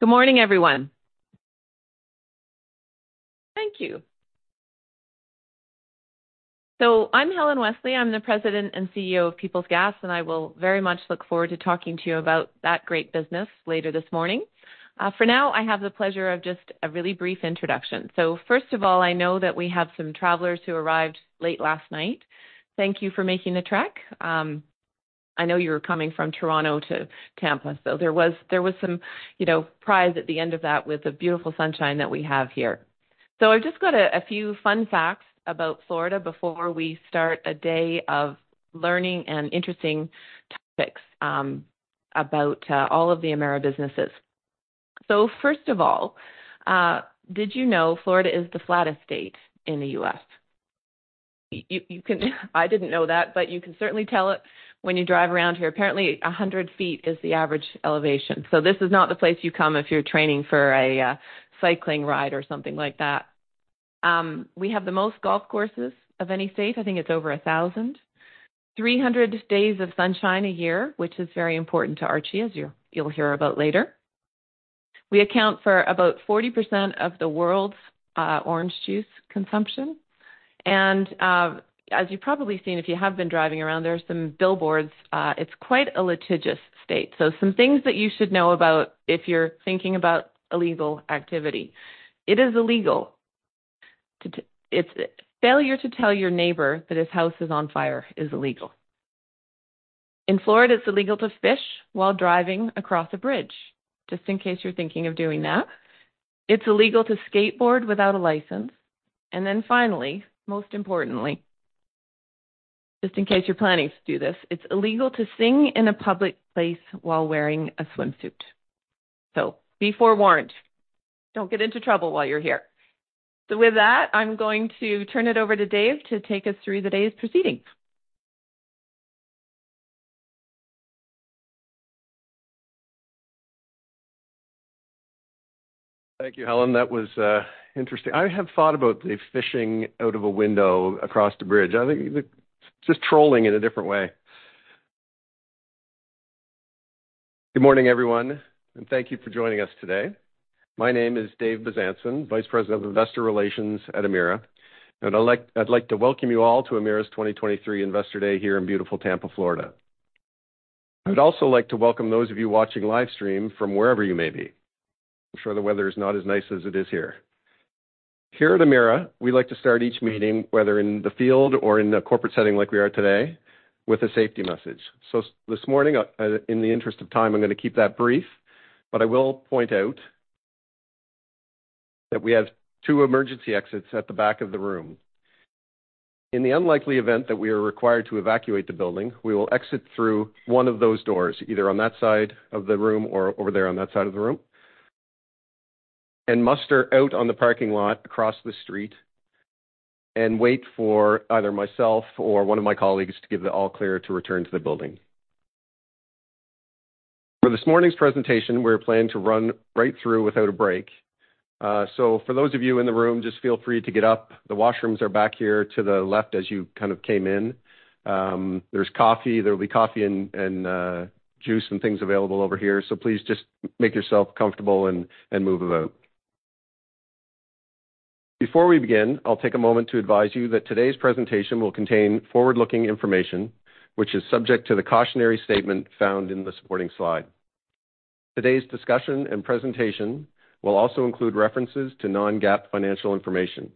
Good morning, everyone. Thank you. I'm Helen Wesley. I'm the President and CEO of Peoples Gas, and I will very much look forward to talking to you about that great business later this morning. For now, I have the pleasure of just a really brief introduction. First of all, I know that we have some travelers who arrived late last night. Thank you for making the trek. I know you were coming from Toronto to Tampa, there was some, you know, prize at the end of that with the beautiful sunshine that we have here. I've just got a few fun facts about Florida before we start a day of learning and interesting topics about all of the Emera businesses. First of all, did you know Florida is the flattest state in the U.S.? You can I didn't know that, but you can certainly tell it when you drive around here. Apparently, 100 feet is the average elevation, this is not the place you come if you're training for a cycling ride or something like that. We have the most golf courses of any state. I think it's over 1,000. 300 days of sunshine a year, which is very important to Archie, as you'll hear about later. We account for about 40% of the world's orange juice consumption and as you've probably seen, if you have been driving around, there are some billboards. It's quite a litigious state. Some things that you should know about if you're thinking about illegal activity. It is illegal to. Failure to tell your neighbor that his house is on fire is illegal. In Florida, it's illegal to fish while driving across a bridge, just in case you're thinking of doing that. It's illegal to skateboard without a license. Finally, most importantly, just in case you're planning to do this, it's illegal to sing in a public place while wearing a swimsuit. Be forewarned. Don't get into trouble while you're here. With that, I'm going to turn it over to Dave to take us through the day's proceedings. Thank you, Helen. That was interesting. I have thought about the fishing out of a window across the bridge. I think just trolling in a different way. Good morning, everyone. Thank you for joining us today. My name is Dave Bezanson, Vice President of Investor Relations at Emera. I'd like to welcome you all to Emera's 2023 Investor Day here in beautiful Tampa, Florida. I would also like to welcome those of you watching live stream from wherever you may be. I'm sure the weather is not as nice as it is here. Here at Emera, we like to start each meeting, whether in the field or in a corporate setting like we are today, with a safety message. This morning, in the interest of time, I'm going to keep that brief, but I will point out that we have two emergency exits at the back of the room. In the unlikely event that we are required to evacuate the building, we will exit through one of those doors, either on that side of the room or over there on that side of the room, and muster out on the parking lot across the street and wait for either myself or one of my colleagues to give the all clear to return to the building. For this morning's presentation, we're planning to run right through without a break. For those of you in the room, just feel free to get up. The washrooms are back here to the left as you kind of came in. There's coffee. There will be coffee and juice and things available over here. Please just make yourself comfortable and move about. Before we begin, I'll take a moment to advise you that today's presentation will contain forward-looking information, which is subject to the cautionary statement found in this morning's slide. Today's discussion and presentation will also include references to non-GAAP financial information.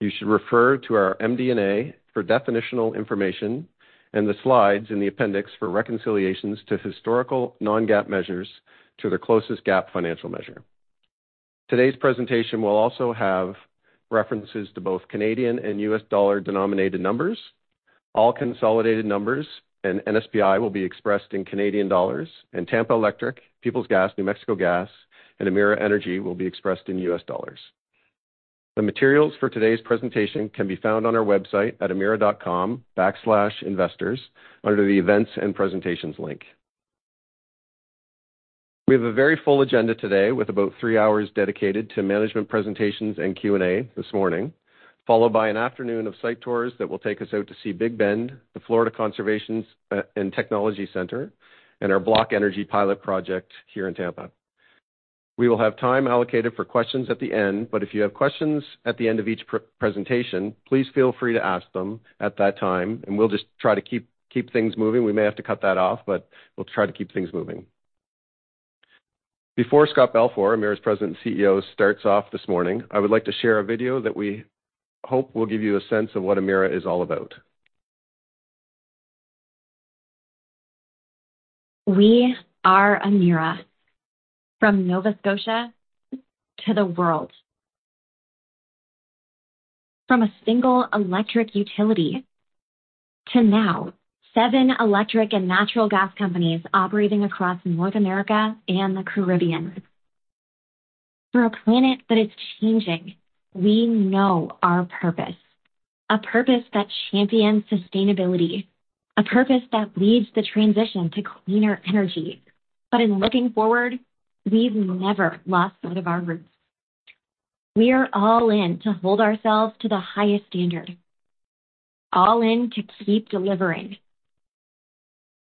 You should refer to our MD&A for definitional information and the slides in the appendix for reconciliations to historical non-GAAP measures to the closest GAAP financial measure. Today's presentation will also have references to both Canadian and U.S. dollar-denominated numbers. All consolidated numbers and NSBI will be expressed in Canadian dollars, and Tampa Electric, Peoples Gas, New Mexico Gas, and Emera Energy will be expressed in U.S. dollars. The materials for today's presentation can be found on our website at emera.com\investors under the Events and Presentations link. We have a very full agenda today with about three hours dedicated to management presentations and Q&A this morning, followed by an afternoon of site tours that will take us out to see Big Bend, the Florida Conservation and Technology Center, and our BlockEnergy Pilot project here in Tampa. We will have time allocated for questions at the end, but if you have questions at the end of each pre-presentation, please feel free to ask them at that time and we'll just try to keep things moving. We may have to cut that off, but we'll try to keep things moving. Before Scott Balfour, Emera's President and CEO, starts off this morning, I would like to share a video that we hope will give you a sense of what Emera is all about. We are Emera. From Nova Scotia to the world. From a single electric utility to now seven electric and natural gas companies operating across North America and the Caribbean. For a planet that is changing, we know our purpose. A purpose that champions sustainability. A purpose that leads the transition to cleaner energy. In looking forward, we've never lost sight of our roots. We are all in to hold ourselves to the highest standard. All in to keep delivering.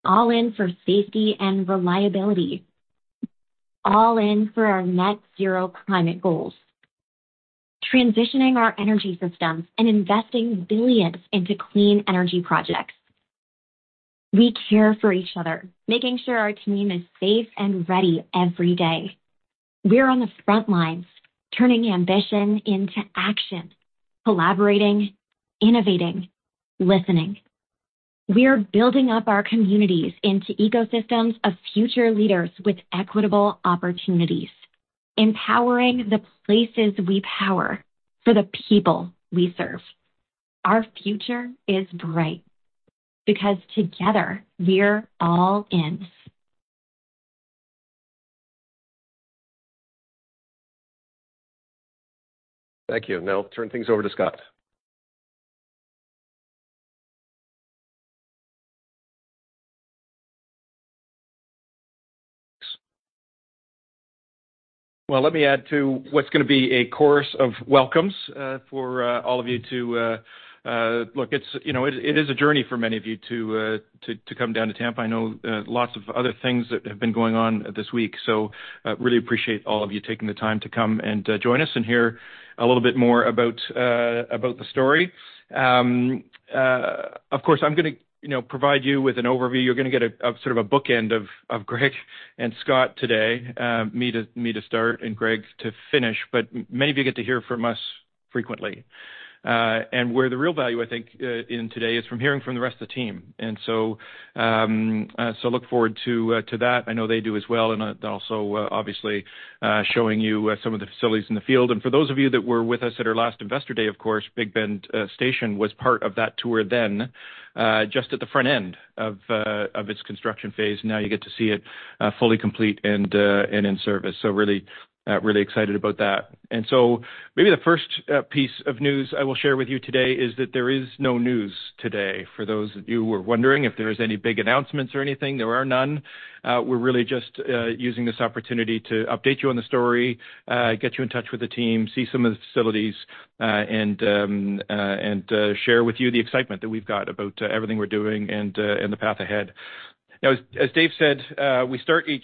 All in for safety and reliability. All in for our net zero climate goals. Transitioning our energy systems and investing billions into clean energy projects. We care for each other, making sure our team is safe and ready every day. We're on the front lines, turning ambition into action, collaborating, innovating, listening. We are building up our communities into ecosystems of future leaders with equitable opportunities. Empowering the places we power for the people we serve. Our future is bright because together we're all in. Thank you. Now I'll turn things over to Scott. Let me add to what's going to be a chorus of welcomes, for all of you to, look, it's, you know, it is a journey for many of you to come down to Tampa. I know lots of other things that have been going on this week, so, really appreciate all of you taking the time to come and join us and hear a little bit more about about the story. Of course, I'm gonna, you know, provide you with an overview. You're going to get a, sort of a bookend of Greg and Scott today, me to start and Greg to finish. Many of you get to hear from us frequently. Where the real value, I think, in today is from hearing from the rest of the team. So look forward to that. I know they do as well. Also obviously, showing you some of the facilities in the field. For those of you that were with us at our last investor day, of course, Big Bend Station was part of that tour then, just at the front end of its construction phase. Now you get to see it fully complete and in service. Really excited about that. Maybe the first piece of news I will share with you today is that there is no news today. For those of you who are wondering if there is any big announcements or anything, there are none. We're really just using this opportunity to update you on the story, get you in touch with the team, see some of the facilities, and share with you the excitement that we've got about everything we're doing and the path ahead. As Dave said, we start each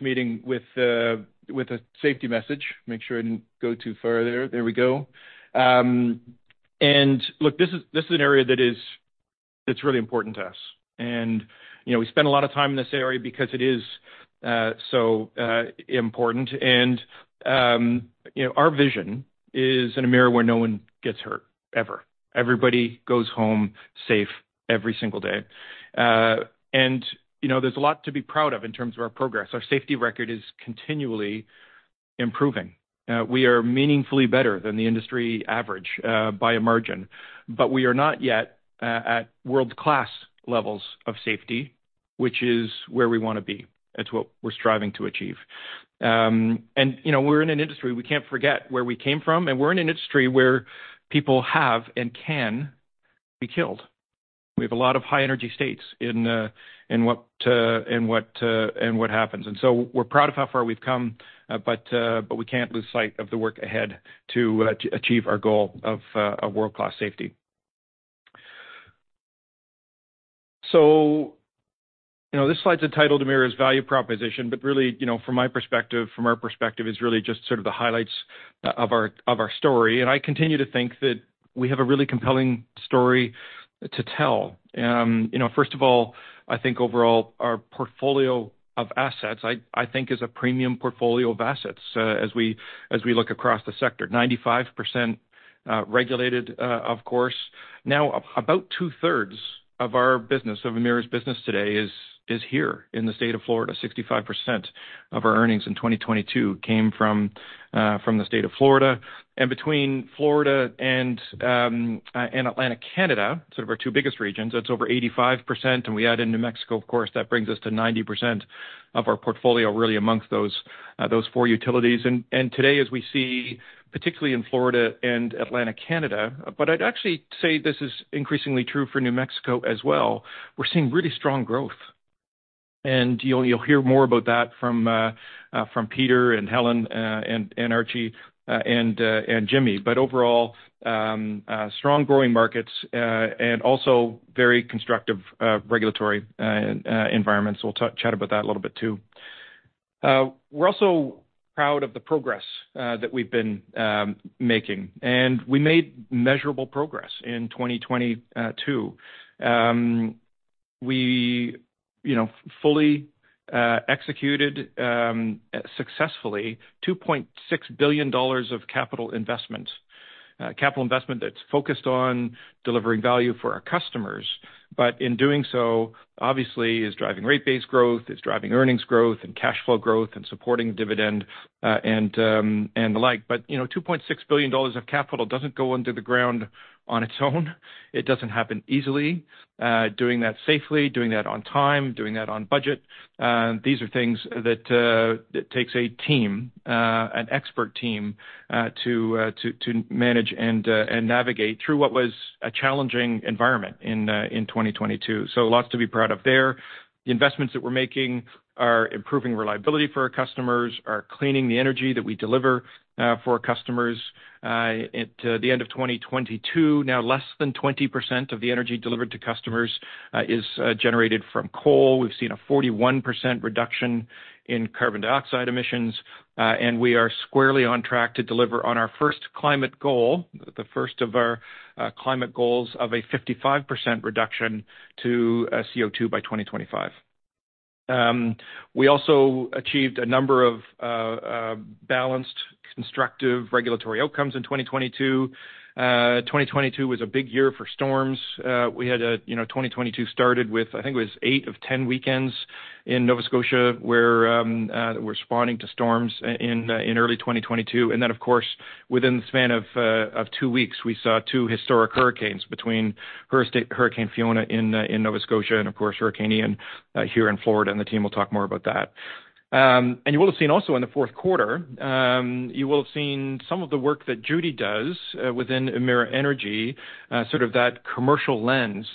meeting with a safety message. Make sure I didn't go too far there. There we go. Look, this is an area that's really important to us. You know, we spend a lot of time in this area because it is so important. You know, our vision is an Emera where no one gets hurt, ever. Everybody goes home safe every single day. You know, there's a lot to be proud of in terms of our progress. Our safety record is continually improving. We are meaningfully better than the industry average, by a margin. We are not yet at world-class levels of safety, which is where we want to be. That's what we're striving to achieve. You know, we're in an industry, we can't forget where we came from, and we're in an industry where people have and can be killed. We have a lot of high energy states in what, in what, in what happens. We're proud of how far we've come, but we can't lose sight of the work ahead to achieve our goal of world-class safety. This slide is entitled Emera's Value Proposition. Really, you know, from my perspective, from our perspective, is really just sort of the highlights of our, of our story. I continue to think that we have a really compelling story to tell. First of all, I think overall our portfolio of assets, I think is a premium portfolio of assets. As we look across the sector, 95% regulated, of course. Now, about two-thirds of our business, of Emera's business today is here in the state of Florida. 65% of our earnings in 2022 came from the state of Florida. Between Florida and Atlantic Canada, sort of our two biggest regions, that's over 85%. We add in New Mexico, of course, that brings us to 90% of our portfolio really amongst those four utilities. Today, as we see, particularly in Florida and Atlantic Canada. I'd actually say this is increasingly true for New Mexico as well. We're seeing really strong growth, and you'll hear more about that from Peter and Helen and Archie and Jimmy. Overall, strong growing markets and also very constructive regulatory environments. We'll chat about that a little bit too. We're also proud of the progress that we've been making, and we made measurable progress in 2022. We, you know, fully executed successfully 2.6 billion dollars of capital investment. Capital investment that's focused on delivering value for our customers, but in doing so, obviously, is driving rate-based growth, it's driving earnings growth and cash flow growth and supporting dividend and the like. You know, 2.6 billion dollars of capital doesn't go into the ground on its own. It doesn't happen easily. Doing that safely, doing that on time, doing that on budget, these are things that takes a team, an expert team, to manage and navigate through what was a challenging environment in 2022. Lots to be proud of there. The investments that we're making are improving reliability for our customers, are cleaning the energy that we deliver for our customers. At the end of 2022, now less than 20% of the energy delivered to customers is generated from coal. We've seen a 41% reduction in carbon dioxide emissions. We are squarely on track to deliver on our first climate goal, the first of our climate goals of a 55% reduction to CO₂ by 2025. We also achieved a number of balanced, constructive regulatory outcomes in 2022. 2022 was a big year for storms. You know, 2022 started with, I think it was 8 of 10 weekends in Nova Scotia, where we're responding to storms in early 2022. Of course, within the span of two weeks, we saw two historic hurricanes between Hurricane Fiona in Nova Scotia and, of course, Hurricane Ian here in Florida, and the team will talk more about that. You will have seen also in the fourth quarter, you will have seen some of the work that Judy does within Emera Energy, sort of that commercial lens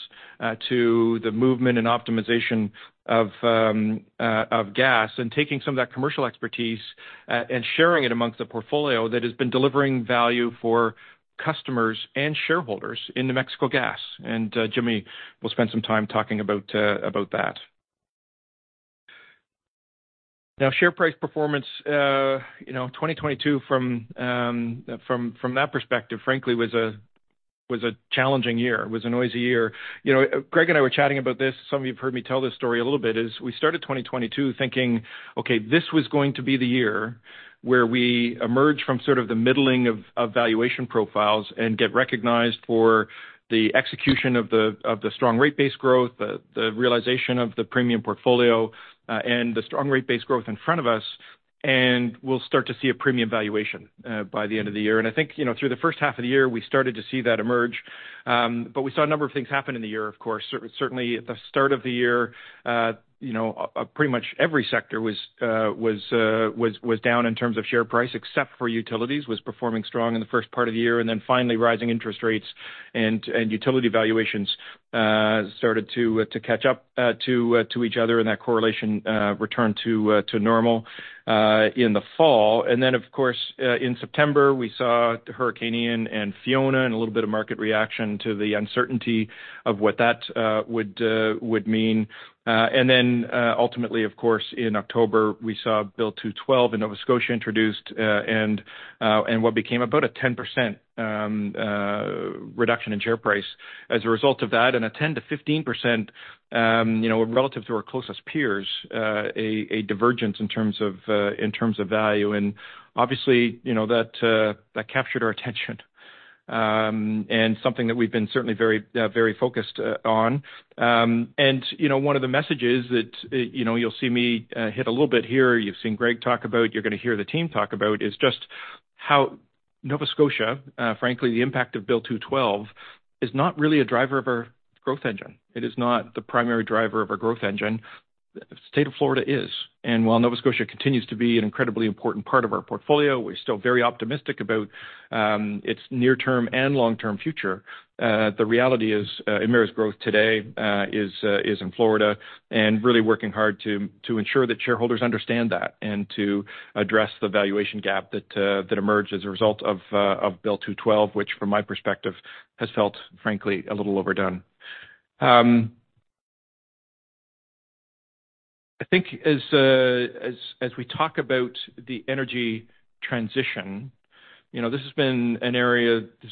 to the movement and optimization of gas, and taking some of that commercial expertise and sharing it amongst the portfolio that has been delivering value for customers and shareholders in New Mexico Gas. Jimmy will spend some time talking about that. Share price performance, you know, 2022 from that perspective, frankly, was a challenging year, was a noisy year. You know, Greg and I were chatting about this. Some of you have heard me tell this story a little bit, is we started 2022 thinking, okay, this was going to be the year where we emerge from sort of the middling of valuation profiles and get recognized for the execution of the strong rate base growth, the realization of the premium portfolio, and the strong rate base growth in front of us, and we'll start to see a premium valuation, by the end of the year. I think, you know, through the first half of the year, we started to see that emerge. We saw a number of things happen in the year, of course. Certainly at the start of the year, you know, pretty much every sector was down in terms of share price, except for utilities, was performing strong in the first part of the year. Finally, rising interest rates and utility valuations started to catch up to each other and that correlation returned to normal in the fall. Of course, in September, we saw Hurricane Ian and Fiona and a little bit of market reaction to the uncertainty of what that would mean. Ultimately, of course, in October, we saw Bill 212 in Nova Scotia introduced, and what became about a 10% reduction in share price as a result of that and a 10%-15%, you know, relative to our closest peers, a divergence in terms of value. Obviously, you know, that captured our attention, and something that we've been certainly very focused on. You know, one of the messages that, you know, you'll see me hit a little bit here, you've seen Greg talk about, you're gonna hear the team talk about, is just how Nova Scotia, frankly, the impact of Bill 212 is not really a driver of our growth engine. It is not the primary driver of our growth engine. The State of Florida is. While Nova Scotia continues to be an incredibly important part of our portfolio, we're still very optimistic about its near-term and long-term future. The reality is Emera's growth today is in Florida and really working hard to ensure that shareholders understand that and to address the valuation gap that emerged as a result of Bill 212, which from my perspective has felt, frankly, a little overdone. I think as we talk about the energy transition, you know, The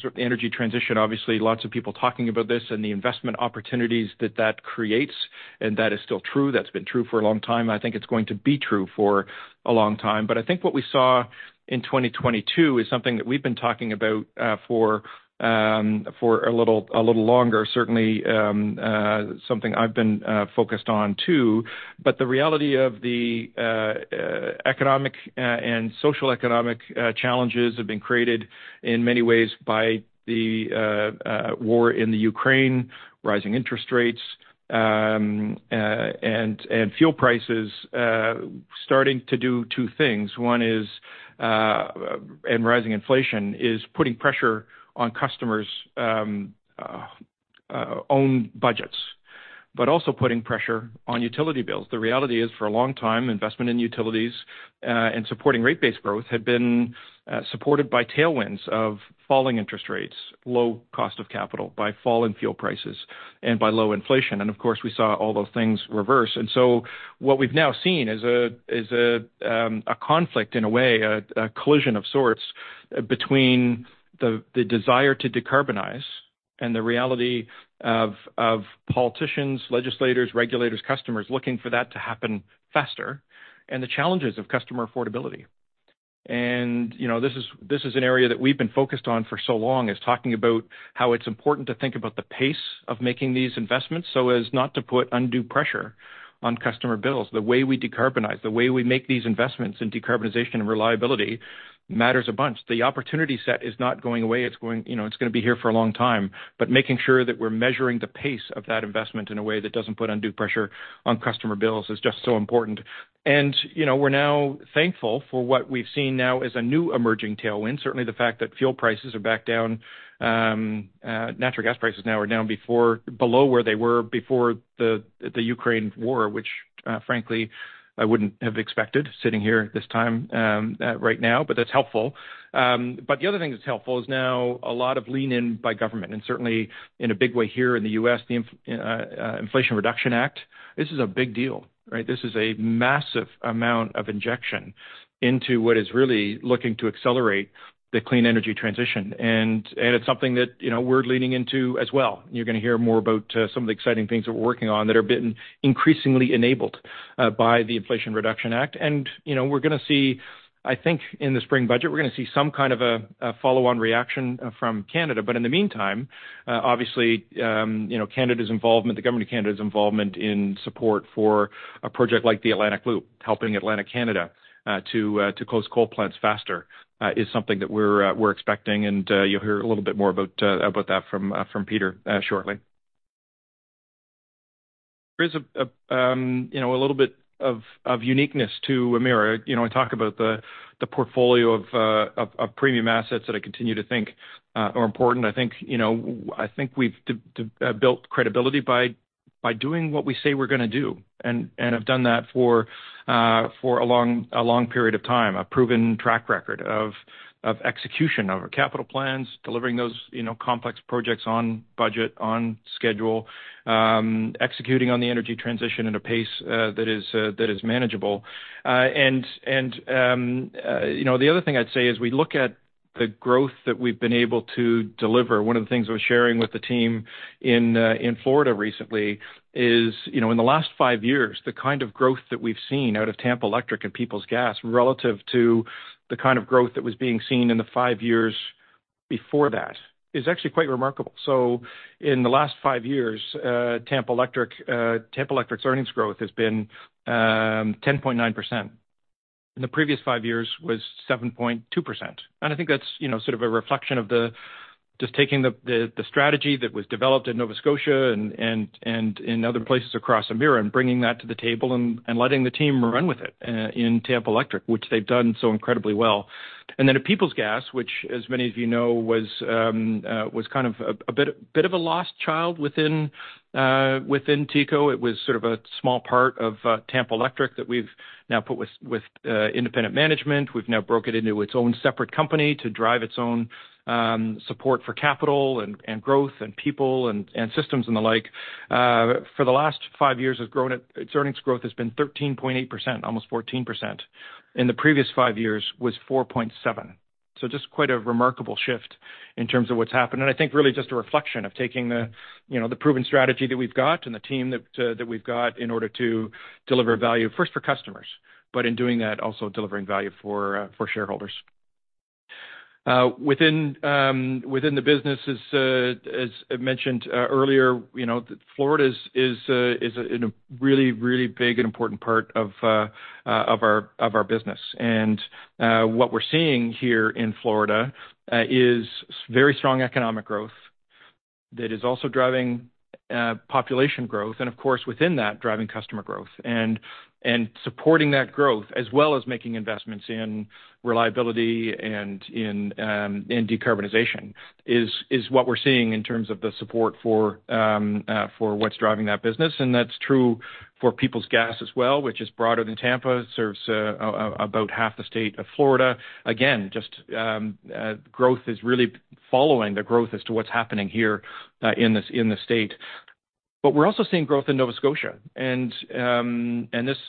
sort of energy transition, obviously, lots of people talking about this and the investment opportunities that that creates, and that is still true. That's been true for a long time. I think it's going to be true for a long time. I think what we saw in 2022 is something that we've been talking about for a little longer, certainly, something I've been focused on too. The reality of the economic and social economic challenges have been created in many ways by the war in the Ukraine, rising interest rates, and fuel prices starting to do two things. One is, and rising inflation is putting pressure on customers' own budgets, but also putting pressure on utility bills. The reality is for a long time, investment in utilities and supporting rate base growth had been supported by tailwinds of falling interest rates, low cost of capital, by fallen fuel prices and by low inflation. Of course, we saw all those things reverse. What we've now seen is a conflict in a way, a collision of sorts between the desire to decarbonize and the reality of politicians, legislators, regulators, customers looking for that to happen faster, and the challenges of customer affordability. You know, this is an area that we've been focused on for so long, is talking about how it's important to think about the pace of making these investments so as not to put undue pressure on customer bills. The way we decarbonize, the way we make these investments in decarbonization and reliability matters a bunch. The opportunity set is not going away. It's going, you know, it's going to be here for a long time. Making sure that we're measuring the pace of that investment in a way that doesn't put undue pressure on customer bills is just so important. You know, we're now thankful for what we've seen now as a new emerging tailwind. Certainly, the fact that fuel prices are back down, natural gas prices now are down below where they were before the Ukraine War, which frankly, I wouldn't have expected sitting here at this time right now, but that's helpful. The other thing that's helpful is now a lot of lean in by government, and certainly in a big way here in the U.S., the Inflation Reduction Act. This is a big deal, right? This is a massive amount of injection into what is really looking to accelerate the clean energy transition. It's something that, you know, we're leaning into as well. You're gonna hear more about some of the exciting things that we're working on that have been increasingly enabled by the Inflation Reduction Act. You know, I think in the spring budget, we're gonna see some kind of a follow-on reaction from Canada. In the meantime, obviously, you know, Canada's involvement, the government of Canada's involvement in support for a project like the Atlantic Loop, helping Atlantic Canada to close coal plants faster, is something that we're expecting. You'll hear a little bit more about that from Peter shortly. There is a, you know, a little bit of uniqueness to Emera. You know, I talk about the portfolio of premium assets that I continue to think are important. I think, you know, I think we've built credibility by doing what we say we're gonna do and have done that for a long period of time. A proven track record of execution of our capital plans, delivering those, you know, complex projects on budget, on schedule, executing on the energy transition at a pace that is that is manageable. And, you know, the other thing I'd say is we look at the growth that we've been able to deliver. One of the things I was sharing with the team in Florida recently is, you know, in the last five years, the kind of growth that we've seen out of Tampa Electric and Peoples Gas relative to the kind of growth that was being seen in the five years before that is actually quite remarkable. In the last five years, Tampa Electric's earnings growth has been 10.9%. In the previous five years was 7.2%. I think that's, you know, sort of a reflection of just taking the strategy that was developed in Nova Scotia and in other places across Emera and bringing that to the table and letting the team run with it in Tampa Electric, which they've done so incredibly well. At Peoples Gas, which as many of you know, was kind of a bit of a lost child within TECO. It was sort of a small part of Tampa Electric that we've now put with independent management. We've now broke it into its own separate company to drive its own support for capital and growth in people and systems and the like. For the last five years has grown at. Its earnings growth has been 13.8%, almost 14%. In the previous five years was 4.7%. Just quite a remarkable shift in terms of what's happened. I think really just a reflection of taking the, you know, the proven strategy that we've got and the team that we've got in order to deliver value first for customers, but in doing that, also delivering value for shareholders. Within the business, as I mentioned earlier, you know, Florida is a really, really big and important part of our business. What we're seeing here in Florida is very strong economic growth that is also driving population growth and of course within that, driving customer growth and supporting that growth as well as making investments in reliability and in decarbonization is what we're seeing in terms of the support for what's driving that business. That's true for Peoples Gas as well, which is broader than Tampa. It serves about half the state of Florida. Again, just growth is really following the growth as to what's happening here, in this, in the state. We're also seeing growth in Nova Scotia. This,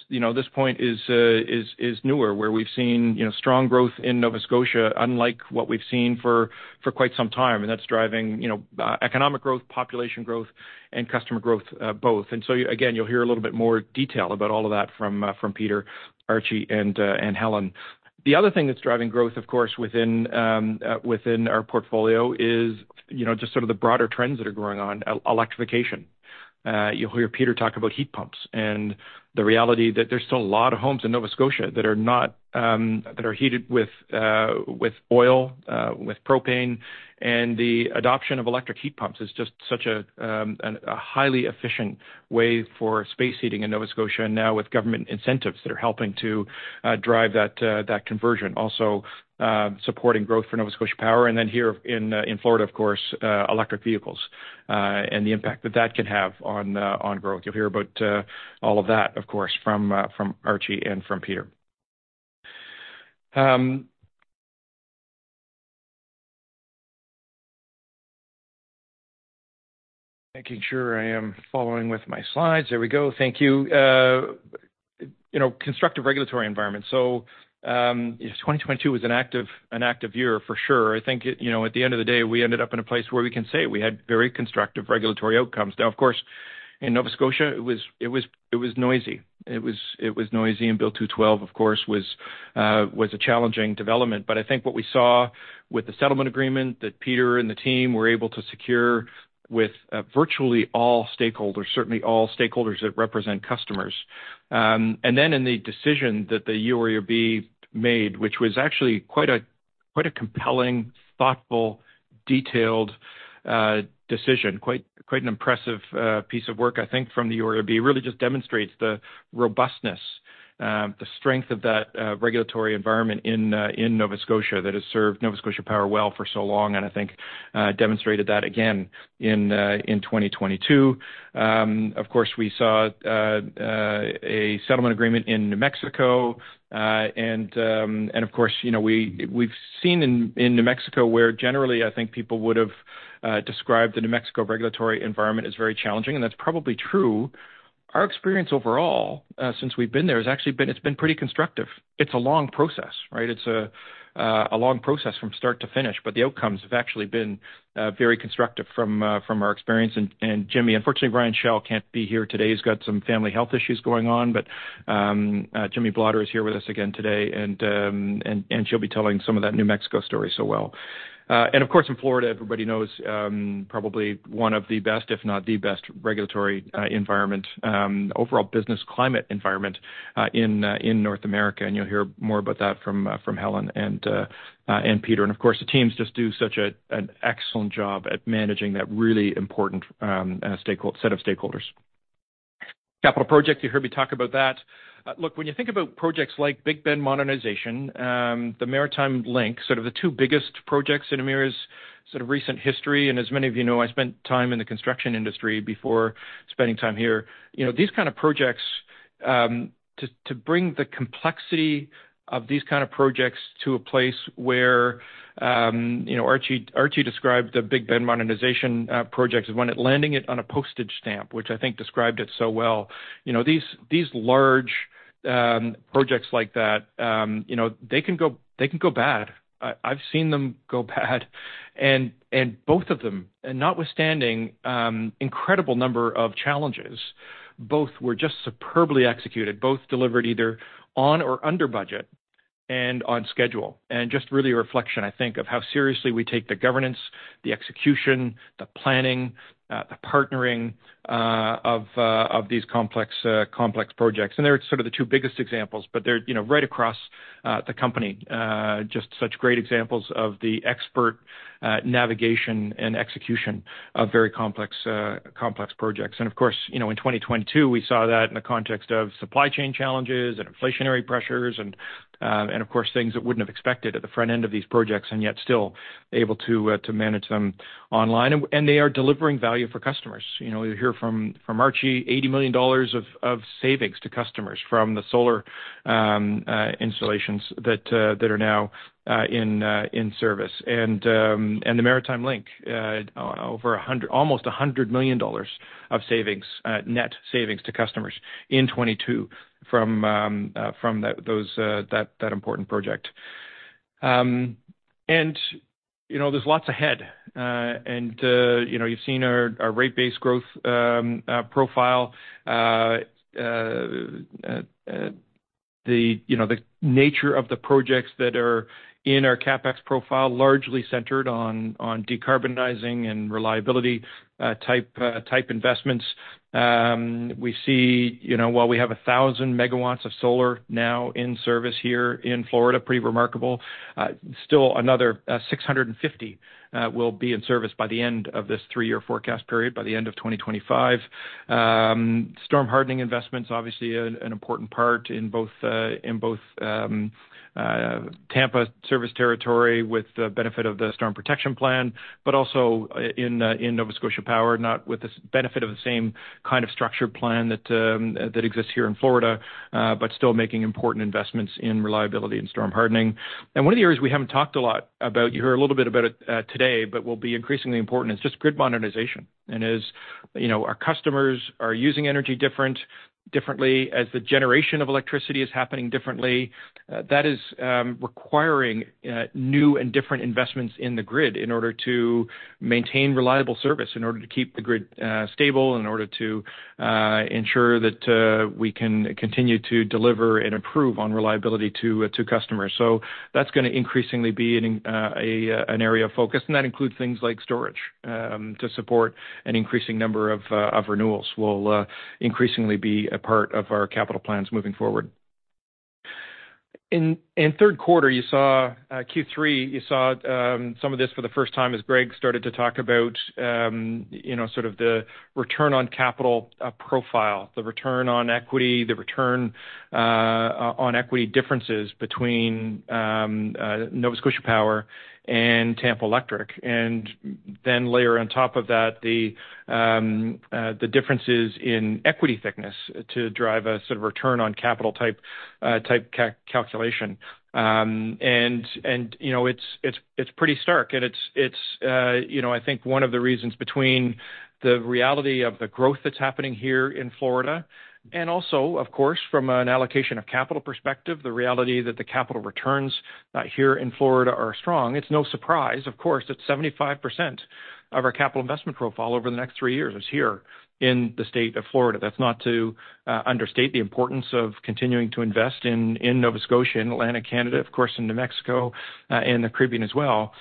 you know, this point is newer where we've seen, you know, strong growth in Nova Scotia unlike what we've seen for quite some time. That's driving, you know, economic growth, population growth, and customer growth, both. Again, you'll hear a little bit more detail about all of that from Peter, Archie, and Helen. The other thing that's driving growth, of course, within our portfolio is, you know, just sort of the broader trends that are going on. Electrification. You'll hear Peter talk about heat pumps and the reality that there's still a lot of homes in Nova Scotia that are not, that are heated with oil, with propane. The adoption of electric heat pumps is just such a highly efficient way for space heating in Nova Scotia. Now with government incentives that are helping to drive that conversion also, supporting growth for Nova Scotia Power and then here in Florida, of course, electric vehicles, and the impact that can have on growth. You'll hear about, all of that, of course, from Archie and from Peter. Making sure I am following with my slides. There we go. Thank you. You know, constructive regulatory environment. 2022 was an active year for sure. I think, you know, at the end of the day we ended up in a place where we can say we had very constructive regulatory outcomes. Of course, in Nova Scotia it was noisy. It was noisy. Bill 212, of course, was a challenging development. I think what we saw with the settlement agreement that Peter and the team were able to secure with virtually all stakeholders, certainly all stakeholders that represent customers. In the decision that the UARB made, which was actually quite a compelling, thoughtful, detailed decision, quite an impressive piece of work, I think, from the UARB, really just demonstrates the robustness, the strength of that regulatory environment in Nova Scotia that has served Nova Scotia Power well for so long and I think, demonstrated that again in 2022. Of course, we saw a settlement agreement in New Mexico. Of course, you know, we've seen in New Mexico, where generally I think people would have described the New Mexico regulatory environment as very challenging, and that's probably true. Our experience overall, since we've been there, it's been pretty constructive. It's a long process, right? It's a long process from start to finish, but the outcomes have actually been very constructive from our experience. Unfortunately, Brian Schell can't be here today. He's got some family health issues going on. Jimmy Blotter is here with us again today, and she'll be telling some of that New Mexico story so well. Of course, in Florida, everybody knows, probably one of the best, if not the best regulatory environment, overall business climate environment in North America. You'll hear more about that from Helen and Peter. Of course, the teams just do such an excellent job at managing that really important set of stakeholders. Capital project, you heard me talk about that. Look, when you think about projects like Big Bend Modernization, the Maritime Link, sort of the two biggest projects in Emera's sort of recent history, as many of you know, I spent time in the construction industry before spending time here. You know, these kind of projects, to bring the complexity of these kind of projects to a place where, you know, Archie described the Big Bend Modernization project as when it landing it on a postage stamp, which I think described it so well. You know, these large projects like that, you know, they can go bad. I've seen them go bad and both of them, notwithstanding incredible number of challenges, both were just superbly executed, both delivered either on or under budget and on schedule. Just really a reflection, I think, of how seriously we take the governance, the execution, the planning, the partnering, of these complex projects. They're sort of the two biggest examples, but they're, you know, right across the company. Just such great examples of the expert, navigation and execution of very complex projects. Of course, you know, in 2022, we saw that in the context of supply chain challenges and inflationary pressures and of course, things that wouldn't have expected at the front end of these projects and yet still able to manage them online. They are delivering value for customers. You know, you hear from Archie Collins $80 million of savings to customers from the solar installations that are now in service. The Maritime Link, almost $100 million of savings, net savings to customers in 2022 from that important project. You know, there's lots ahead. You know, you've seen our rate-based growth profile, the nature of the projects that are in our CapEx profile, largely centered on decarbonizing and reliability type investments. We see, you know, while we have 1,000 megawatts of solar now in service here in Florida, pretty remarkable, still another 650 will be in service by the end of this three-year forecast period, by the end of 2025. Storm hardening investments, obviously an important part in both Tampa service territory with the benefit of the Storm Protection Plan, but also in Nova Scotia Power, not with the benefit of the same kind of structured plan that exists here in Florida, but still making important investments in reliability and storm hardening. One of the areas we haven't talked a lot about, you heard a little bit about it today, but will be increasingly important is just grid modernization. As, you know, our customers are using energy differently, as the generation of electricity is happening differently, that is requiring new and different investments in the grid in order to maintain reliable service, in order to keep the grid stable, in order to ensure that we can continue to deliver and improve on reliability to customers. That's gonna increasingly be an area of focus, and that includes things like storage, to support an increasing number of renewals will increasingly be a part of our capital plans moving forward. In third quarter, you saw Q3, some of this for the first time as Greg started to talk about, you know, sort of the return on capital profile, the return on equity, the return on equity differences between Nova Scotia Power and Tampa Electric. Then layer on top of that the differences in equity thickness to drive a sort of return on capital type calculation. You know, it's pretty stark. It's, you know, I think one of the reasons between the reality of the growth that's happening here in Florida and also of course, from an allocation of capital perspective, the reality that the capital returns here in Florida are strong. It's no surprise, of course, that 75% of our capital investment profile over the next three years is here in the state of Florida. That's not to understate the importance of continuing to invest in Nova Scotia, in Atlantic Canada, of course, in New Mexico, and the Caribbean as well.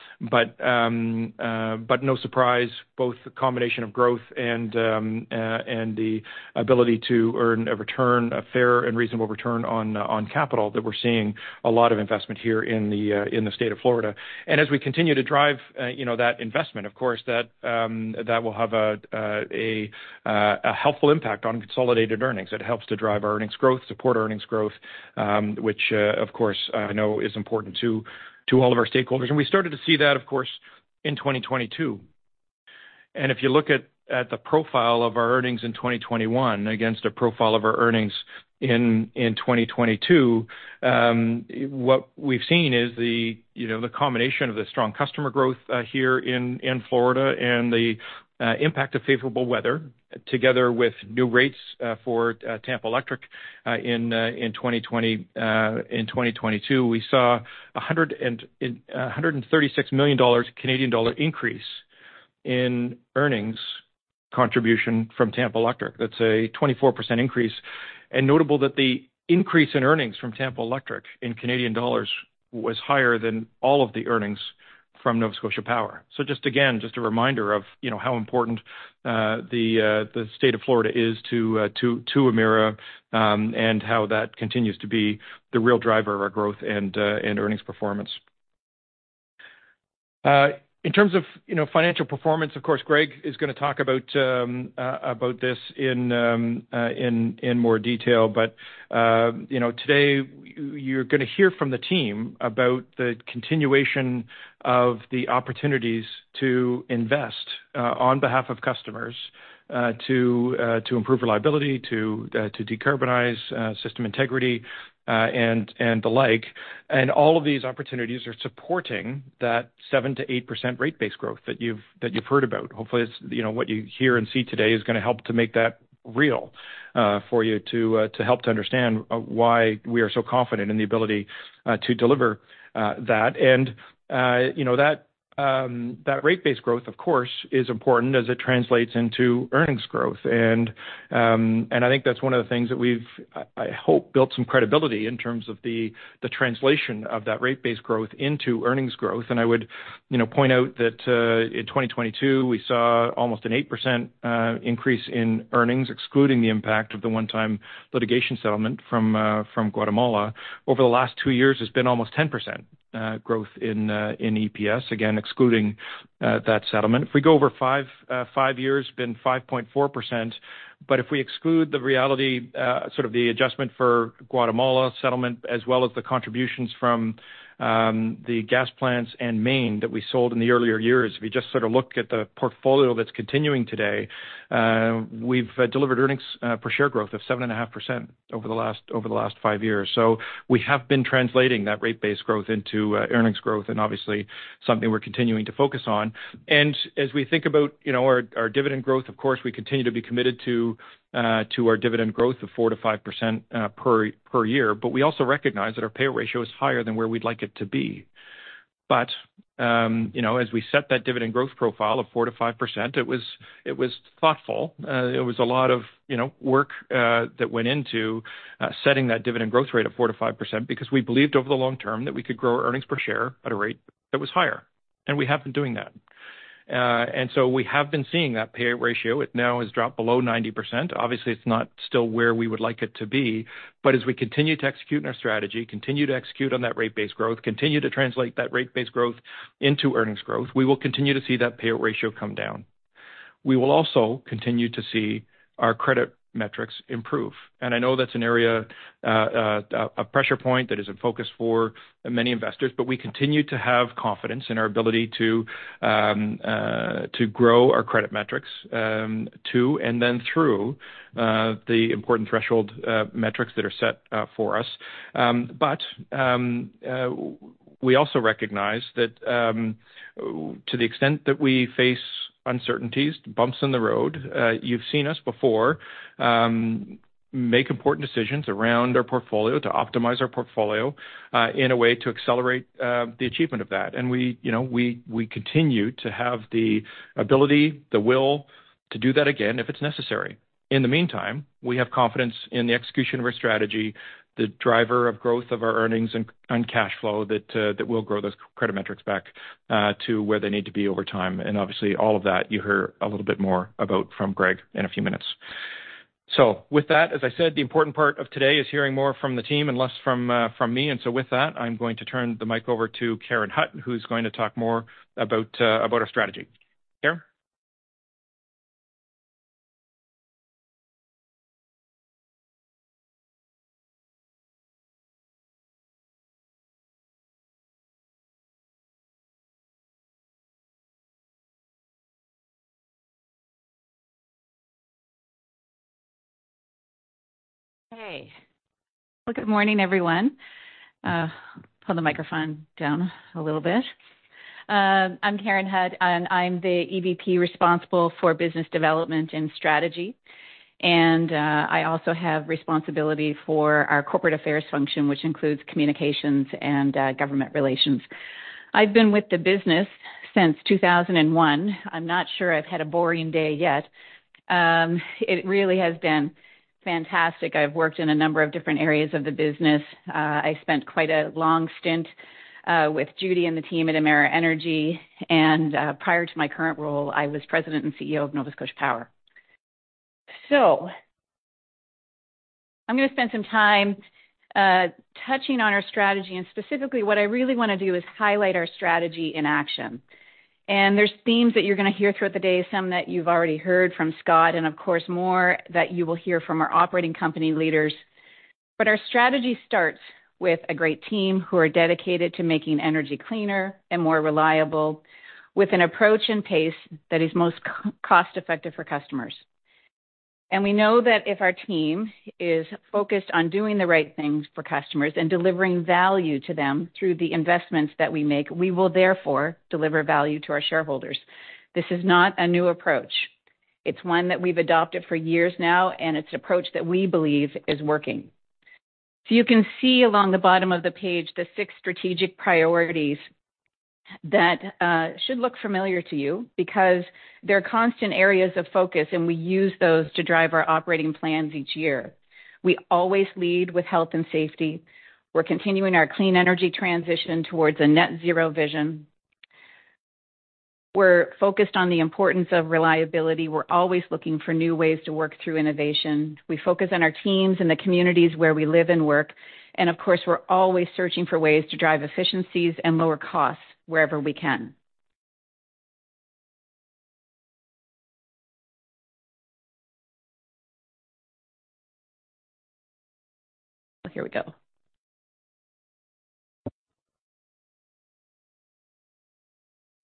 No surprise, both the combination of growth and the ability to earn a return, a fair and reasonable return on capital that we're seeing a lot of investment here in the state of Florida. As we continue to drive, you know, that investment, of course, that will have a helpful impact on consolidated earnings. It helps to drive earnings growth, support earnings growth, which, of course, I know is important to all of our stakeholders. We started to see that, of course, in 2022. If you look at the profile of our earnings in 2021 against a profile of our earnings in 2022, what we've seen is you know, the combination of the strong customer growth here in Florida and the impact of favorable weather together with new rates for Tampa Electric in 2022, we saw a 136 million Canadian dollar increase in earnings contribution from Tampa Electric. That's a 24% increase. Notable that the increase in earnings from Tampa Electric in Canadian dollars was higher than all of the earnings from Nova Scotia Power. Just a reminder of how important the state of Florida is to Emera, and how that continues to be the real driver of our growth and earnings performance. In terms of financial performance, of course, Greg is going to talk about this in more detail. Today you're going to hear from the team about the continuation of the opportunities to invest on behalf of customers to improve reliability, to decarbonize system integrity, and the like. All of these opportunities are supporting that 7%-8% rate base growth that you've heard about. Hopefully, you know, what you hear and see today is going to help to make that real for you to help to understand why we are so confident in the ability to deliver that. You know, that rate base growth, of course, is important as it translates into earnings growth. I think that's one of the things that we've, I hope, built some credibility in terms of the translation of that rate base growth into earnings growth. I would, you know, point out that in 2022, we saw almost an 8% increase in earnings, excluding the impact of the one-time litigation settlement from Guatemala. Over the last two years, it's been almost 10% growth in EPS. Again, excluding that settlement. If we go over five years, been 5.4%. If we exclude the reality, sort of the adjustment for Guatemala settlement, as well as the contributions from the gas plants in Maine that we sold in the earlier years. If you just sort of look at the portfolio that's continuing today, we've delivered earnings per share growth of 7.5% over the last, over the last five years. We have been translating that rate base growth into earnings growth and obviously something we're continuing to focus on. As we think about, you know, our dividend growth, of course, we continue to be committed to our dividend growth of 4%-5% per year. We also recognize that our payout ratio is higher than where we'd like it to be. You know, as we set that dividend growth profile of 4%-5%, it was thoughtful. It was a lot of, you know, work that went into setting that dividend growth rate of 4%-5%, because we believed over the long term that we could grow our earnings per share at a rate that was higher. We have been doing that. We have been seeing that payout ratio. It now has dropped below 90%. Obviously, it's not still where we would like it to be. As we continue to execute on our strategy, continue to execute on that rate base growth, continue to translate that rate base growth into earnings growth, we will continue to see that payout ratio come down. We will also continue to see our credit metrics improve. I know that's an area, a pressure point that is a focus for many investors. We continue to have confidence in our ability to grow our credit metrics, to and then through the important threshold metrics that are set for us. We also recognize that to the extent that we face uncertainties, bumps in the road, you've seen us before make important decisions around our portfolio to optimize our portfolio in a way to accelerate the achievement of that. We, you know, we continue to have the ability, the will to do that again if it's necessary. In the meantime, we have confidence in the execution of our strategy, the driver of growth of our earnings and cash flow that will grow those credit metrics back to where they need to be over time. Obviously, all of that you hear a little bit more about from Greg in a few minutes. With that, as I said, the important part of today is hearing more from the team and less from me. With that, I'm going to turn the mic over to Karen Hutt, who's going to talk more about our strategy. Karen. Hey. Good morning, everyone. Pull the microphone down a little bit. I'm Karen Hutt, and I'm the EVP responsible for business development and strategy. I also have responsibility for our corporate affairs function, which includes communications and government relations. I've been with the business since 2001. I'm not sure I've had a boring day yet. It really has been fantastic. I've worked in a number of different areas of the business. I spent quite a long stint with Judy and the team at Emera Energy. Prior to my current role, I was President and CEO of Nova Scotia Power. I'm going to spend some time touching on our strategy. Specifically, what I really want to do is highlight our strategy in action. There's themes that you're going to hear throughout the day, some that you've already heard from Scott, and of course, more that you will hear from our operating company leaders. Our strategy starts with a great team who are dedicated to making energy cleaner and more reliable with an approach and pace that is most co-cost effective for customers. We know that if our team is focused on doing the right things for customers and delivering value to them through the investments that we make, we will therefore deliver value to our shareholders. This is not a new approach. It's one that we've adopted for years now, and it's an approach that we believe is working. You can see along the bottom of the page the six strategic priorities that should look familiar to you because they're constant areas of focus, and we use those to drive our operating plans each year. We always lead with health and safety. We're continuing our clean energy transition towards a net zero vision. We're focused on the importance of reliability. We're always looking for new ways to work through innovation. We focus on our teams and the communities where we live and work. Of course, we're always searching for ways to drive efficiencies and lower costs wherever we can. Here we go.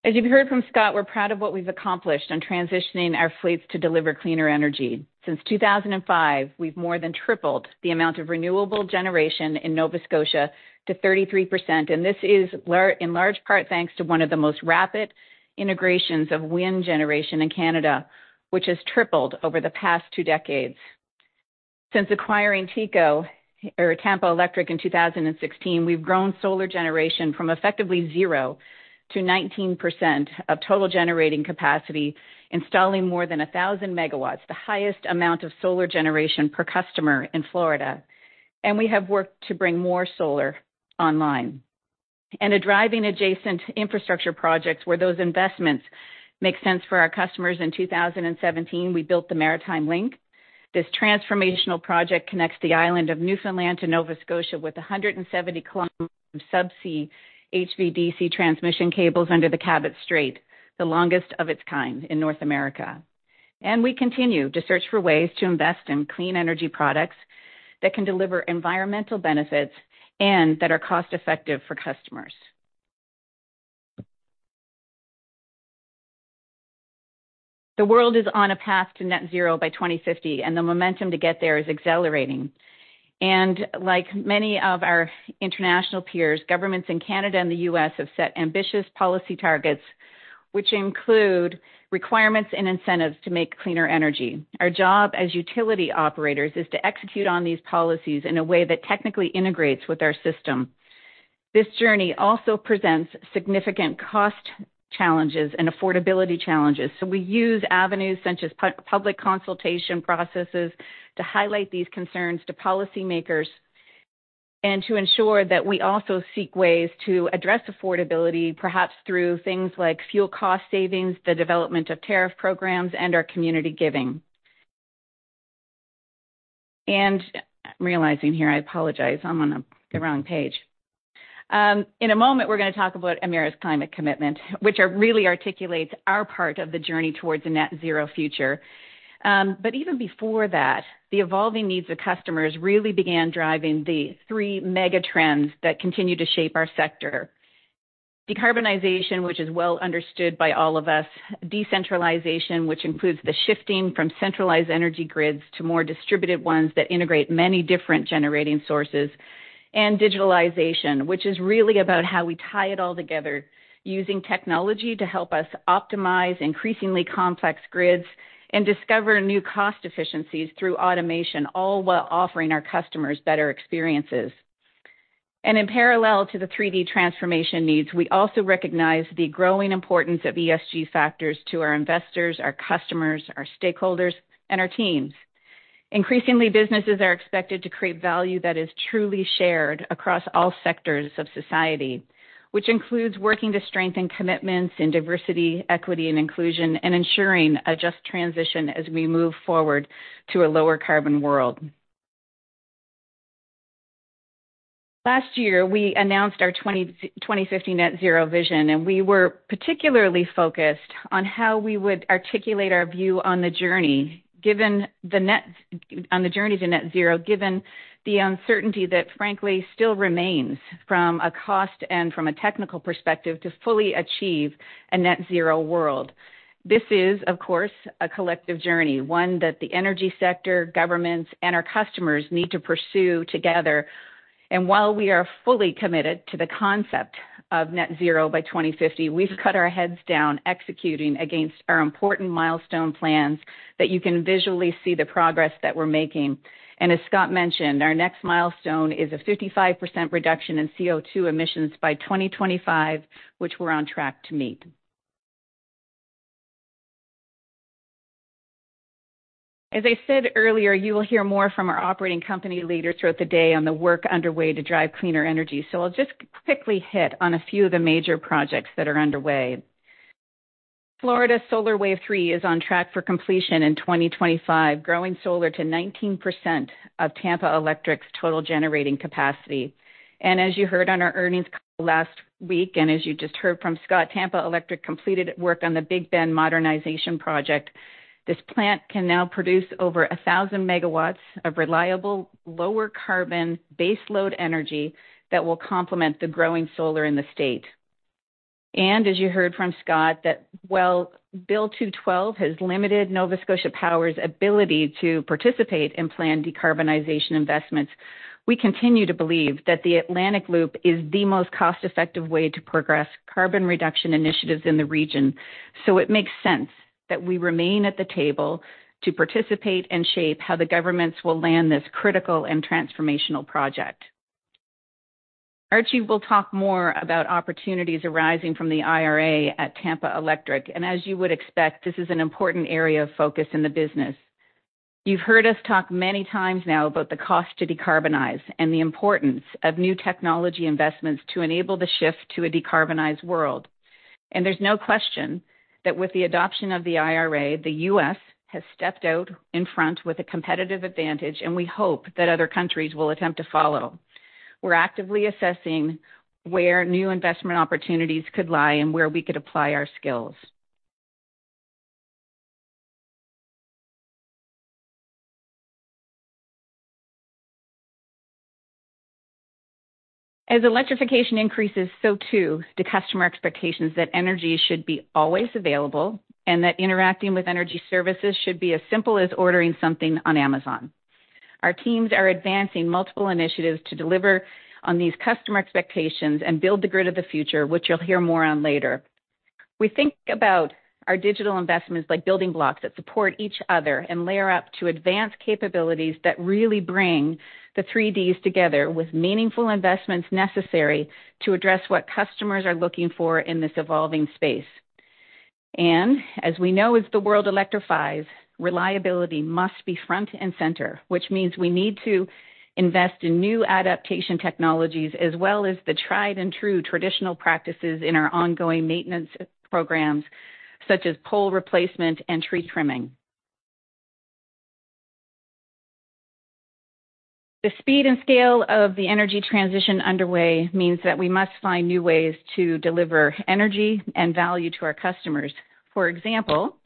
As you've heard from Scott, we're proud of what we've accomplished on transitioning our fleets to deliver cleaner energy. Since 2005, we've more than tripled the amount of renewable generation in Nova Scotia to 33%. This is in large part thanks to one of the most rapid integrations of wind generation in Canada, which has tripled over the past two decades. Since acquiring TECO or Tampa Electric in 2016, we've grown solar generation from effectively 0%-19% of total generating capacity, installing more than 1,000 megawatts, the highest amount of solar generation per customer in Florida. We have worked to bring more solar online. A driving adjacent infrastructure projects where those investments make sense for our customers. In 2017, we built the Maritime Link. This transformational project connects the island of Newfoundland to Nova Scotia with a 170 km subsea HVDC transmission cables under the Cabot Strait, the longest of its kind in North America. We continue to search for ways to invest in clean energy products that can deliver environmental benefits and that are cost-effective for customers. The world is on a path to net zero by 2050, and the momentum to get there is accelerating. Like many of our international peers, governments in Canada and the U.S. have set ambitious policy targets, which include requirements and incentives to make cleaner energy. Our job as utility operators is to execute on these policies in a way that technically integrates with our system. This journey also presents significant cost challenges and affordability challenges. We use avenues such as public consultation processes to highlight these concerns to policymakers and to ensure that we also seek ways to address affordability, perhaps through things like fuel cost savings, the development of tariff programs, and our community giving. I'm realizing here, I apologize, I'm on the wrong page. In a moment, we're going to talk about Emera's climate commitment, which really articulates our part of the journey towards a net zero future. Even before that, the evolving needs of customers really began driving the three mega trends that continue to shape our sector. Decarbonization, which is well understood by all of us. Decentralization, which includes the shifting from centralized energy grids to more distributed ones that integrate many different generating sources. Digitalization, which is really about how we tie it all together using technology to help us optimize increasingly complex grids and discover new cost efficiencies through automation, all while offering our customers better experiences. In parallel to the 3D transformation needs, we also recognize the growing importance of ESG factors to our investors, our customers, our stakeholders, and our teams. Increasingly, businesses are expected to create value that is truly shared across all sectors of society, which includes working to strengthen commitments in diversity, equity, and inclusion, and ensuring a just transition as we move forward to a lower carbon world. Last year, we announced our 2050 net zero vision. We were particularly focused on how we would articulate our view on the journey to net zero, given the uncertainty that frankly still remains from a cost and from a technical perspective to fully achieve a net zero world. This is, of course, a collective journey, one that the energy sector, governments, and our customers need to pursue together. While we are fully committed to the concept of net zero by 2050, we've cut our heads down executing against our important milestone plans that you can visually see the progress that we're making. As Scott mentioned, our next milestone is a 55% reduction in CO₂ emissions by 2025, which we're on track to meet. As I said earlier, you will hear more from our operating company leaders throughout the day on the work underway to drive cleaner energy. I'll just quickly hit on a few of the major projects that are underway. Florida Solar Wave 3 is on track for completion in 2025, growing solar to 19% of Tampa Electric's total generating capacity. As you heard on our earnings call last week, as you just heard from Scott, Tampa Electric completed work on the Big Bend Modernization project. This plant can now produce over 1,000 MW of reliable, lower carbon baseload energy that will complement the growing solar in the state. As you heard from Scott that while Bill 212 has limited Nova Scotia Power's ability to participate in planned decarbonization investments, we continue to believe that the Atlantic Loop is the most cost-effective way to progress carbon reduction initiatives in the region. It makes sense that we remain at the table to participate and shape how the governments will land this critical and transformational project. Archie will talk more about opportunities arising from the IRA at Tampa Electric. As you would expect, this is an important area of focus in the business. You've heard us talk many times now about the cost to decarbonize and the importance of new technology investments to enable the shift to a decarbonized world. There's no question that with the adoption of the IRA, the U.S. has stepped out in front with a competitive advantage, and we hope that other countries will attempt to follow. We're actively assessing where new investment opportunities could lie and where we could apply our skills. As electrification increases, so too do customer expectations that energy should be always available, and that interacting with energy services should be as simple as ordering something on Amazon. Our teams are advancing multiple initiatives to deliver on these customer expectations and build the grid of the future, which you'll hear more on later. We think about our digital investments like building blocks that support each other and layer up to advanced capabilities that really bring the three Ds together with meaningful investments necessary to address what customers are looking for in this evolving space. As we know, as the world electrifies, reliability must be front and center, which means we need to invest in new adaptation technologies as well as the tried and true traditional practices in our ongoing maintenance programs such as pole replacement and tree trimming. The speed and scale of the energy transition underway means that we must find new ways to deliver energy and value to our customers. For example,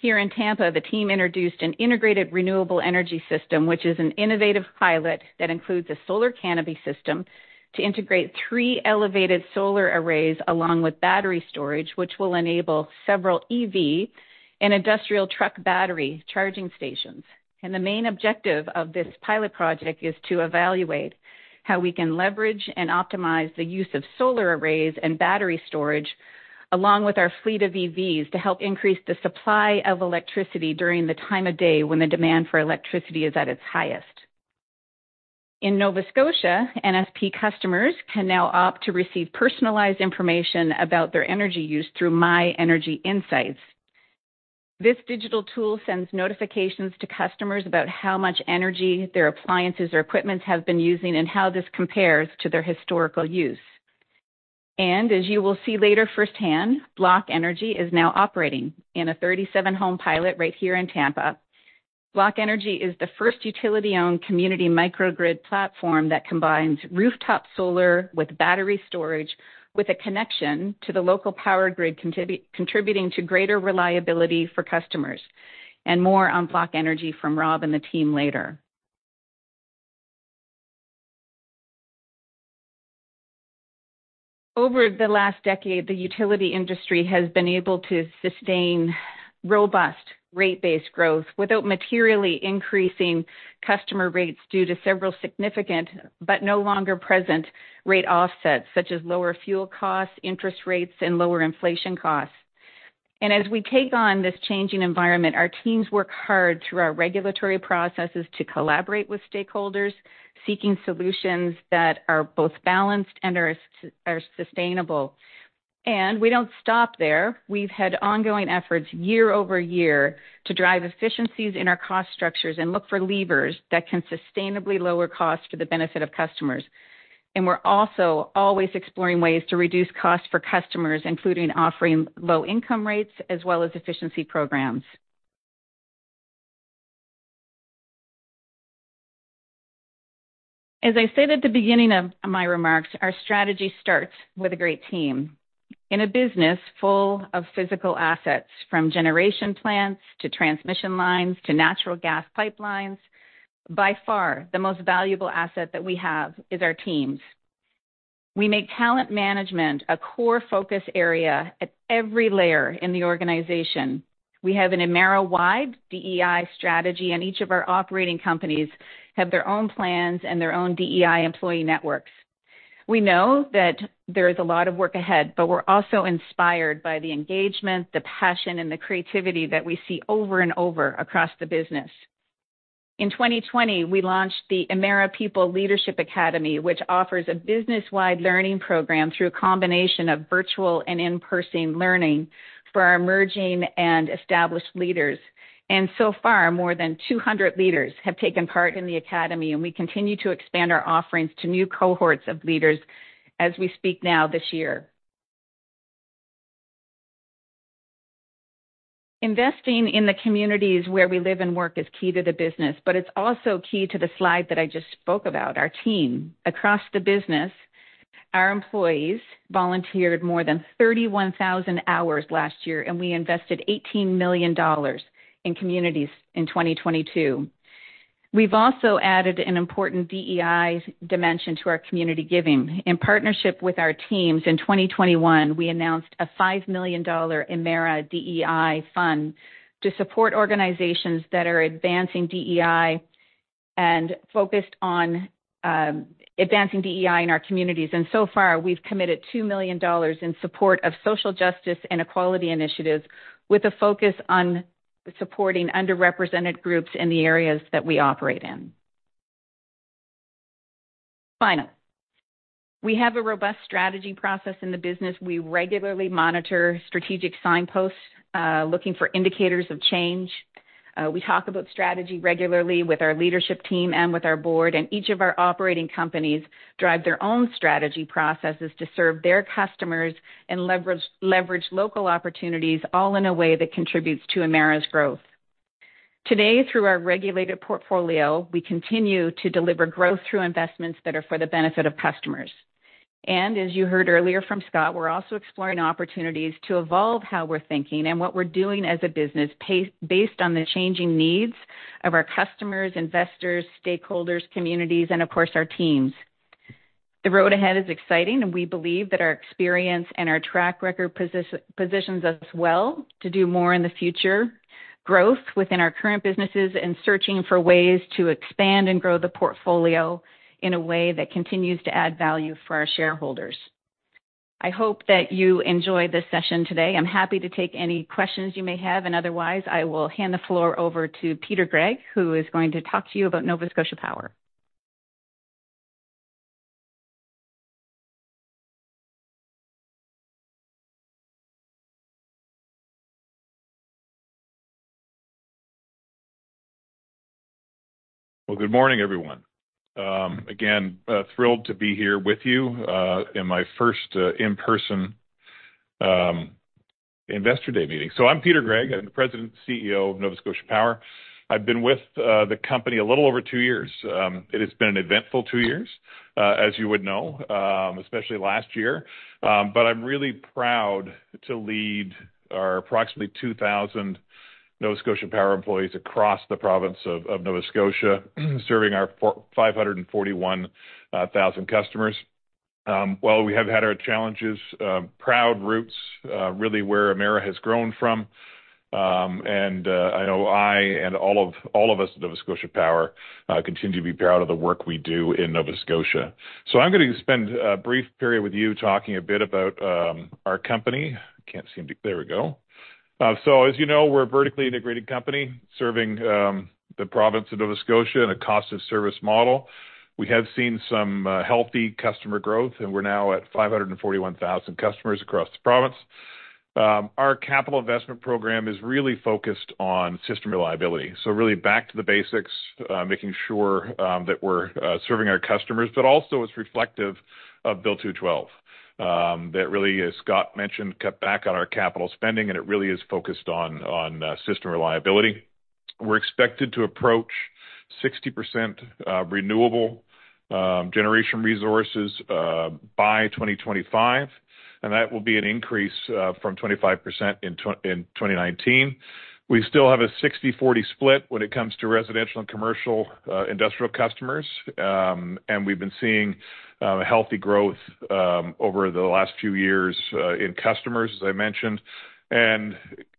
here in Tampa, the team introduced an integrated renewable energy system, which is an innovative pilot that includes a solar canopy system to integrate three elevated solar arrays along with battery storage, which will enable several EV and industrial truck battery charging stations. The main objective of this pilot project is to evaluate how we can leverage and optimize the use of solar arrays and battery storage along with our fleet of EVs to help increase the supply of electricity during the time of day when the demand for electricity is at its highest. In Nova Scotia, NSP customers can now opt to receive personalized information about their energy use through MyEnergy Insights. This digital tool sends notifications to customers about how much energy their appliances or equipment have been using and how this compares to their historical use. As you will see later firsthand, BlockEnergy is now operating in a 37-home pilot right here in Tampa. BlockEnergy is the first utility-owned community microgrid platform that combines rooftop solar with battery storage with a connection to the local power grid contributing to greater reliability for customers. More on BlockEnergy from Rob and the team later. Over the last decade, the utility industry has been able to sustain robust rate-based growth without materially increasing customer rates due to several significant but no longer present rate offsets such as lower fuel costs, interest rates, and lower inflation costs. As we take on this changing environment, our teams work hard through our regulatory processes to collaborate with stakeholders, seeking solutions that are both balanced and are sustainable. We don't stop there. We've had ongoing efforts year-over-year to drive efficiencies in our cost structures and look for levers that can sustainably lower costs for the benefit of customers. We're also always exploring ways to reduce costs for customers, including offering low-income rates as well as efficiency programs. As I said at the beginning of my remarks, our strategy starts with a great team. In a business full of physical assets, from generation plants to transmission lines to natural gas pipelines, by far the most valuable asset that we have is our teams. We make talent management a core focus area at every layer in the organization. We have an Emera-wide DEI strategy, and each of our operating companies have their own plans and their own DEI employee networks. We know that there is a lot of work ahead, but we're also inspired by the engagement, the passion, and the creativity that we see over and over across the business. In 2020, we launched the Emera People Leadership Academy, which offers a business-wide learning program through a combination of virtual and in-person learning for our emerging and established leaders. So far, more than 200 leaders have taken part in the academy. We continue to expand our offerings to new cohorts of leaders as we speak now this year. Investing in the communities where we live and work is key to the business. It's also key to the slide that I just spoke about, our team. Across the business, our employees volunteered more than 31,000 hours last year. We invested $18 million in communities in 2022. We've also added an important DEI dimension to our community giving. In partnership with our teams in 2021, we announced a $5 million Emera DEI fund to support organizations that are advancing DEI and focused on advancing DEI in our communities. So far, we've committed 2 million dollars in support of social justice and equality initiatives with a focus on supporting underrepresented groups in the areas that we operate in. Finally, we have a robust strategy process in the business. We regularly monitor strategic signposts, looking for indicators of change. We talk about strategy regularly with our leadership team and with our board. Each of our operating companies drive their own strategy processes to serve their customers and leverage local opportunities, all in a way that contributes to Emera's growth. Today, through our regulated portfolio, we continue to deliver growth through investments that are for the benefit of customers. As you heard earlier from Scott, we're also exploring opportunities to evolve how we're thinking and what we're doing as a business pace-based on the changing needs of our customers, investors, stakeholders, communities, and of course, our teams. The road ahead is exciting, and we believe that our experience and our track record positions us well to do more in the future growth within our current businesses and searching for ways to expand and grow the portfolio in a way that continues to add value for our shareholders. I hope that you enjoy this session today. I'm happy to take any questions you may have. Otherwise, I will hand the floor over to Peter Gregg, who is going to talk to you about Nova Scotia Power. Good morning, everyone. Again, thrilled to be here with you in my first in-person investor day meeting. I'm Peter Gregg. I'm the President and CEO of Nova Scotia Power. I've been with the company a little over two years. It has been an eventful two years, as you would know, especially last year. I'm really proud to lead our approximately 2,000 Nova Scotia Power employees across the province of Nova Scotia, serving our 541,000 customers. While we have had our challenges, proud roots, really where Emera has grown from. I know I and all of us at Nova Scotia Power continue to be proud of the work we do in Nova Scotia. I'm gonna spend a brief period with you talking a bit about our company. There we go. As you know, we're a vertically integrated company serving the province of Nova Scotia in a cost-of-service model. We have seen some healthy customer growth, and we're now at 541,000 customers across the province. Our capital investment program is really focused on system reliability. Really back to the basics, making sure that we're serving our customers, but also it's reflective of Bill 212, that really, as Scott mentioned, cut back on our capital spending, and it really is focused on system reliability. We're expected to approach 60% renewable generation resources by 2025, and that will be an increase from 25% in 2019. We still have a 60/40 split when it comes to residential and commercial, industrial customers. We've been seeing healthy growth over the last few years in customers, as I mentioned.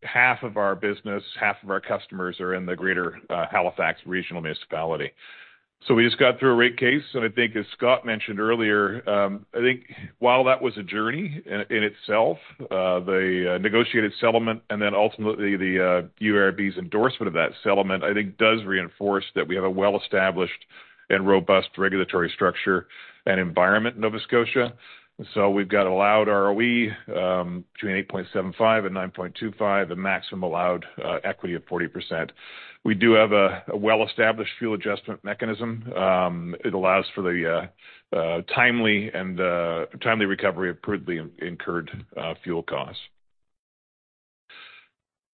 Half of our business, half of our customers are in the greater Halifax Regional Municipality. We just got through a rate case, and I think as Scott mentioned earlier, I think while that was a journey in itself, the negotiated settlement and then ultimately the UARB's endorsement of that settlement, I think does reinforce that we have a well-established and robust regulatory structure and environment in Nova Scotia. We've got allowed ROE between 8.75 and 9.25, a maximum allowed equity of 40%. We do have a well-established fuel adjustment mechanism. It allows for the timely and timely recovery of currently incurred fuel costs.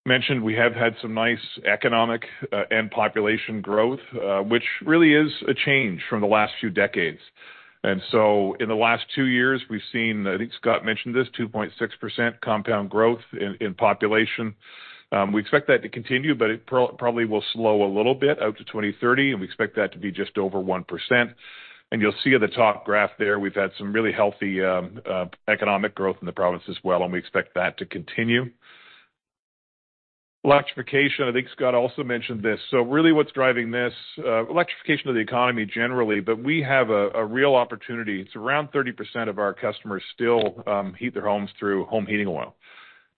Mentioned we have had some nice economic and population growth, which really is a change from the last few decades. In the last two years, we've seen, I think Scott mentioned this, 2.6% compound growth in population. We expect that to continue, but it probably will slow a little bit out to 2030, and we expect that to be just over 1%. You'll see at the top graph there, we've had some really healthy economic growth in the province as well, and we expect that to continue. Electrification, I think Scott also mentioned this. Really what's driving this, electrification of the economy generally, but we have a real opportunity. It's around 30% of our customers still heat their homes through home heating oil.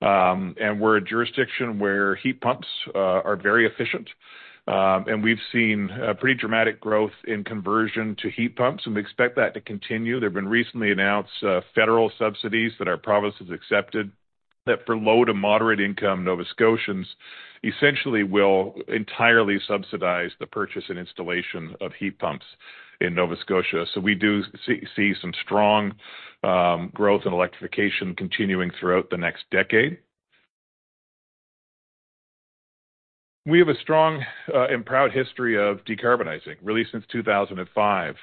We're a jurisdiction where heat pumps are very efficient. We've seen a pretty dramatic growth in conversion to heat pumps, and we expect that to continue. There have been recently announced federal subsidies that our province has accepted that for low to moderate income Nova Scotians essentially will entirely subsidize the purchase and installation of heat pumps in Nova Scotia. We do see some strong growth in electrification continuing throughout the next decade. We have a strong and proud history of decarbonizing, really since 2005.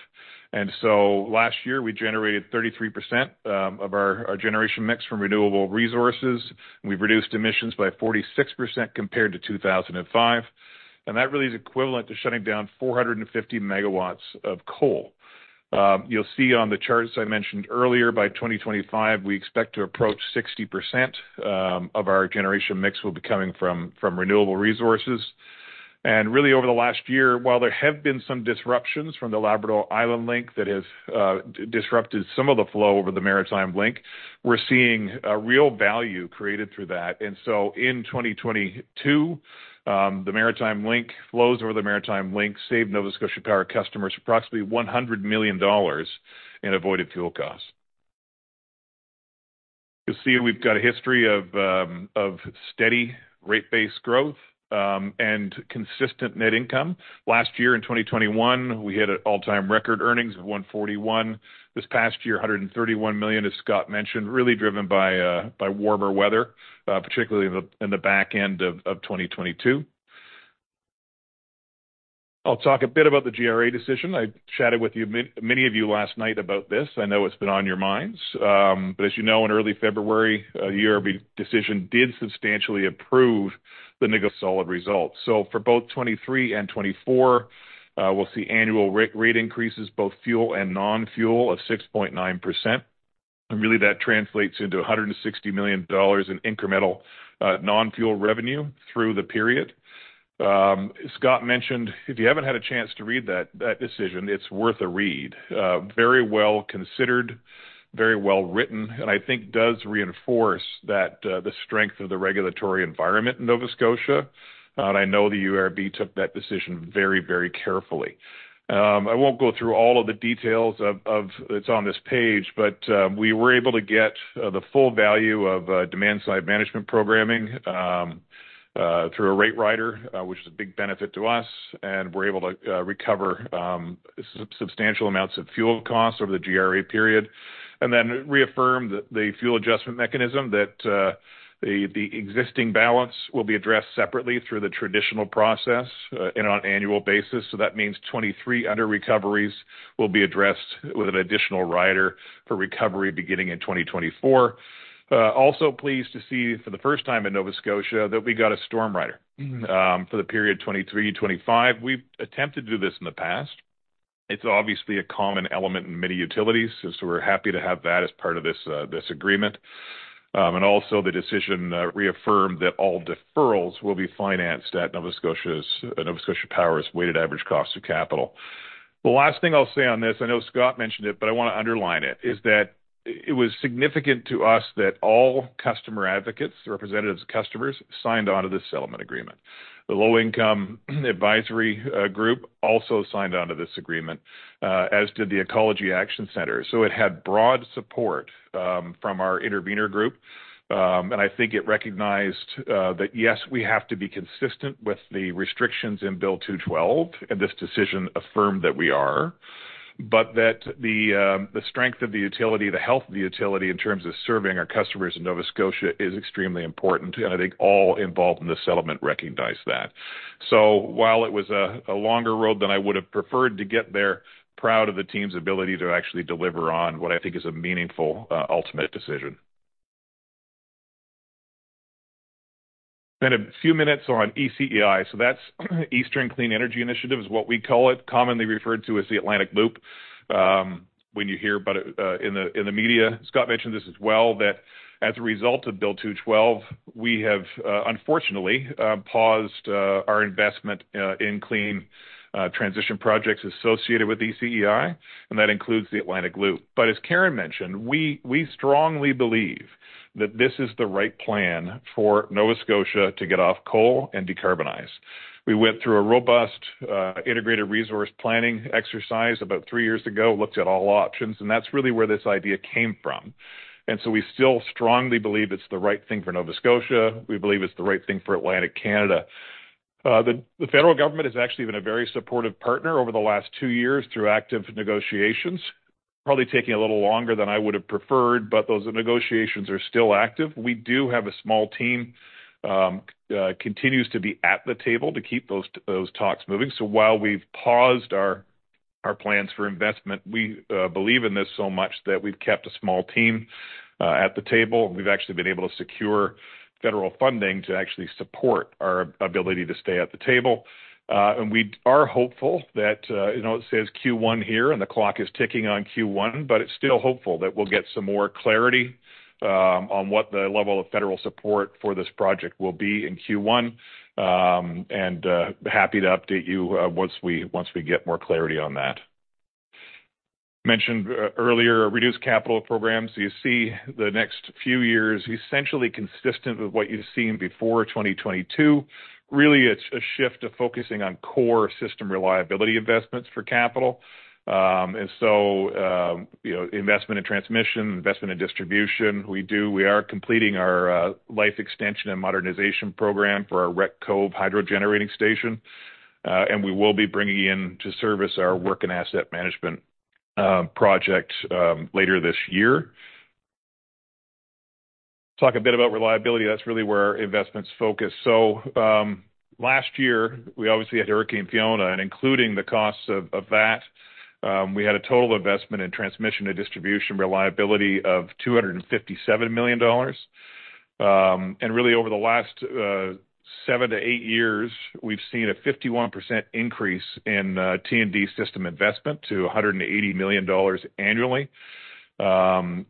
Last year, we generated 33% of our generation mix from renewable resources. We've reduced emissions by 46% compared to 2005. That really is equivalent to shutting down 450 megawatts of coal. You'll see on the charts I mentioned earlier, by 2025, we expect to approach 60% of our generation mix will be coming from renewable resources. Really over the last year, while there have been some disruptions from the Labrador-Island Link that has disrupted some of the flow over the Maritime Link, we're seeing a real value created through that. In 2022, flows over the Maritime Link saved Nova Scotia Power customers approximately 100 million dollars in avoided fuel costs. You'll see we've got a history of steady rate-based growth and consistent net income. Last year in 2021, we had an all-time record earnings of 141 million. This past year, 131 million, as Scott mentioned, really driven by warmer weather, particularly in the back end of 2022. I'll talk a bit about the GRA decision. I chatted with many of you last night about this. I know it's been on your minds. As you know, in early February, a UARB decision did substantially improve the solid results. For both 2023 and 2024, we'll see annual rate increases, both fuel and non-fuel of 6.9%. Really, that translates into 160 million dollars in incremental non-fuel revenue through the period. Scott mentioned, if you haven't had a chance to read that decision, it's worth a read. Very well considered, very well written, and I think does reinforce that the strength of the regulatory environment in Nova Scotia. I know the UARB took that decision very, very carefully. I won't go through all of the details that's on this page, but we were able to get the full value of demand side management programming through a rate rider, which is a big benefit to us, and we're able to recover substantial amounts of fuel costs over the GRA period. And then reaffirmed the fuel adjustment mechanism that the existing balance will be addressed separately through the traditional process and on an annual basis. So that means 2023 under recoveries will be addressed with an additional rider for recovery beginning in 2024. Also pleased to see for the first time in Nova Scotia that we got a storm rider for the period 2023-2025. We've attempted to do this in the past. It's obviously a common element in many utilities, we're happy to have that as part of this agreement. Also the decision reaffirmed that all deferrals will be financed at Nova Scotia's, Nova Scotia Power's weighted average cost of capital. The last thing I'll say on this, I know Scott mentioned it, I want to underline it, is that it was significant to us that all customer advocates, the representatives of customers, signed on to this settlement agreement. The Low-Income Advisory Group also signed on to this agreement as did the Ecology Action Centre. It had broad support from our intervener group. I think it recognized that yes, we have to be consistent with the restrictions in Bill 212, and this decision affirmed that we are. That the strength of the utility, the health of the utility in terms of serving our customers in Nova Scotia is extremely important. I think all involved in the settlement recognized that. While it was a longer road than I would have preferred to get there, proud of the team's ability to actually deliver on what I think is a meaningful ultimate decision. Spend a few minutes on ECEI. That's Eastern Clean Energy Initiative, is what we call it, commonly referred to as the Atlantic Loop when you hear about it in the media. Scott mentioned this as well, that as a result of Bill 212, we have unfortunately paused our investment in clean transition projects associated with ECEI, and that includes the Atlantic Loop. As Karen mentioned, we strongly believe that this is the right plan for Nova Scotia to get off coal and decarbonize. We went through a robust integrated resource planning exercise about three years ago, looked at all options, and that's really where this idea came from. We still strongly believe it's the right thing for Nova Scotia. We believe it's the right thing for Atlantic Canada. The federal government has actually been a very supportive partner over the last two years through active negotiations. Probably taking a little longer than I would have preferred, but those negotiations are still active. We do have a small team continues to be at the table to keep those talks moving. While we've paused our plans for investment, we believe in this so much that we've kept a small team at the table. We've actually been able to secure federal funding to actually support our ability to stay at the table. We are hopeful that, you know, it says Q1 here and the clock is ticking on Q1, but it's still hopeful that we'll get some more clarity on what the level of federal support for this project will be in Q1. Happy to update you once we get more clarity on that. Mentioned earlier, reduced capital programs. You see the next few years, essentially consistent with what you've seen before 2022. Really, it's a shift to focusing on core system reliability investments for capital. You know, investment in transmission, investment in distribution. We do. We are completing our Life Extension and Modernization Program for our Wreck Cove Hydro generating station. We will be bringing in to service our work and asset management project later this year. Talk a bit about reliability. That's really where our investment's focused. Last year, we obviously had Hurricane Fiona, and including the costs of that, we had a total investment in transmission and distribution reliability of 257 million dollars. Really over the last 7-8 years, we've seen a 51% increase in T&D system investment to 180 million dollars annually. On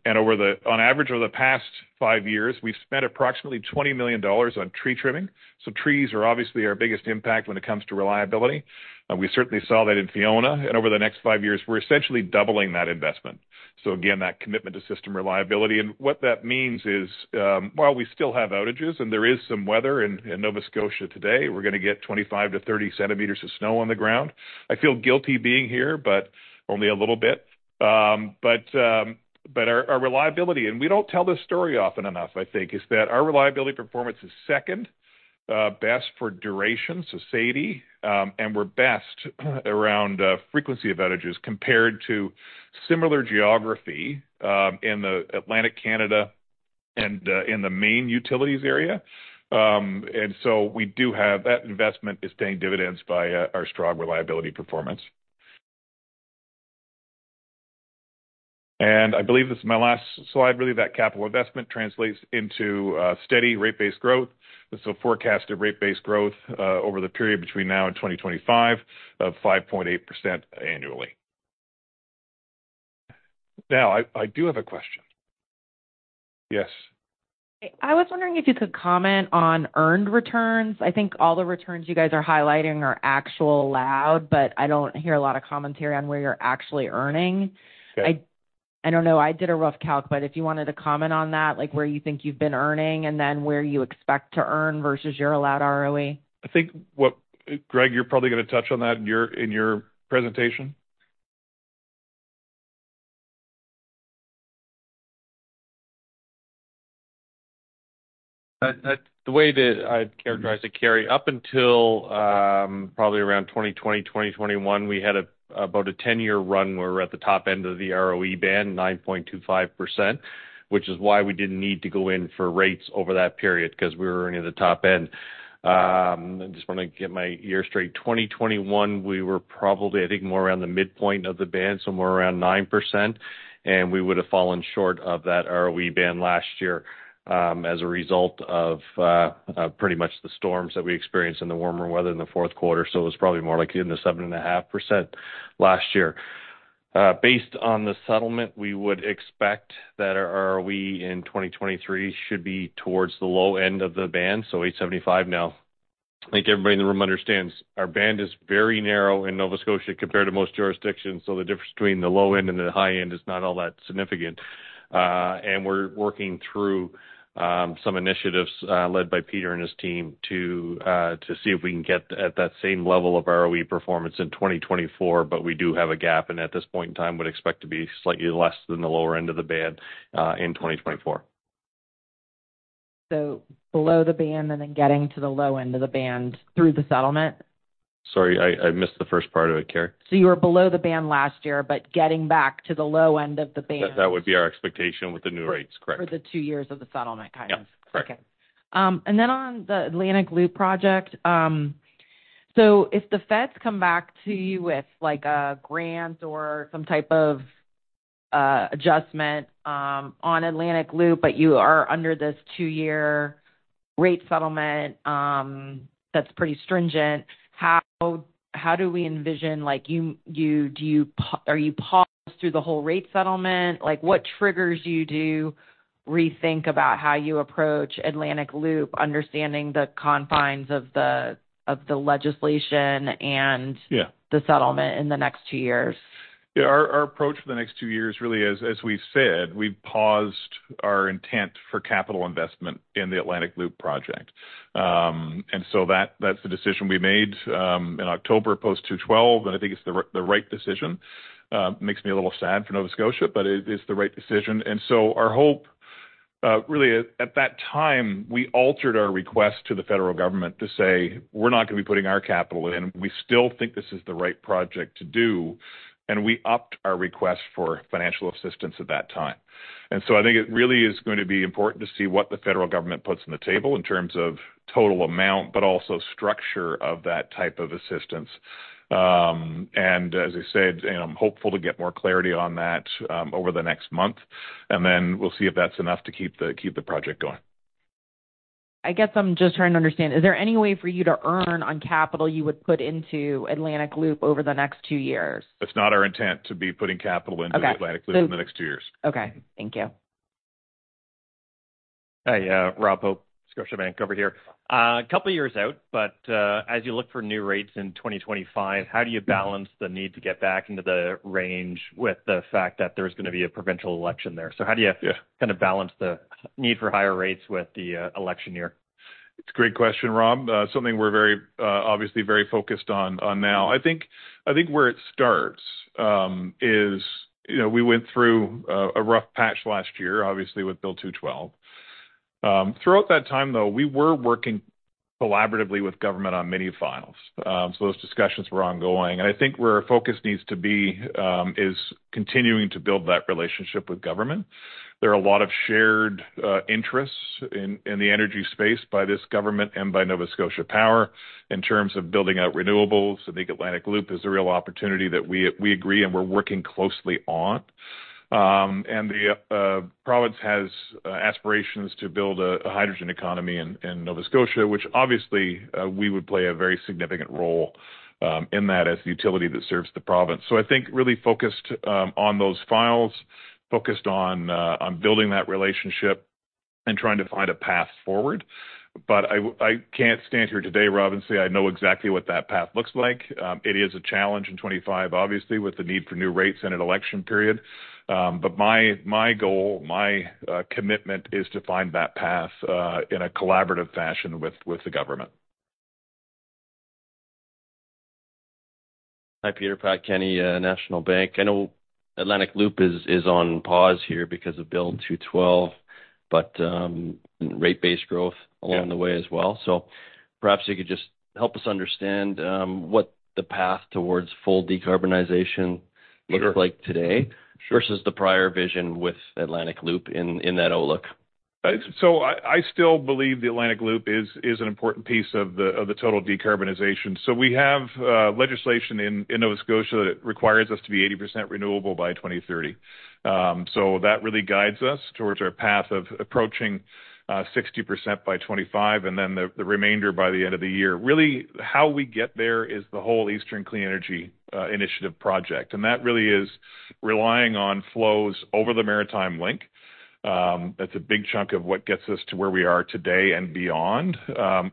average, over the past five years, we've spent approximately 20 million dollars on tree trimming. Trees are obviously our biggest impact when it comes to reliability. We certainly saw that in Hurricane Fiona. Over the next five years, we're essentially doubling that investment. Again, that commitment to system reliability. What that means is, while we still have outages and there is some weather in Nova Scotia today, we're gonna get 25-30 centimeters of snow on the ground. I feel guilty being here, but only a little bit. Our reliability, and we don't tell this story often enough, I think, is that our reliability performance is second best for duration, so SAIDI, and we're best around frequency of outages compared to similar geography in the Atlantic Canada and in the main utilities area. That investment is paying dividends via our strong reliability performance. I believe this is my last slide. Really, that capital investment translates into steady rate-based growth. This will forecast a rate-based growth over the period between now and 2025 of 5.8% annually. I do have a question. Yes. I was wondering if you could comment on earned returns. I think all the returns you guys are highlighting are actual allowed. I don't hear a lot of commentary on where you're actually earning. Okay. I don't know, I did a rough calc, if you wanted to comment on that, like where you think you've been earning and then where you expect to earn versus your allowed ROE? I think Greg, you're probably gonna touch on that in your presentation. That's the way that I'd characterize it, Carly. Up until, probably around 2020, 2021, we had about a 10-year run where we're at the top end of the ROE band, 9.25%, which is why we didn't need to go in for rates over that period because we were earning at the top end. I just want to get my year straight. 2021, we were probably, I think, more around the midpoint of the band, somewhere around 9%, and we would have fallen short of that ROE band last year, as a result of pretty much the storms that we experienced and the warmer weather in the fourth quarter. It was probably more like in the 7.5% last year. Based on the settlement, we would expect that our ROE in 2023 should be towards the low end of the band, so 8.75% now. I think everybody in the room understands our band is very narrow in Nova Scotia compared to most jurisdictions, so the difference between the low end and the high end is not all that significant. We're working through some initiatives led by Peter and his team to see if we can get at that same level of ROE performance in 2024, but we do have a gap, and at this point in time, would expect to be slightly less than the lower end of the band in 2024. Below the band and then getting to the low end of the band through the settlement? Sorry, I missed the first part of it, Carly. You were below the band last year, but getting back to the low end of the band... That would be our expectation with the new rates. Correct. For the two years of the settlement kind of? Yeah. Correct. On the Atlantic Loop project. If the feds come back to you with like a grant or some type of adjustment on Atlantic Loop, you are under this two-year rate settlement, that's pretty stringent, how do we envision? Are you paused through the whole rate settlement? Like, what triggers you to rethink about how you approach Atlantic Loop, understanding the confines of the legislation and - Yeah... the settlement in the next two years? Our approach for the next two years really is, as we said, we've paused our intent for capital investment in the Atlantic Loop project. That's the decision we made in October post two twelve, and I think it's the right decision. Makes me a little sad for Nova Scotia, but it is the right decision. Our hope really at that time, we altered our request to the federal government to say, we're not going to be putting our capital in. We still think this is the right project to do, and we upped our request for financial assistance at that time. I think it really is going to be important to see what the federal government puts on the table in terms of total amount, but also structure of that type of assistance. As I said, I'm hopeful to get more clarity on that over the next month, and then we'll see if that's enough to keep the project going. I guess I'm just trying to understand. Is there any way for you to earn on capital you would put into Atlantic Loop over the next two years? It's not our intent to be putting capital into- Okay. - Atlantic Loop in the next two years. Okay. Thank you. Hey, Rob Hope, Scotiabank over here. A couple of years out, but, as you look for new rates in 2025, how do you balance the need to get back into the range with the fact that there's gonna be a provincial election there? Yeah. Kind of balance the need for higher rates with the election year? It's a great question, Rob. something we're very, obviously very focused on now. I think where it starts, is, you know, we went through a rough patch last year, obviously with Bill 212. Throughout that time, though, we were working collaboratively with government on many files. So those discussions were ongoing. I think where our focus needs to be, is continuing to build that relationship with government. There are a lot of shared interests in the energy space by this government and by Nova Scotia Power in terms of building out renewables. I think Atlantic Loop is a real opportunity that we agree and we're working closely on. The province has aspirations to build a hydrogen economy in Nova Scotia, which obviously we would play a very significant role in that as the utility that serves the province. I think really focused on those files, focused on building that relationship and trying to find a path forward. I can't stand here today, Rob, and say I know exactly what that path looks like. It is a challenge in 2025, obviously, with the need for new rates in an election period. My goal, my commitment is to find that path in a collaborative fashion with the government. Hi, Peter. Pat Kenny, National Bank. I know Atlantic Loop is on pause here because of Bill 212, but rate base growth- Yeah... along the way as well. Perhaps you could just help us understand what the path towards full decarbonization - Sure - looks like today - Sure... versus the prior vision with Atlantic Loop in that outlook? I still believe the Atlantic Loop is an important piece of the total decarbonization. We have legislation in Nova Scotia that requires us to be 80% renewable by 2030. That really guides us towards our path of approaching 60% by 2025 and then the remainder by the end of the year. Really, how we get there is the whole Eastern Clean Energy Initiative project, and that really is relying on flows over the Maritime Link. That's a big chunk of what gets us to where we are today and beyond.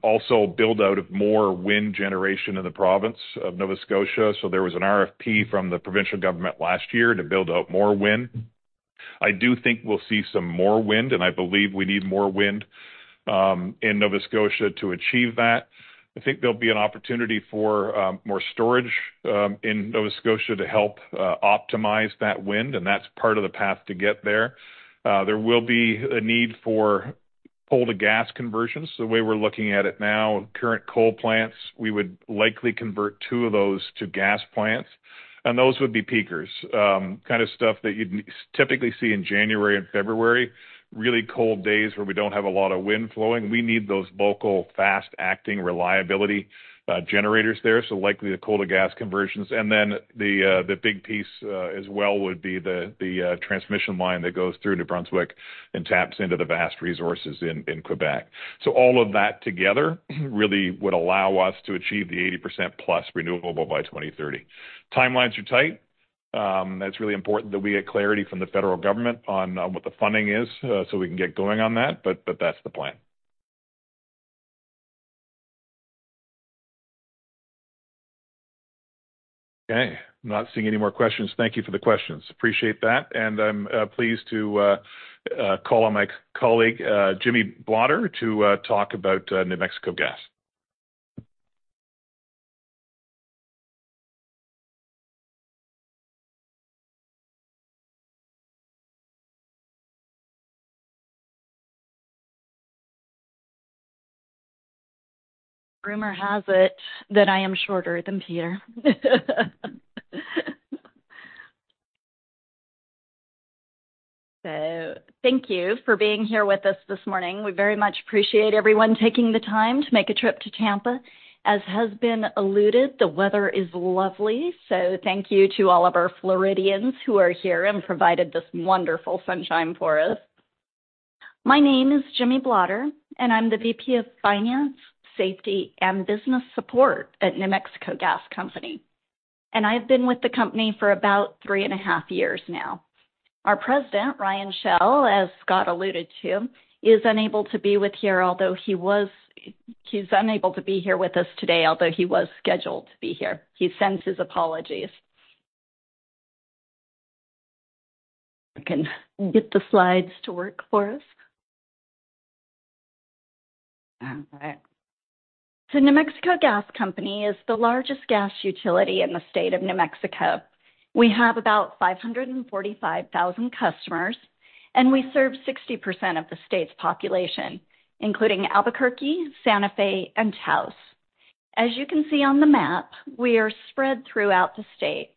Also build-out of more wind generation in the province of Nova Scotia. There was an RFP from the provincial government last year to build out more wind. I do think we'll see some more wind, and I believe we need more wind in Nova Scotia to achieve that. I think there'll be an opportunity for more storage in Nova Scotia to help optimize that wind, and that's part of the path to get there. There will be a need for coal to gas conversions. The way we're looking at it now, current coal plants, we would likely convert two of those to gas plants. Those would be peakers. Kind of stuff that you'd typically see in January and February, really cold days where we don't have a lot of wind flowing. We need those local fast-acting reliability generators there, so likely the coal to gas conversions. The big piece as well would be the transmission line that goes through New Brunswick and taps into the vast resources in Quebec. All of that together really would allow us to achieve the 80% plus renewable by 2030. Timelines are tight. That's really important that we get clarity from the federal government on what the funding is, so we can get going on that, but that's the plan. Okay. I'm not seeing any more questions. Thank you for the questions. Appreciate that. I'm pleased to call on my colleague, Jimmy Blotter to talk about New Mexico Gas. Rumor has it that I am shorter than Peter. Thank you for being here with us this morning. We very much appreciate everyone taking the time to make a trip to Tampa. As has been alluded, the weather is lovely. Thank you to all of our Floridians who are here and provided this wonderful sunshine for us. My name is Jimmy Blotter. I'm the VP of Finance, Safety, and Business Support at New Mexico Gas Company. I've been with the company for about 3.5 years now. Our president, Ryan Shell, as Scott alluded to, is unable to be here with us today, although he was scheduled to be here. He sends his apologies. I can get the slides to work for us. All right. New Mexico Gas Company is the largest gas utility in the state of New Mexico. We have about 545,000 customers, and we serve 60% of the state's population, including Albuquerque, Santa Fe, and Taos. As you can see on the map, we are spread throughout the state.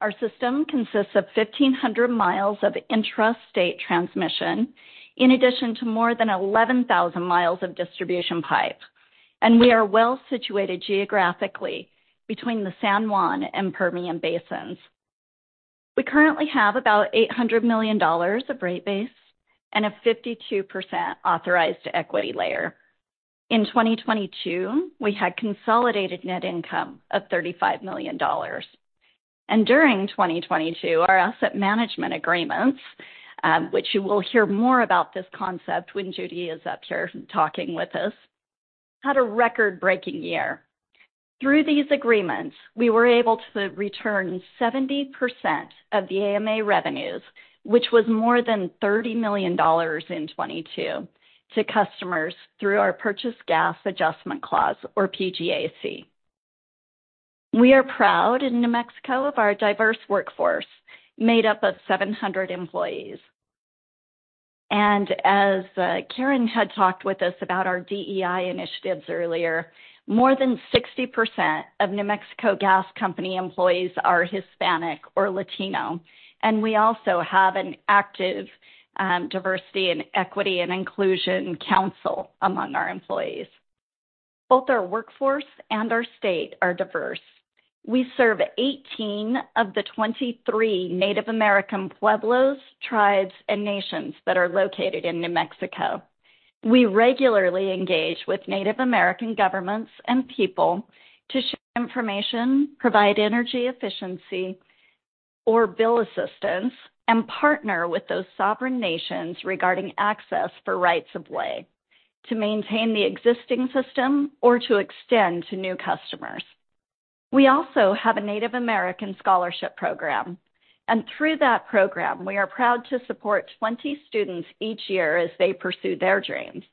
Our system consists of 1,500 miles of intrastate transmission, in addition to more than 11,000 miles of distribution pipe. We are well situated geographically between the San Juan and Permian Basins. We currently have about $800 million of rate base and a 52% authorized equity layer. In 2022, we had consolidated net income of $35 million. During 2022, our asset management agreements, which you will hear more about this concept when Judy is up here talking with us, had a record-breaking year. Through these agreements, we were able to return 70% of the AMA revenues, which was more than $30 million in 2022, to customers through our purchase gas adjustment clause, or PGAC. We are proud in New Mexico of our diverse workforce, made up of 700 employees. As Karen had talked with us about our DEI initiatives earlier, more than 60% of New Mexico Gas Company employees are Hispanic or Latino, and we also have an active diversity and equity and inclusion council among our employees. Both our workforce and our state are diverse. We serve 18 of the 23 Native American pueblos, tribes, and nations that are located in New Mexico. We regularly engage with Native American governments and people to share information, provide energy efficiency or bill assistance, and partner with those sovereign nations regarding access for rights of way to maintain the existing system or to extend to new customers. We also have a Native American Scholarship Program. Through that program, we are proud to support 20 students each year as they pursue their dreams.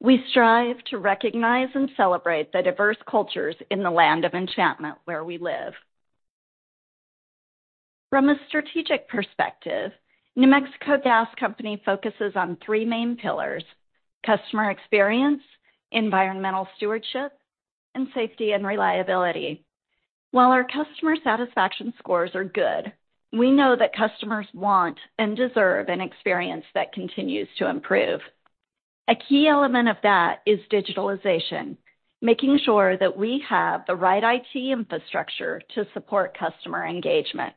We strive to recognize and celebrate the diverse cultures in the Land of Enchantment where we live. From a strategic perspective, New Mexico Gas Company focuses on three main pillars: customer experience, environmental stewardship, and safety and reliability. While our customer satisfaction scores are good, we know that customers want and deserve an experience that continues to improve. A key element of that is digitalization, making sure that we have the right IT infrastructure to support customer engagement.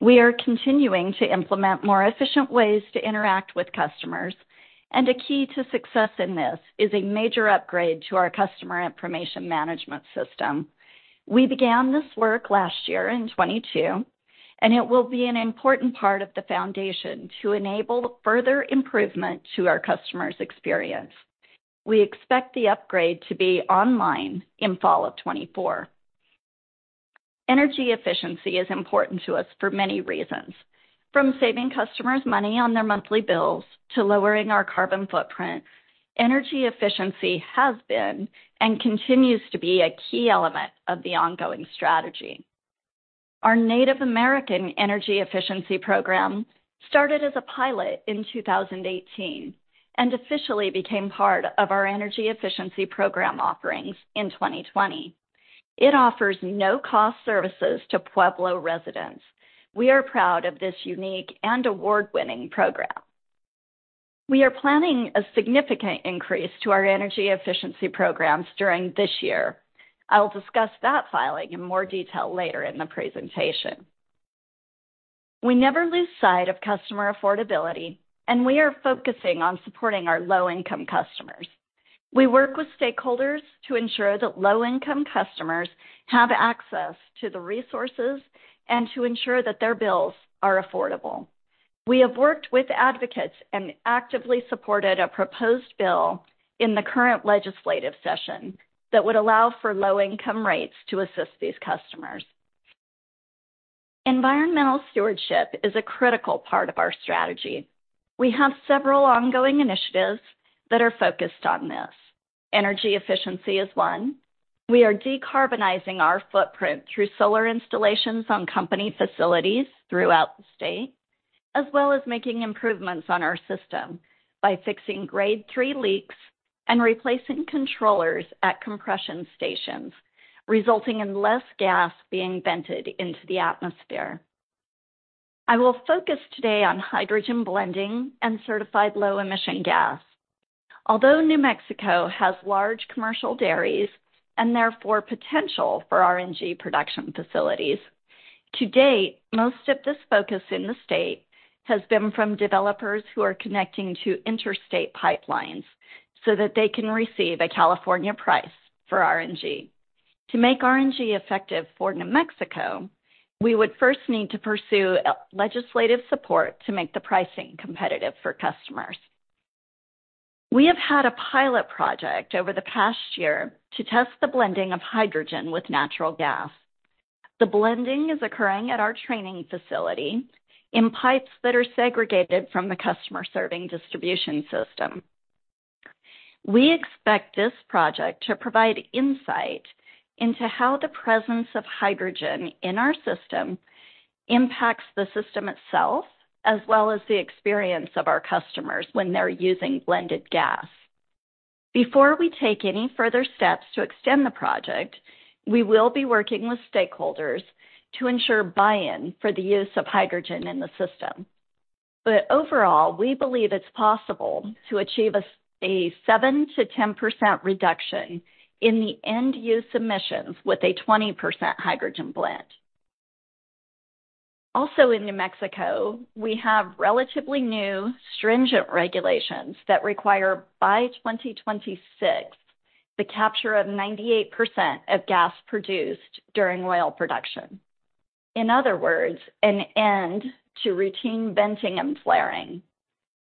We are continuing to implement more efficient ways to interact with customers, and a key to success in this is a major upgrade to our customer information management system. We began this work last year in 2022, and it will be an important part of the foundation to enable further improvement to our customer's experience. We expect the upgrade to be online in fall of 2024. Energy efficiency is important to us for many reasons. From saving customers money on their monthly bills to lowering our carbon footprint, energy efficiency has been and continues to be a key element of the ongoing strategy. Our Native American Energy Efficiency Program started as a pilot in 2018 and officially became part of our energy efficiency program offerings in 2020. It offers no-cost services to Pueblo residents. We are proud of this unique and award-winning program. We are planning a significant increase to our energy efficiency programs during this year. I will discuss that filing in more detail later in the presentation. We never lose sight of customer affordability. We are focusing on supporting our low-income customers. We work with stakeholders to ensure that low-income customers have access to the resources and to ensure that their bills are affordable. We have worked with advocates and actively supported a proposed bill in the current legislative session that would allow for low-income rates to assist these customers. Environmental stewardship is a critical part of our strategy. We have several ongoing initiatives that are focused on this. Energy efficiency is one. We are decarbonizing our footprint through solar installations on company facilities throughout the state, as well as making improvements on our system by fixing grade three leaks and replacing controllers at compression stations, resulting in less gas being vented into the atmosphere. I will focus today on hydrogen blending and certified low-emission gas. Although New Mexico has large commercial dairies and therefore potential for RNG production facilities, to date, most of this focus in the state has been from developers who are connecting to interstate pipelines so that they can receive a California price for RNG. To make RNG effective for New Mexico, we would first need to pursue a legislative support to make the pricing competitive for customers. We have had a pilot project over the past year to test the blending of hydrogen with natural gas. The blending is occurring at our training facility in pipes that are segregated from the customer serving distribution system. We expect this project to provide insight into how the presence of hydrogen in our system impacts the system itself, as well as the experience of our customers when they're using blended gas. Before we take any further steps to extend the project, we will be working with stakeholders to ensure buy-in for the use of hydrogen in the system. Overall, we believe it's possible to achieve a 7%-10% reduction in the end use emissions with a 20% hydrogen blend. Also in New Mexico, we have relatively new stringent regulations that require by 2026 the capture of 98% of gas produced during oil production. In other words, an end to routine venting and flaring.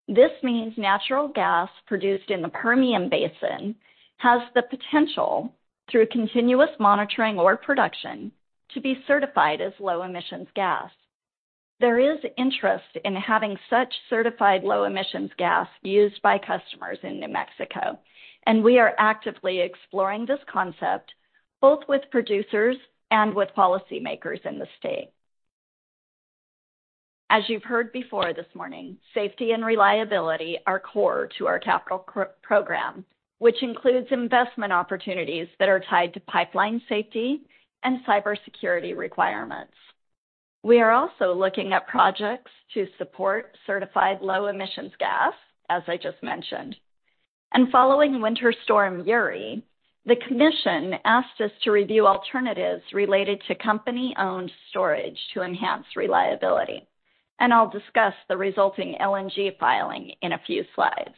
This means natural gas produced in the Permian Basin has the potential, through continuous monitoring or production, to be certified as low emissions gas. There is interest in having such certified low emissions gas used by customers in New Mexico. We are actively exploring this concept both with producers and with policymakers in the state. As you've heard before this morning, safety and reliability are core to our capital program, which includes investment opportunities that are tied to pipeline safety and cybersecurity requirements. We are also looking at projects to support certified low emissions gas, as I just mentioned. Following Winter Storm Uri, the commission asked us to review alternatives related to company-owned storage to enhance reliability. I'll discuss the resulting LNG filing in a few slides.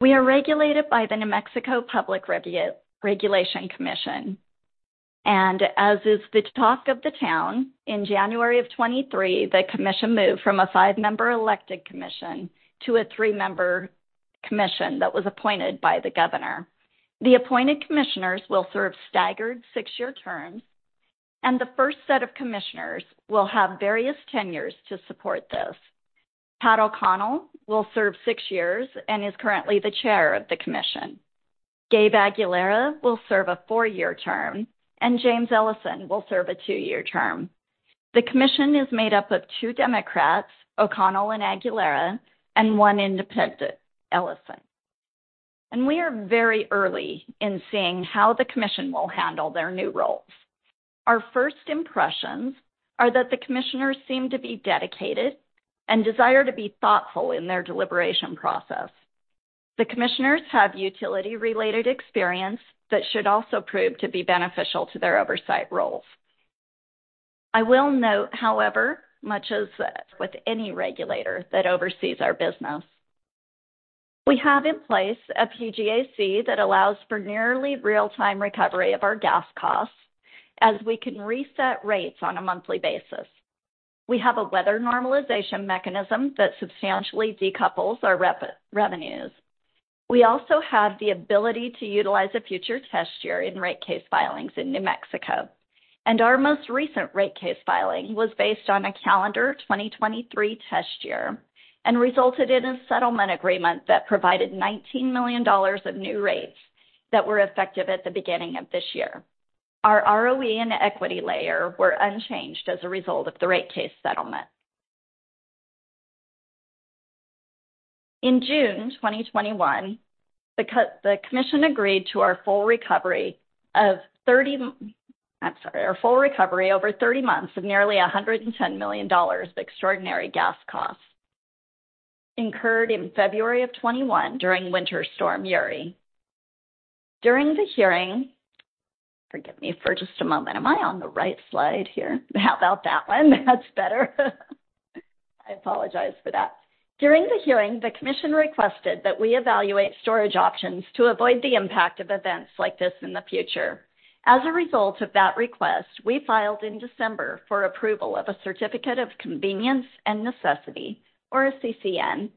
We are regulated by the New Mexico Public Regulation Commission. As is the talk of the town, in January 2023, the commission moved from a five-member elected commission to a three-member commission that was appointed by the governor. The appointed commissioners will serve staggered six-year terms. The first set of commissioners will have various tenures to support this. Patrick O'Connell will serve six years and is currently the chair of the commission. Gabriel Aguilera will serve a four-year term, and James Ellison will serve a two-year term. The commission is made up of two Democrats, O'Connell and Aguilera, and one independent, Ellison. We are very early in seeing how the commission will handle their new roles. Our first impressions are that the commissioners seem to be dedicated and desire to be thoughtful in their deliberation process. The commissioners have utility-related experience that should also prove to be beneficial to their oversight roles. I will note, however, much as with any regulator that oversees our business, we have in place a PGAC that allows for nearly real-time recovery of our gas costs as we can reset rates on a monthly basis. We have a weather normalization mechanism that substantially decouples our revenues. We also have the ability to utilize a future test year in rate case filings in New Mexico. Our most recent rate case filing was based on a calendar 2023 test year and resulted in a settlement agreement that provided $19 million of new rates that were effective at the beginning of this year. Our ROE and equity layer were unchanged as a result of the rate case settlement. In June 2021, the commission agreed to our full recovery of 30... I'm sorry, our full recovery over 30 months of nearly $110 million of extraordinary gas costs incurred in February of 2021 during Winter Storm Uri. Forgive me for just a moment. Am I on the right slide here? How about that one? That's better. I apologize for that. During the hearing, the commission requested that we evaluate storage options to avoid the impact of events like this in the future. Result of that request, we filed in December for approval of a certificate of convenience and necessity, or a CCN,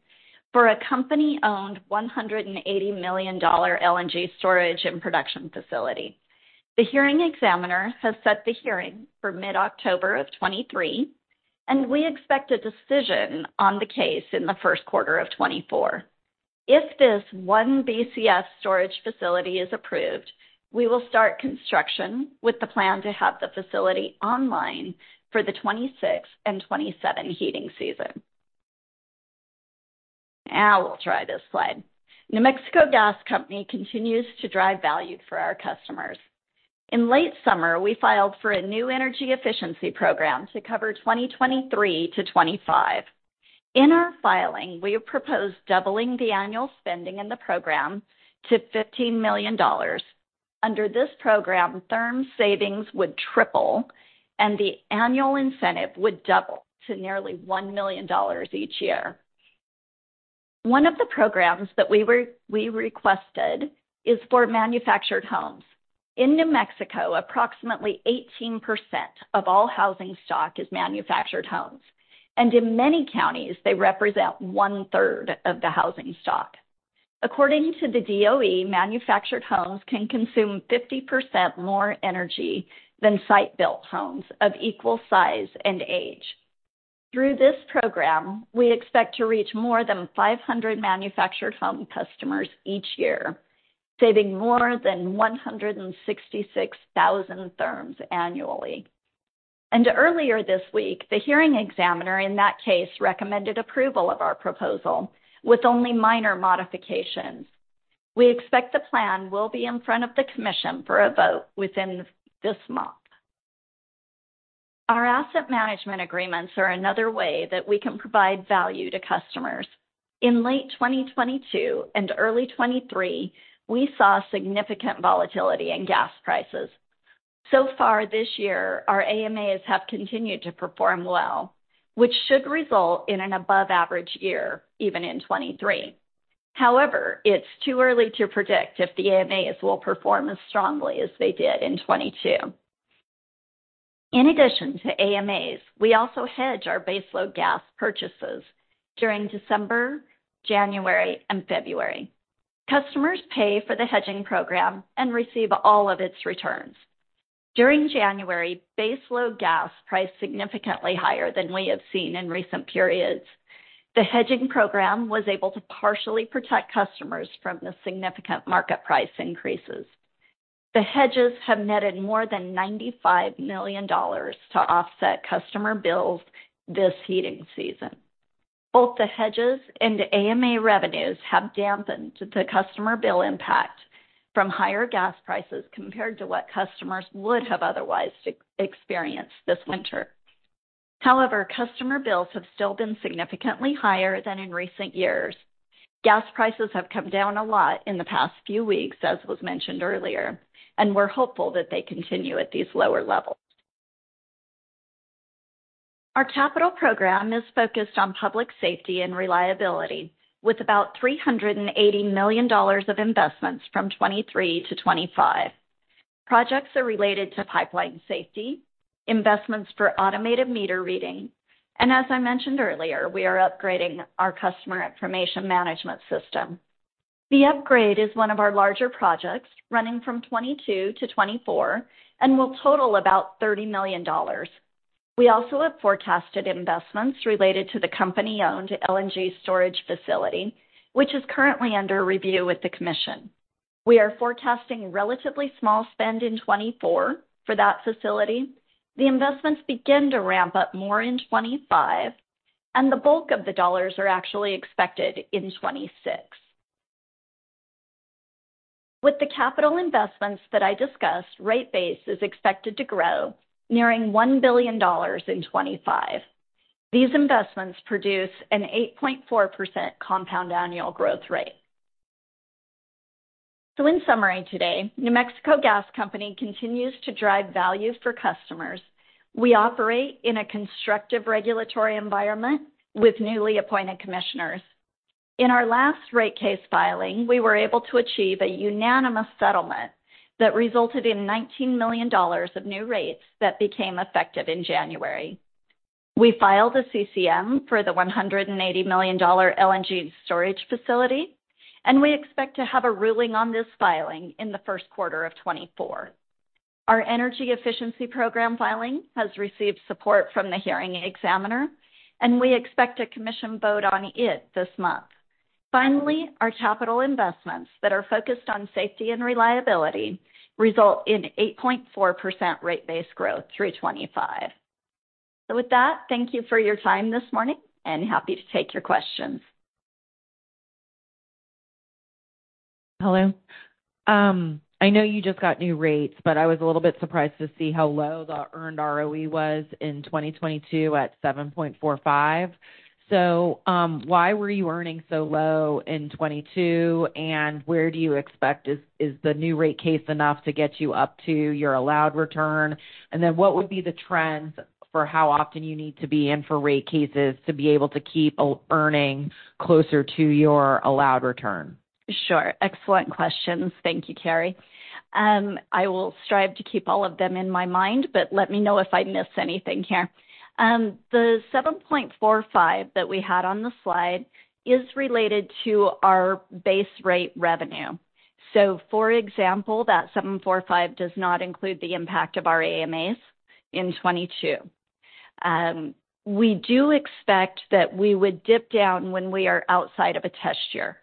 for a company-owned $180 million LNG storage and production facility. The hearing examiner has set the hearing for mid-October of 2023, we expect a decision on the case in the first quarter of 2024. If this one BCF storage facility is approved, we will start construction with the plan to have the facility online for the 2026 and 2027 heating season. We'll try this slide. New Mexico Gas Company continues to drive value for our customers. In late summer, we filed for a new energy efficiency program to cover 2023-2025. In our filing, we have proposed doubling the annual spending in the program to $15 million. Under this program, therm savings would triple, and the annual incentive would double to nearly $1 million each year. One of the programs that we requested is for manufactured homes. In New Mexico, approximately 18% of all housing stock is manufactured homes, and in many counties, they represent one-third of the housing stock. According to the DOE, manufactured homes can consume 50% more energy than site-built homes of equal size and age. Through this program, we expect to reach more than 500 manufactured home customers each year, saving more than 166,000 therms annually. Earlier this week, the hearing examiner in that case recommended approval of our proposal with only minor modifications. We expect the plan will be in front of the commission for a vote within this month. Our asset management agreements are another way that we can provide value to customers. In late 2022 and early 2023, we saw significant volatility in gas prices. Far this year, our AMAs have continued to perform well, which should result in an above average year even in 2023. It's too early to predict if the AMAs will perform as strongly as they did in 2022. In addition to AMAs, we also hedge our baseload gas purchases during December, January, and February. Customers pay for the hedging program and receive all of its returns. During January, baseload gas priced significantly higher than we have seen in recent periods. The hedging program was able to partially protect customers from the significant market price increases. The hedges have netted more than $95 million to offset customer bills this heating season. Both the hedges and AMA revenues have dampened the customer bill impact from higher gas prices compared to what customers would have otherwise experienced this winter. Customer bills have still been significantly higher than in recent years. Gas prices have come down a lot in the past few weeks, as was mentioned earlier, and we're hopeful that they continue at these lower levels. Our capital program is focused on public safety and reliability with about $380 million of investments from 2023-2025. Projects are related to pipeline safety, investments for automated meter reading, and as I mentioned earlier, we are upgrading our customer information management system. The upgrade is one of our larger projects running from 2022-2024 and will total about $30 million. We also have forecasted investments related to the company-owned LNG storage facility, which is currently under review with the commission. We are forecasting relatively small spend in 2024 for that facility. The investments begin to ramp up more in 2025, and the bulk of the dollars are actually expected in 2026. With the capital investments that I discussed, rate base is expected to grow, nearing $1 billion in 2025. These investments produce an 8.4% compound annual growth rate. In summary today, New Mexico Gas Company continues to drive value for customers. We operate in a constructive regulatory environment with newly appointed commissioners. In our last rate case filing, we were able to achieve a unanimous settlement that resulted in $19 million of new rates that became effective in January. We filed a CCM for the $180 million LNG storage facility, and we expect to have a ruling on this filing in the first quarter of 2024. Our energy efficiency program filing has received support from the hearing examiner, and we expect a commission vote on it this month. Our capital investments that are focused on safety and reliability result in 8.4% rate base growth through 2025. With that, thank you for your time this morning and happy to take your questions. Hello. I know you just got new rates, I was a little bit surprised to see how low the earned ROE was in 2022 at 7.45%. Why were you earning so low in '22, and where do you expect is the new rate case enough to get you up to your allowed return? What would be the trends for how often you need to be in for rate cases to be able to keep earning closer to your allowed return? Sure. Excellent questions. Thank you, Carly. I will strive to keep all of them in my mind, but let me know if I miss anything here. The 7.45 that we had on the slide is related to our base rate revenue. For example, that 7.45 does not include the impact of our AMAs in 2022. We do expect that we would dip down when we are outside of a test year,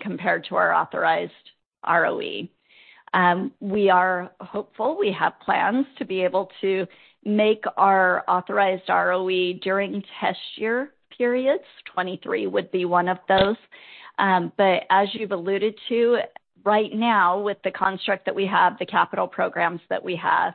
compared to our authorized ROE. We are hopeful. We have plans to be able to make our authorized ROE during test year periods. 2023 would be one of those. As you've alluded to, right now, with the construct that we have, the capital programs that we have,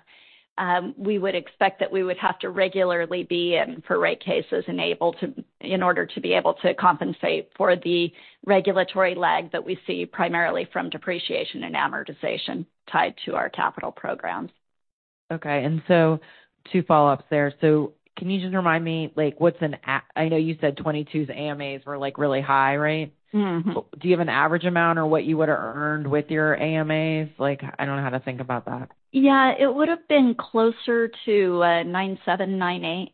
we would expect that we would have to regularly be in for rate cases in order to be able to compensate for the regulatory lag that we see primarily from depreciation and amortization tied to our capital programs. Okay. Two follow-ups there. Can you just remind me, like what's an AMA I know you said '22's AMAs were, like, really high, right? Mm-hmm. Do you have an average amount or what you would have earned with your AMAs? Like, I don't know how to think about that. Yeah, it would have been closer to 9.7, 9.8.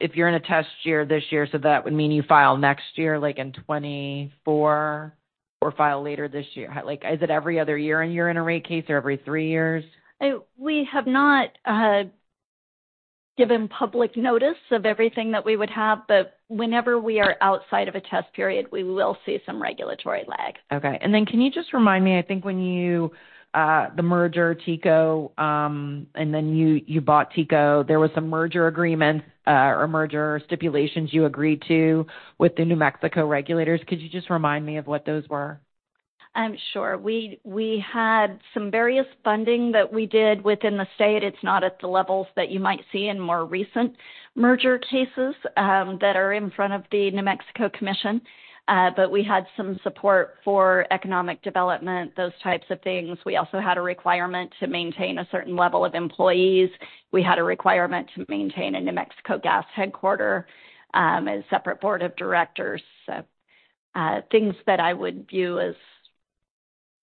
If you're in a test year this year, so that would mean you file next year, like in 2024 or file later this year. Like, is it every other year and you're in a rate case or every three years? We have not given public notice of everything that we would have, but whenever we are outside of a test period, we will see some regulatory lag. Okay. Can you just remind me, I think when you, the merger, TECO, and then you bought TECO, there was some merger agreements or merger stipulations you agreed to with the New Mexico regulators. Could you just remind me of what those were? Sure. We had some various funding that we did within the state. It's not at the levels that you might see in more recent merger cases that are in front of the New Mexico Commission. We had some support for economic development, those types of things. We also had a requirement to maintain a certain level of employees. We had a requirement to maintain a New Mexico Gas headquarter, a separate board of directors. Things that I would view as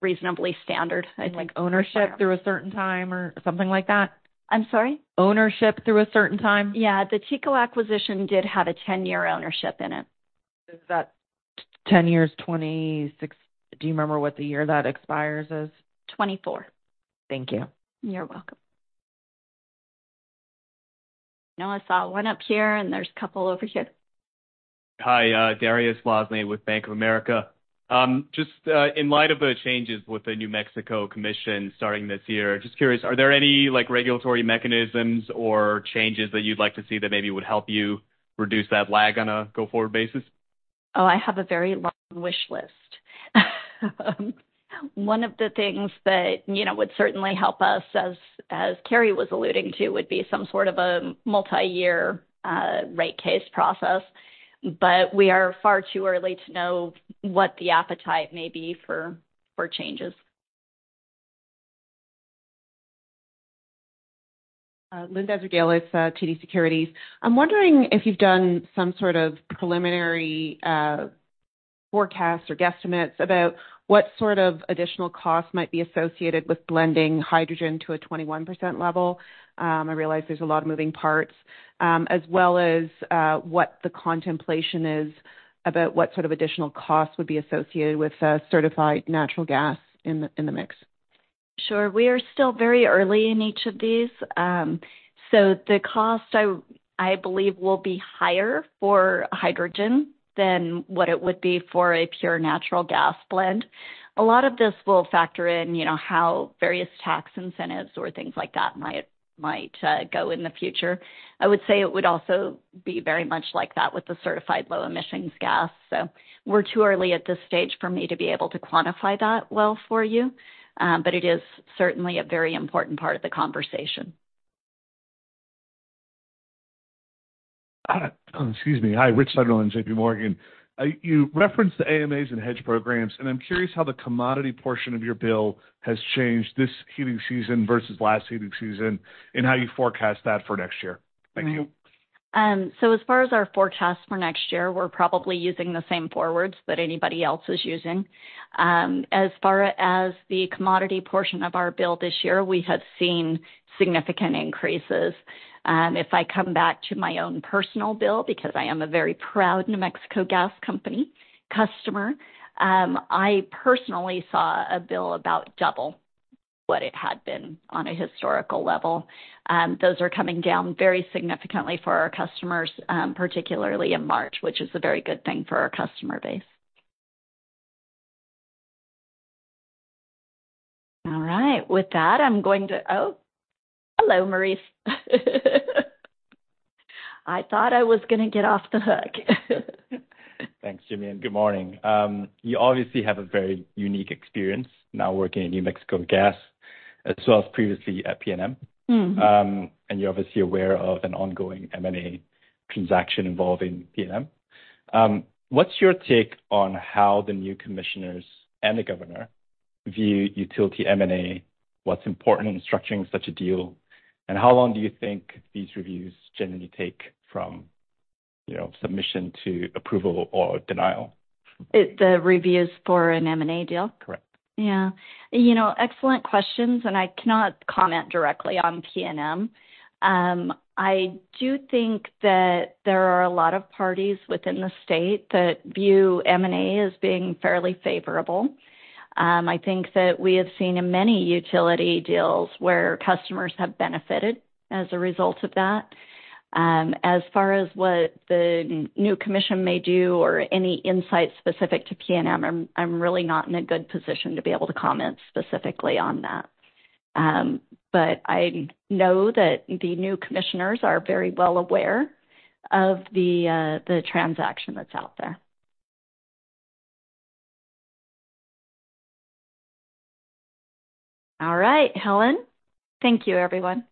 reasonably standard, I think. Like ownership through a certain time or something like that? I'm sorry? Ownership through a certain time. Yeah. The TECO acquisition did have a 10-year ownership in it. Is that 10 years, 2026? Do you remember what the year that expires is? '24. Thank you. You're welcome. I know I saw one up here. There's a couple over here. Hi, Dariusz Lozny with Bank of America. Just in light of the changes with the New Mexico Commission starting this year, just curious, are there any, like regulatory mechanisms or changes that you'd like to see that maybe would help you reduce that lag on a go-forward basis? Oh, I have a very long wish list. One of the things that, you know, would certainly help us as Carly was alluding to, would be some sort of a multi-year rate case process. We are far too early to know what the appetite may be for changes. Linda Ezergailis, it's TD Securities. I'm wondering if you've done some sort of preliminary Forecast or guesstimates about what sort of additional costs might be associated with blending hydrogen to a 21% level. I realize there's a lot of moving parts, as well as what the contemplation is about what sort of additional costs would be associated with certified natural gas in the mix. Sure. We are still very early in each of these. The cost, I believe, will be higher for hydrogen than what it would be for a pure natural gas blend. A lot of this will factor in, you know, how various tax incentives or things like that might go in the future. I would say it would also be very much like that with the certified low emissions gas. We're too early at this stage for me to be able to quantify that well for you. It is certainly a very important part of the conversation. Excuse me. Hi, Rich Sunderland, J.P. Morgan. You referenced the AMAs and hedge programs, and I'm curious how the commodity portion of your bill has changed this heating season versus last heating season and how you forecast that for next year. Thank you. As far as our forecast for next year, we're probably using the same forwards that anybody else is using. As far as the commodity portion of our bill this year, we have seen significant increases. If I come back to my own personal bill, because I am a very proud New Mexico Gas Company customer, I personally saw a bill about double what it had been on a historical level. Those are coming down very significantly for our customers, particularly in March, which is a very good thing for our customer base. All right. With that, I'm going to... Oh, hello, Maurice. I thought I was gonna get off the hook. Thanks, Jimmy, and good morning. You obviously have a very unique experience now working at New Mexico Gas as well as previously at PNM. Mm-hmm. You're obviously aware of an ongoing M&A transaction involving PNM. What's your take on how the new commissioners and the governor view utility M&A? What's important in structuring such a deal? How long do you think these reviews generally take from, you know, submission to approval or denial? The reviews for an M&A deal? Correct. Yeah. You know, excellent questions. I cannot comment directly on PNM. I do think that there are a lot of parties within the state that view M&A as being fairly favorable. I think that we have seen in many utility deals where customers have benefited as a result of that. As far as what the new commission may do or any insight specific to PNM, I'm really not in a good position to be able to comment specifically on that. I know that the new commissioners are very well aware of the transaction that's out there. All right, Helen. Thank you, everyone.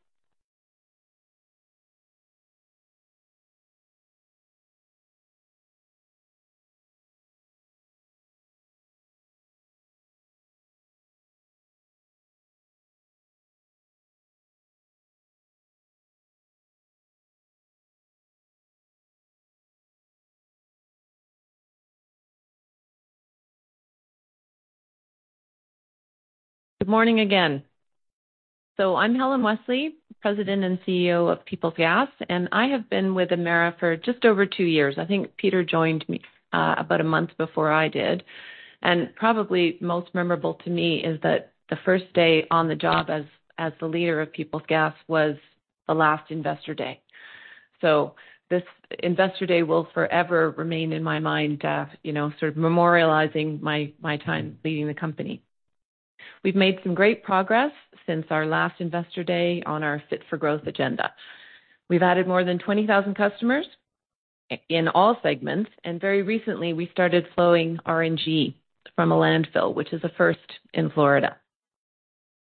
Good morning again. I'm Helen Wesley, President and CEO of Peoples Gas, and I have been with Emera for just over two years. I think Peter joined me about a month before I did. Probably most memorable to me is that the first day on the job as the leader of Peoples Gas was the last Investor Day. This Investor Day will forever remain in my mind, you know, sort of memorializing my time leading the company. We've made some great progress since our last Investor Day on our Fit for Growth agenda. We've added more than 20,000 customers in all segments, and very recently, we started flowing RNG from a landfill, which is a first in Florida.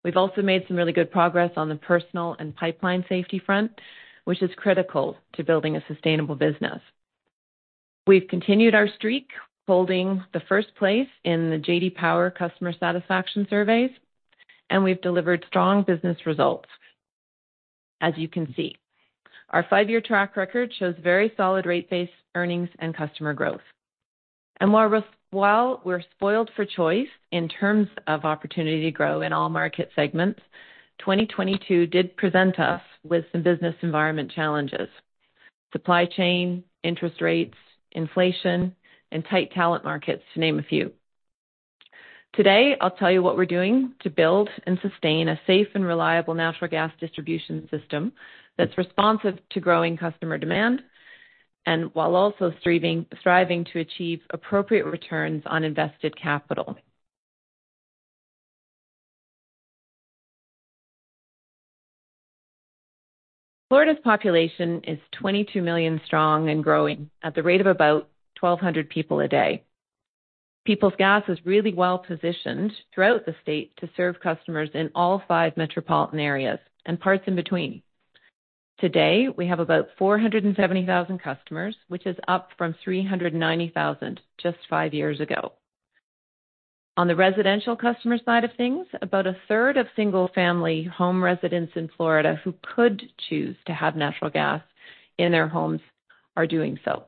We've also made some really good progress on the personal and pipeline safety front, which is critical to building a sustainable business. We've continued our streak, holding the first place in the J.D. Power customer satisfaction surveys, we've delivered strong business results, as you can see. Our five-year track record shows very solid rate-based earnings and customer growth. While we're spoiled for choice in terms of opportunity to grow in all market segments, 2022 did present us with some business environment challenges: supply chain, interest rates, inflation, and tight talent markets, to name a few. Today, I'll tell you what we're doing to build and sustain a safe and reliable natural gas distribution system that's responsive to growing customer demand and while also thriving to achieve appropriate returns on invested capital. Florida's population is 22 million strong and growing at the rate of about 1,200 people a day. Peoples Gas is really well-positioned throughout the state to serve customers in all five metropolitan areas and parts in between. Today, we have about 470,000 customers, which is up from 390,000 just five years ago. On the residential customer side of things, about a third of single-family home residents in Florida who could choose to have natural gas in their homes are doing so.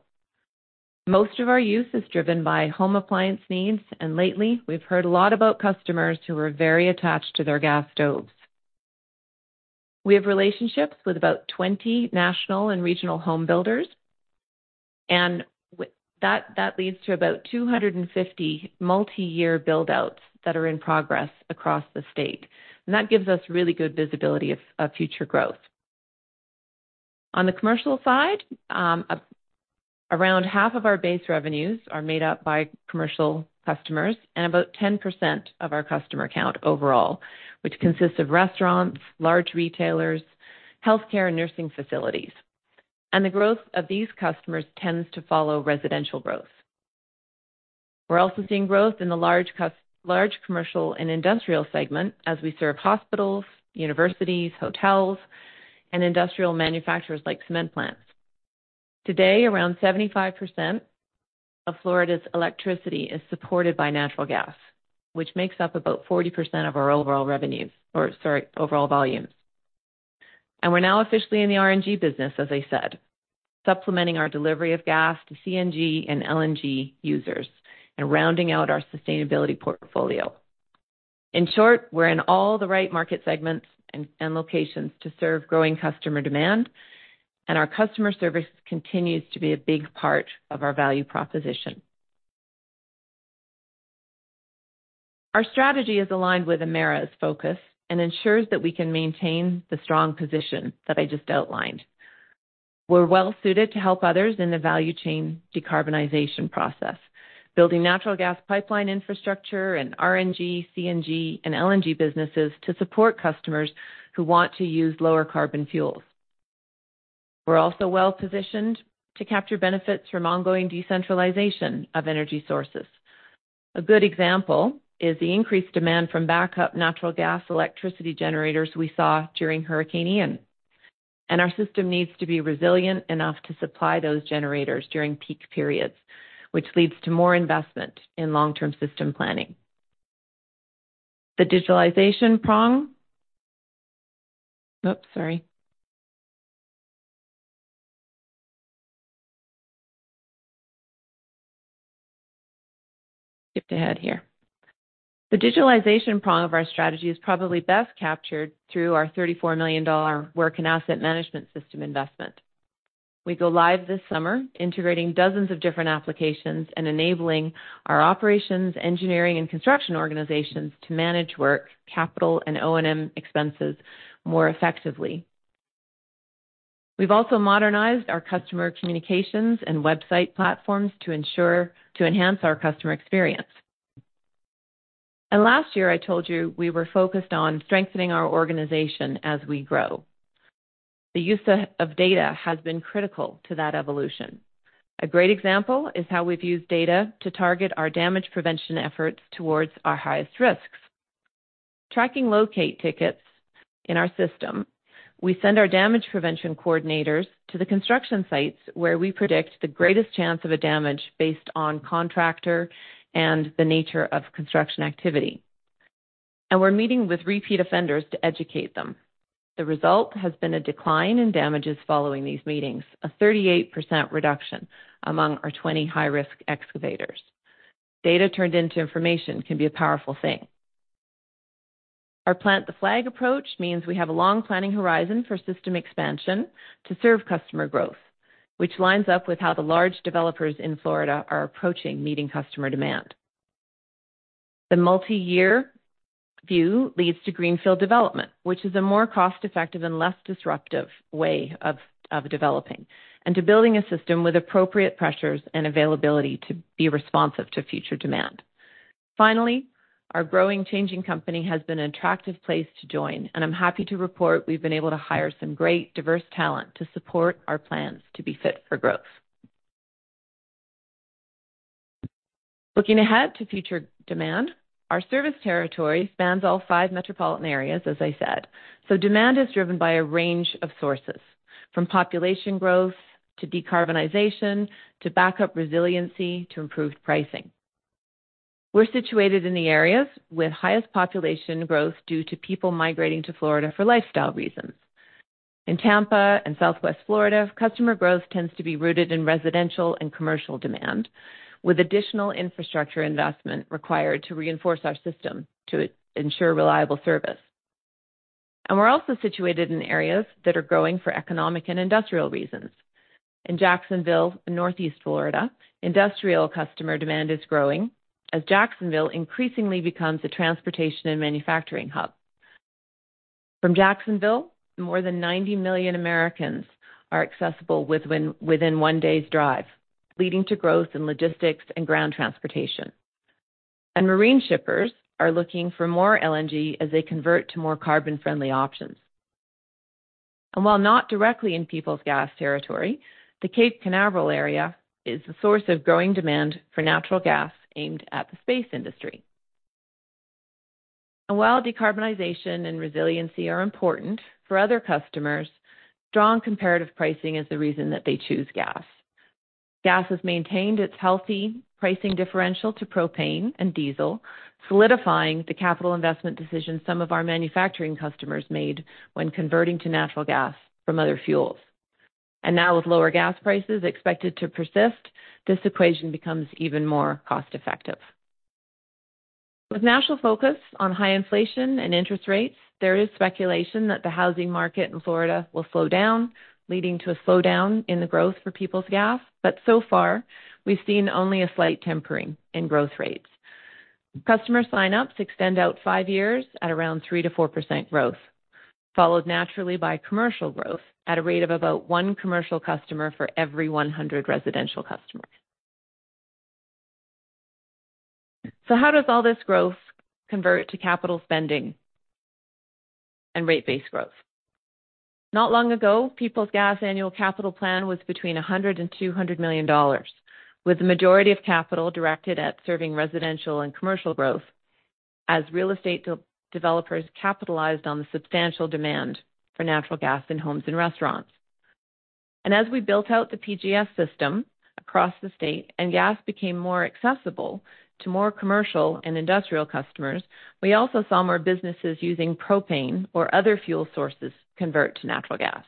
Most of our use is driven by home appliance needs, and lately, we've heard a lot about customers who are very attached to their gas stoves. We have relationships with about 20 national and regional home builders, and that leads to about 250 multi-year build-outs that are in progress across the state. That gives us really good visibility of future growth. On the commercial side, around half of our base revenues are made up by commercial customers and about 10% of our customer count overall, which consists of restaurants, large retailers, healthcare, and nursing facilities. The growth of these customers tends to follow residential growth. We're also seeing growth in the large commercial and industrial segment as we serve hospitals, universities, hotels, and industrial manufacturers like cement plants. Today, around 75% of Florida's electricity is supported by natural gas, which makes up about 40% of our overall revenues or, sorry, overall volumes. We're now officially in the RNG business, as I said, supplementing our delivery of gas to CNG and LNG users and rounding out our sustainability portfolio. In short, we're in all the right market segments and locations to serve growing customer demand. Our customer service continues to be a big part of our value proposition. Our strategy is aligned with Emera's focus and ensures that we can maintain the strong position that I just outlined. We're well suited to help others in the value chain decarbonization process, building natural gas pipeline infrastructure and RNG, CNG, and LNG businesses to support customers who want to use lower carbon fuels. We're also well-positioned to capture benefits from ongoing decentralization of energy sources. A good example is the increased demand from backup natural gas electricity generators we saw during Hurricane Ian. Our system needs to be resilient enough to supply those generators during peak periods, which leads to more investment in long-term system planning. The digitalization prong... Oops, sorry. Skipped ahead here. The digitalization prong of our strategy is probably best captured through our $34 million work and asset management system investment. We go live this summer integrating dozens of different applications and enabling our operations, engineering, and construction organizations to manage work, capital, and O&M expenses more effectively. We've also modernized our customer communications and website platforms to enhance our customer experience. Last year, I told you we were focused on strengthening our organization as we grow. The use of data has been critical to that evolution. A great example is how we've used data to target our damage prevention efforts towards our highest risks. Tracking locate tickets in our system, we send our damage prevention coordinators to the construction sites where we predict the greatest chance of a damage based on contractor and the nature of construction activity. We're meeting with repeat offenders to educate them. The result has been a decline in damages following these meetings, a 38% reduction among our 20 high-risk excavators. Data turned into information can be a powerful thing. Our plant the flag approach means we have a long planning horizon for system expansion to serve customer growth, which lines up with how the large developers in Florida are approaching meeting customer demand. The multi-year view leads to greenfield development, which is a more cost-effective and less disruptive way of developing and to building a system with appropriate pressures and availability to be responsive to future demand. Finally, our growing, changing company has been an attractive place to join, and I'm happy to report we've been able to hire some great diverse talent to support our plans to be fit for growth. Looking ahead to future demand, our service territory spans all five metropolitan areas, as I said, demand is driven by a range of sources from population growth to decarbonization to backup resiliency to improved pricing. We're situated in the areas with highest population growth due to people migrating to Florida for lifestyle reasons. In Tampa and Southwest Florida, customer growth tends to be rooted in residential and commercial demand, with additional infrastructure investment required to reinforce our system to ensure reliable service. We're also situated in areas that are growing for economic and industrial reasons. In Jacksonville and Northeast Florida, industrial customer demand is growing as Jacksonville increasingly becomes a transportation and manufacturing hub. From Jacksonville, more than 90 million Americans are accessible within one day's drive, leading to growth in logistics and ground transportation. Marine shippers are looking for more LNG as they convert to more carbon-friendly options. While not directly in Peoples Gas territory, the Cape Canaveral area is the source of growing demand for natural gas aimed at the space industry. While decarbonization and resiliency are important for other customers, strong comparative pricing is the reason that they choose gas. Gas has maintained its healthy pricing differential to propane and diesel, solidifying the capital investment decisions some of our manufacturing customers made when converting to natural gas from other fuels. Now with lower gas prices expected to persist, this equation becomes even more cost-effective. With national focus on high inflation and interest rates, there is speculation that the housing market in Florida will slow down, leading to a slowdown in the growth for Peoples Gas. So far, we've seen only a slight tempering in growth rates. Customer signups extend out five years at around 3%-4% growth, followed naturally by commercial growth at a rate of about one commercial customer for every 100 residential customers. How does all this growth convert to capital spending and rate base growth? Not long ago, Peoples Gas annual capital plan was between $100 million-$200 million, with the majority of capital directed at serving residential and commercial growth as real estate developers capitalized on the substantial demand for natural gas in homes and restaurants. As we built out the PGS system across the state and gas became more accessible to more commercial and industrial customers, we also saw more businesses using propane or other fuel sources convert to natural gas.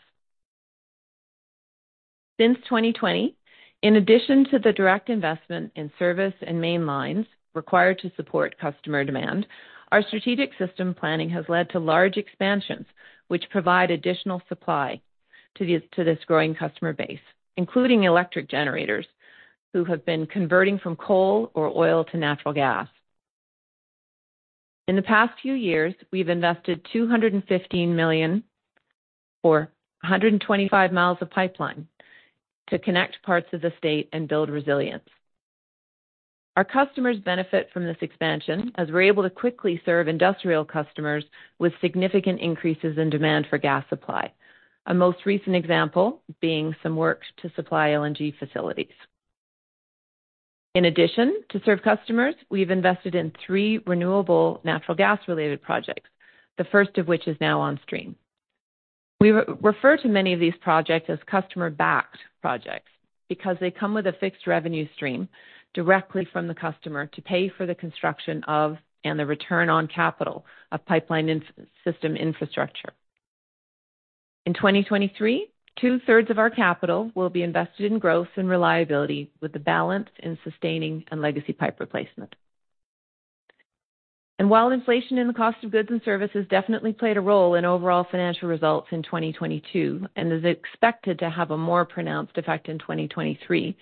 Since 2020, in addition to the direct investment in service and main lines required to support customer demand, our strategic system planning has led to large expansions which provide additional supply to this growing customer base, including electric generators who have been converting from coal or oil to natural gas. In the past few years, we've invested $215 million for 125 miles of pipeline to connect parts of the state and build resilience. Our customers benefit from this expansion as we're able to quickly serve industrial customers with significant increases in demand for gas supply. A most recent example being some work to supply LNG facilities. In addition, to serve customers, we've invested in three renewable natural gas-related projects, the first of which is now on stream. We refer to many of these projects as customer-backed projects because they come with a fixed revenue stream directly from the customer to pay for the construction of, and the return on capital of pipeline system infrastructure. In 2023, two-thirds of our capital will be invested in growth and reliability with the balance in sustaining and legacy pipe replacement. While inflation in the cost of goods and services definitely played a role in overall financial results in 2022, and is expected to have a more pronounced effect in 2023,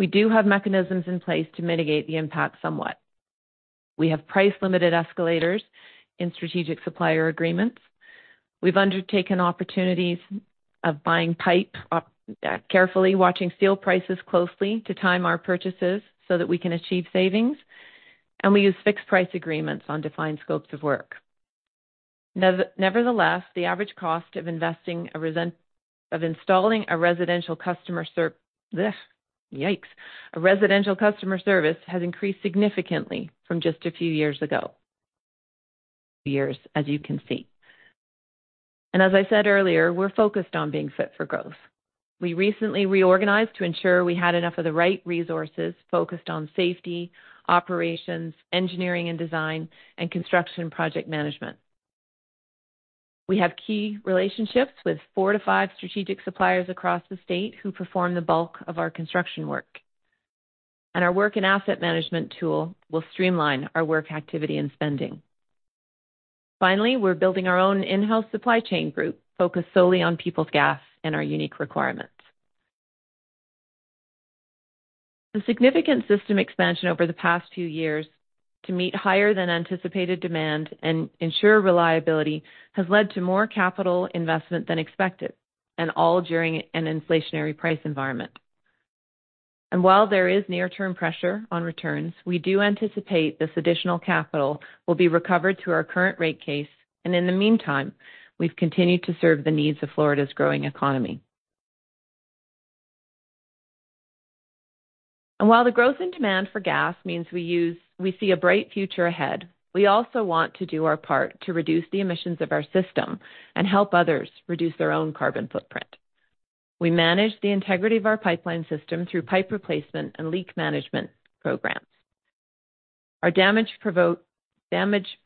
we do have mechanisms in place to mitigate the impact somewhat. We have price-limited escalators in strategic supplier agreements. We've undertaken opportunities of buying pipe up, carefully watching steel prices closely to time our purchases so that we can achieve savings, and we use fixed price agreements on defined scopes of work. Nevertheless, A residential customer service has increased significantly from just a few years ago. Years, as you can see. As I said earlier, we're focused on being fit for growth. We recently reorganized to ensure we had enough of the right resources focused on safety, operations, engineering and design, and construction project management. We have key relationships with 4-5 strategic suppliers across the state who perform the bulk of our construction work. Our work and asset management tool will streamline our work activity and spending. Finally, we're building our own in-house supply chain group focused solely on Peoples Gas and our unique requirements. The significant system expansion over the past few years to meet higher than anticipated demand and ensure reliability has led to more capital investment than expected, and all during an inflationary price environment. While there is near-term pressure on returns, we do anticipate this additional capital will be recovered through our current rate case. In the meantime, we've continued to serve the needs of Florida's growing economy. While the growth in demand for gas means we see a bright future ahead, we also want to do our part to reduce the emissions of our system and help others reduce their own carbon footprint. We manage the integrity of our pipeline system through pipe replacement and leak management programs. Our Damage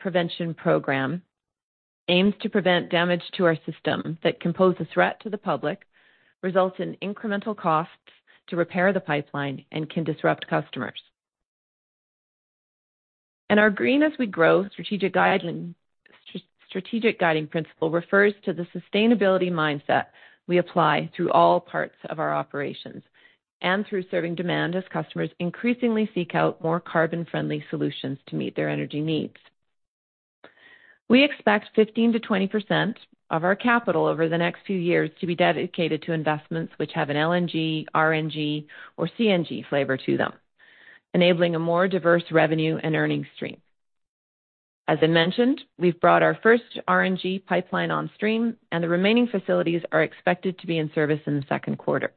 Prevention Program aims to prevent damage to our system that can pose a threat to the public, results in incremental costs to repair the pipeline, and can disrupt customers. Our Green as we Grow strategic guiding principle refers to the sustainability mindset we apply through all parts of our operations and through serving demand as customers increasingly seek out more carbon-friendly solutions to meet their energy needs. We expect 15%-20% of our capital over the next few years to be dedicated to investments which have an LNG, RNG, or CNG flavor to them, enabling a more diverse revenue and earning stream. As I mentioned, we've brought our first RNG pipeline on stream. The remaining facilities are expected to be in service in the second quarter.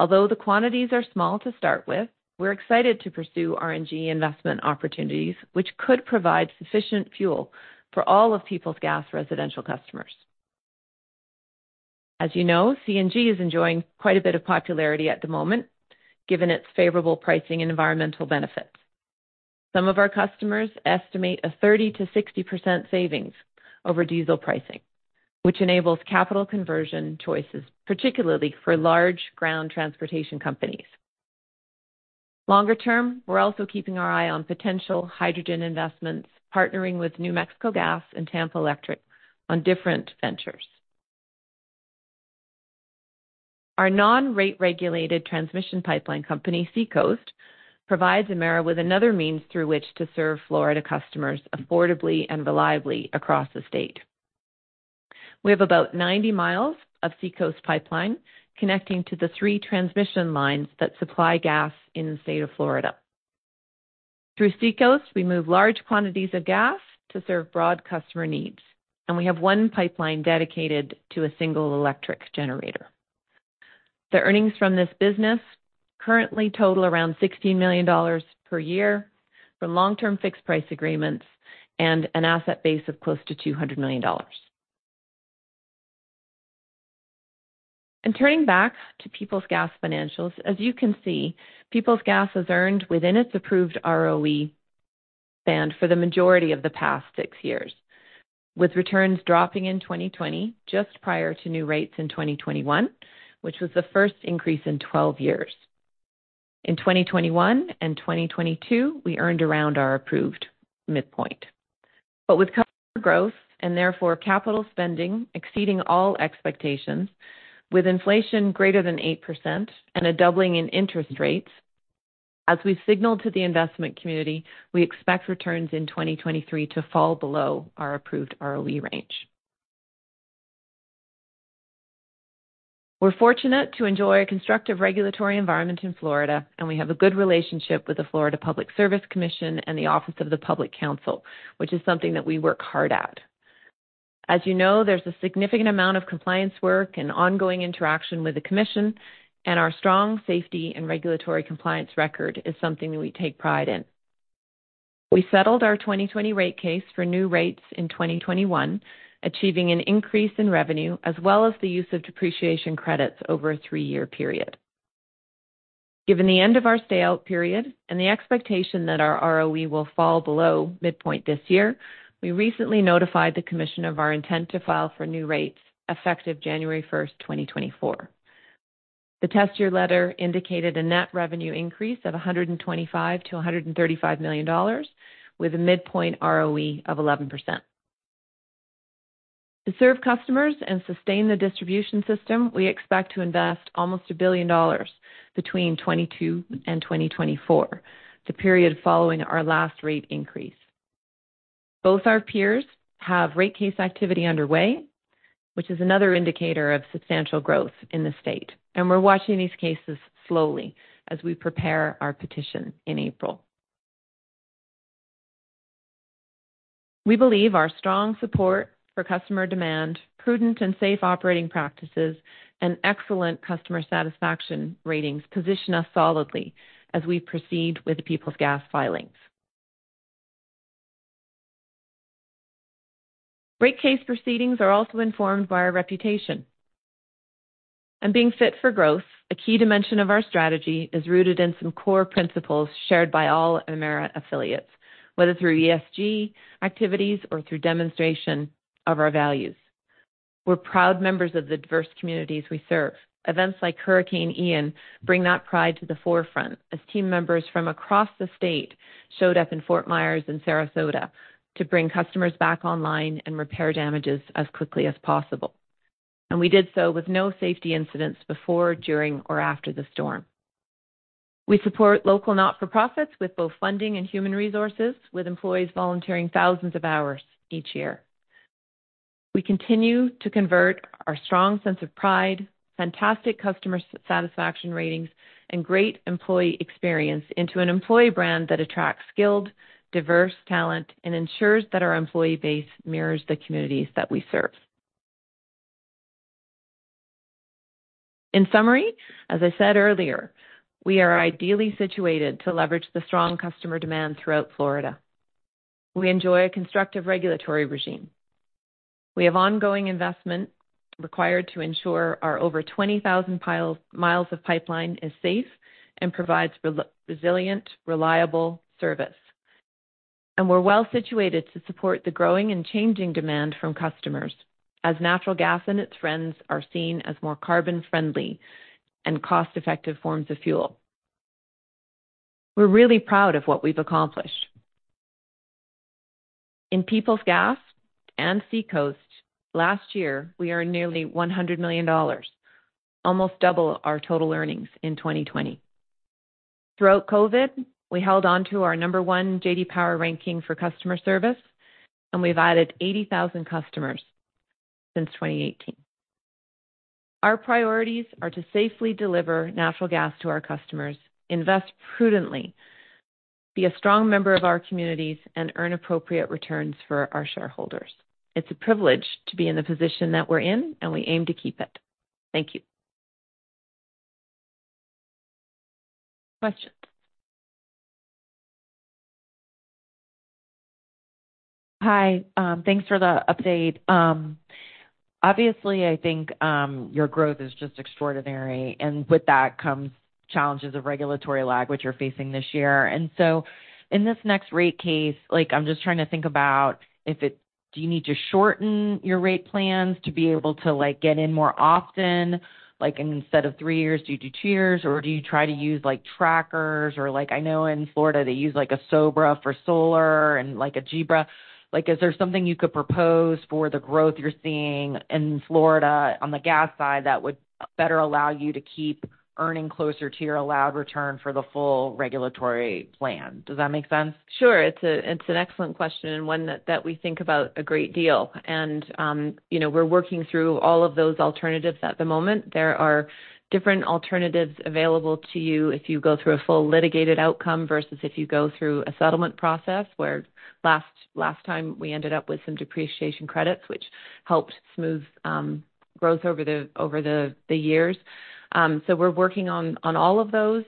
Although the quantities are small to start with, we're excited to pursue RNG investment opportunities, which could provide sufficient fuel for all of Peoples Gas residential customers. As you know, CNG is enjoying quite a bit of popularity at the moment, given its favorable pricing and environmental benefits. Some of our customers estimate a 30%-60% savings over diesel pricing, which enables capital conversion choices, particularly for large ground transportation companies. Longer term, we're also keeping our eye on potential hydrogen investments, partnering with New Mexico Gas and Tampa Electric on different ventures. Our non-rate-regulated transmission pipeline company, SeaCoast, provides Emera with another means through which to serve Florida customers affordably and reliably across the state. We have about 90 miles of SeaCoast pipeline connecting to the three transmission lines that supply gas in the state of Florida. Through SeaCoast, we move large quantities of gas to serve broad customer needs, and we have one pipeline dedicated to a single electric generator. The earnings from this business currently total around $16 million per year from long-term fixed-price agreements and an asset base of close to $200 million. Turning back to Peoples Gas financials, as you can see, Peoples Gas has earned within its approved ROE band for the majority of the past six years, with returns dropping in 2020 just prior to new rates in 2021, which was the first increase in 12 years. In 2021 and 2022, we earned around our approved midpoint. With customer growth and therefore capital spending exceeding all expectations with inflation greater than 8% and a doubling in interest rates, as we signaled to the investment community, we expect returns in 2023 to fall below our approved ROE range. We're fortunate to enjoy a constructive regulatory environment in Florida, we have a good relationship with the Florida Public Service Commission and the Office of the Public Counsel, which is something that we work hard at. You know, there's a significant amount of compliance work and ongoing interaction with the commission, and our strong safety and regulatory compliance record is something that we take pride in. We settled our 2020 rate case for new rates in 2021, achieving an increase in revenue as well as the use of depreciation credits over a three-year period. Given the end of our stay out period and the expectation that our ROE will fall below midpoint this year, we recently notified the commission of our intent to file for new rates effective January 1, 2024. The test year letter indicated a net revenue increase of $125 million-$135 million with a midpoint ROE of 11%. To serve customers and sustain the distribution system, we expect to invest almost $1 billion between 2022 and 2024, the period following our last rate increase. Both our peers have rate case activity underway, which is another indicator of substantial growth in the state, we're watching these cases slowly as we prepare our petition in April. We believe our strong support for customer demand, prudent and safe operating practices, and excellent customer satisfaction ratings position us solidly as we proceed with Peoples Gas filings. Rate case proceedings are also informed by our reputation. Being fit for growth, a key dimension of our strategy, is rooted in some core principles shared by all Emera affiliates, whether through ESG activities or through demonstration of our values. We're proud members of the diverse communities we serve. Events like Hurricane Ian bring that pride to the forefront as team members from across the state showed up in Fort Myers and Sarasota to bring customers back online and repair damages as quickly as possible. We did so with no safety incidents before, during, or after the storm. We support local not-for-profits with both funding and human resources, with employees volunteering thousands of hours each year. We continue to convert our strong sense of pride, fantastic customer satisfaction ratings, and great employee experience into an employee brand that attracts skilled, diverse talent and ensures that our employee base mirrors the communities that we serve. In summary, as I said earlier, we are ideally situated to leverage the strong customer demand throughout Florida. We enjoy a constructive regulatory regime. We have ongoing investment required to ensure our over 20,000 miles of pipeline is safe and provides resilient, reliable service. We're well-situated to support the growing and changing demand from customers as natural gas and its friends are seen as more carbon-friendly and cost-effective forms of fuel. We're really proud of what we've accomplished. In Peoples Gas and SeaCoast, last year, we earned nearly $100 million, almost double our total earnings in 2020. Throughout COVID, we held on to our number one J.D. Power ranking for customer service, and we've added 80,000 customers since 2018. Our priorities are to safely deliver natural gas to our customers, invest prudently be a strong member of our communities and earn appropriate returns for our shareholders. It's a privilege to be in the position that we're in, and we aim to keep it. Thank you. Questions. Hi. Thanks for the update. Obviously, I think, your growth is just extraordinary, and with that comes challenges of regulatory lag, which you're facing this year. In this next rate case, like I'm just trying to think about, do you need to shorten your rate plans to be able to, like, get in more often? Like, instead of three years, do you do two years? Or do you try to use, like, trackers or like I know in Florida, they use like a SOBRA for solar and like a GBRA. Like, is there something you could propose for the growth you're seeing in Florida on the gas side that would better allow you to keep earning closer to your allowed return for the full regulatory plan? Does that make sense? Sure. It's an excellent question and one that we think about a great deal. You know, we're working through all of those alternatives at the moment. There are different alternatives available to you if you go through a full litigated outcome versus if you go through a settlement process, where last time we ended up with some depreciation credits, which helped smooth growth over the years. So we're working on all of those.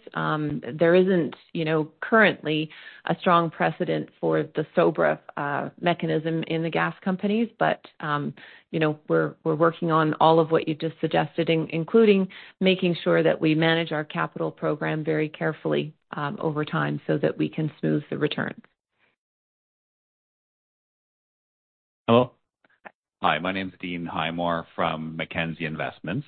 There isn't, you know, currently a strong precedent for the SOBRA mechanism in the gas companies, but, you know, we're working on all of what you just suggested, including making sure that we manage our capital program very carefully over time so that we can smooth the returns. Hello. Hi, my name is Dean Highmoor from Mackenzie Investments.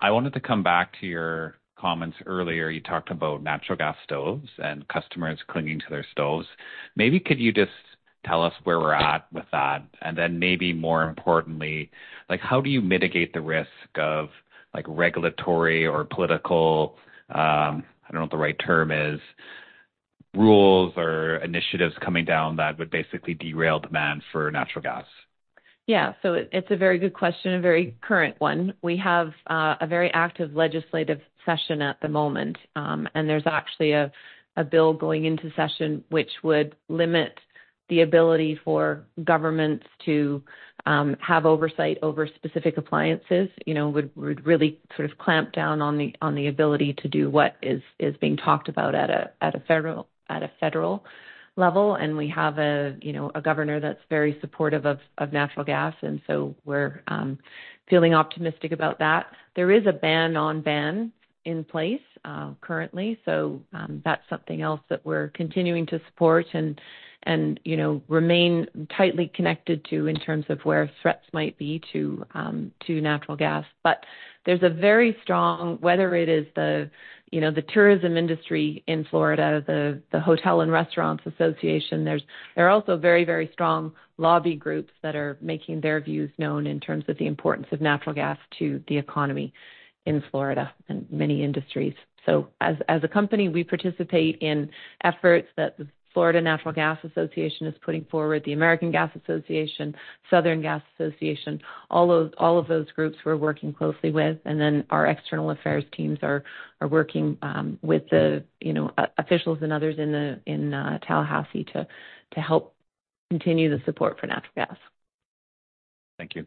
I wanted to come back to your comments earlier. You talked about natural gas stoves and customers clinging to their stoves. Maybe could you just tell us where we're at with that? Maybe more importantly, how do you mitigate the risk of regulatory or political, I don't know what the right term is, rules or initiatives coming down that would basically derail demand for natural gas? Yeah. It's a very good question, a very current one. We have a very active legislative session at the moment, and there's actually a bill going into session which would limit the ability for governments to have oversight over specific appliances. You know, would really sort of clamp down on the ability to do what is being talked about at a federal level. We have a governor that's very supportive of natural gas, and so we're feeling optimistic about that. There is a ban on ban in place currently. That's something else that we're continuing to support and, you know, remain tightly connected to in terms of where threats might be to natural gas. There's a very strong, whether it is the, you know, the tourism industry in Florida, the hotel and restaurants association, there are also very, very strong lobby groups that are making their views known in terms of the importance of natural gas to the economy in Florida and many industries. As, as a company, we participate in efforts that the Florida Natural Gas Association is putting forward, the American Gas Association, Southern Gas Association, all of those groups we're working closely with. Then our external affairs teams are working with the, you know, officials and others in Tallahassee to help continue the support for natural gas. Thank you.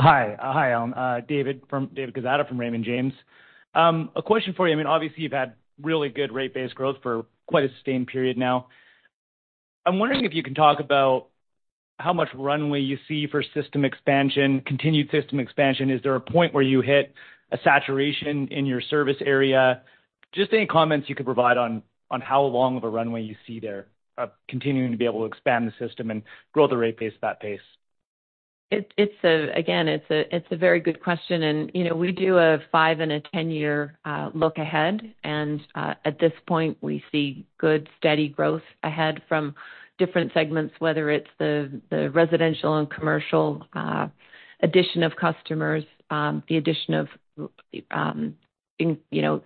Hi. Hi, Helen. David Quezada from Raymond James. A question for you. I mean, obviously, you've had really good rate-based growth for quite a sustained period now. I'm wondering if you can talk about how much runway you see for continued system expansion. Is there a point where you hit a saturation in your service area? Just any comments you could provide on how long of a runway you see there, continuing to be able to expand the system and grow at the rate base at that pace. Again, it's a very good question. You know, we do a five and a 10-year look ahead. At this point, we see good steady growth ahead from different segments, whether it's the residential and commercial addition of customers, the addition of, you know,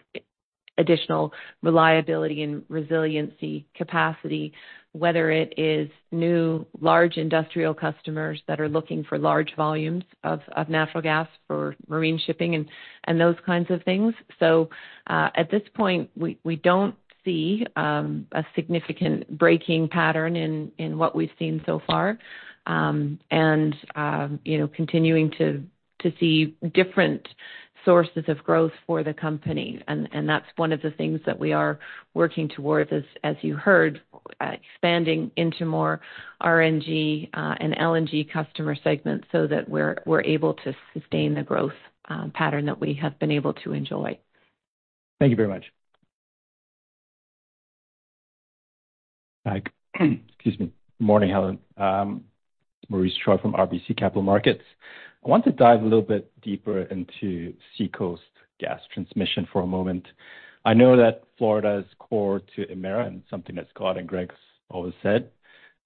additional reliability and resiliency capacity. Whether it is new large industrial customers that are looking for large volumes of natural gas for marine shipping and those kinds of things. At this point, we don't see a significant breaking pattern in what we've seen so far. You know, continuing to see different sources of growth for the company. That's one of the things that we are working towards, as you heard, expanding into more RNG and LNG customer segments so that we're able to sustain the growth pattern that we have been able to enjoy. Thank you very much. Hi. Excuse me. Morning, Helen. Maurice Choy from RBC Capital Markets. I want to dive a little bit deeper into SeaCoast Gas Transmission for a moment. I know that Florida is core to Emera, something that Scott and Greg's always said.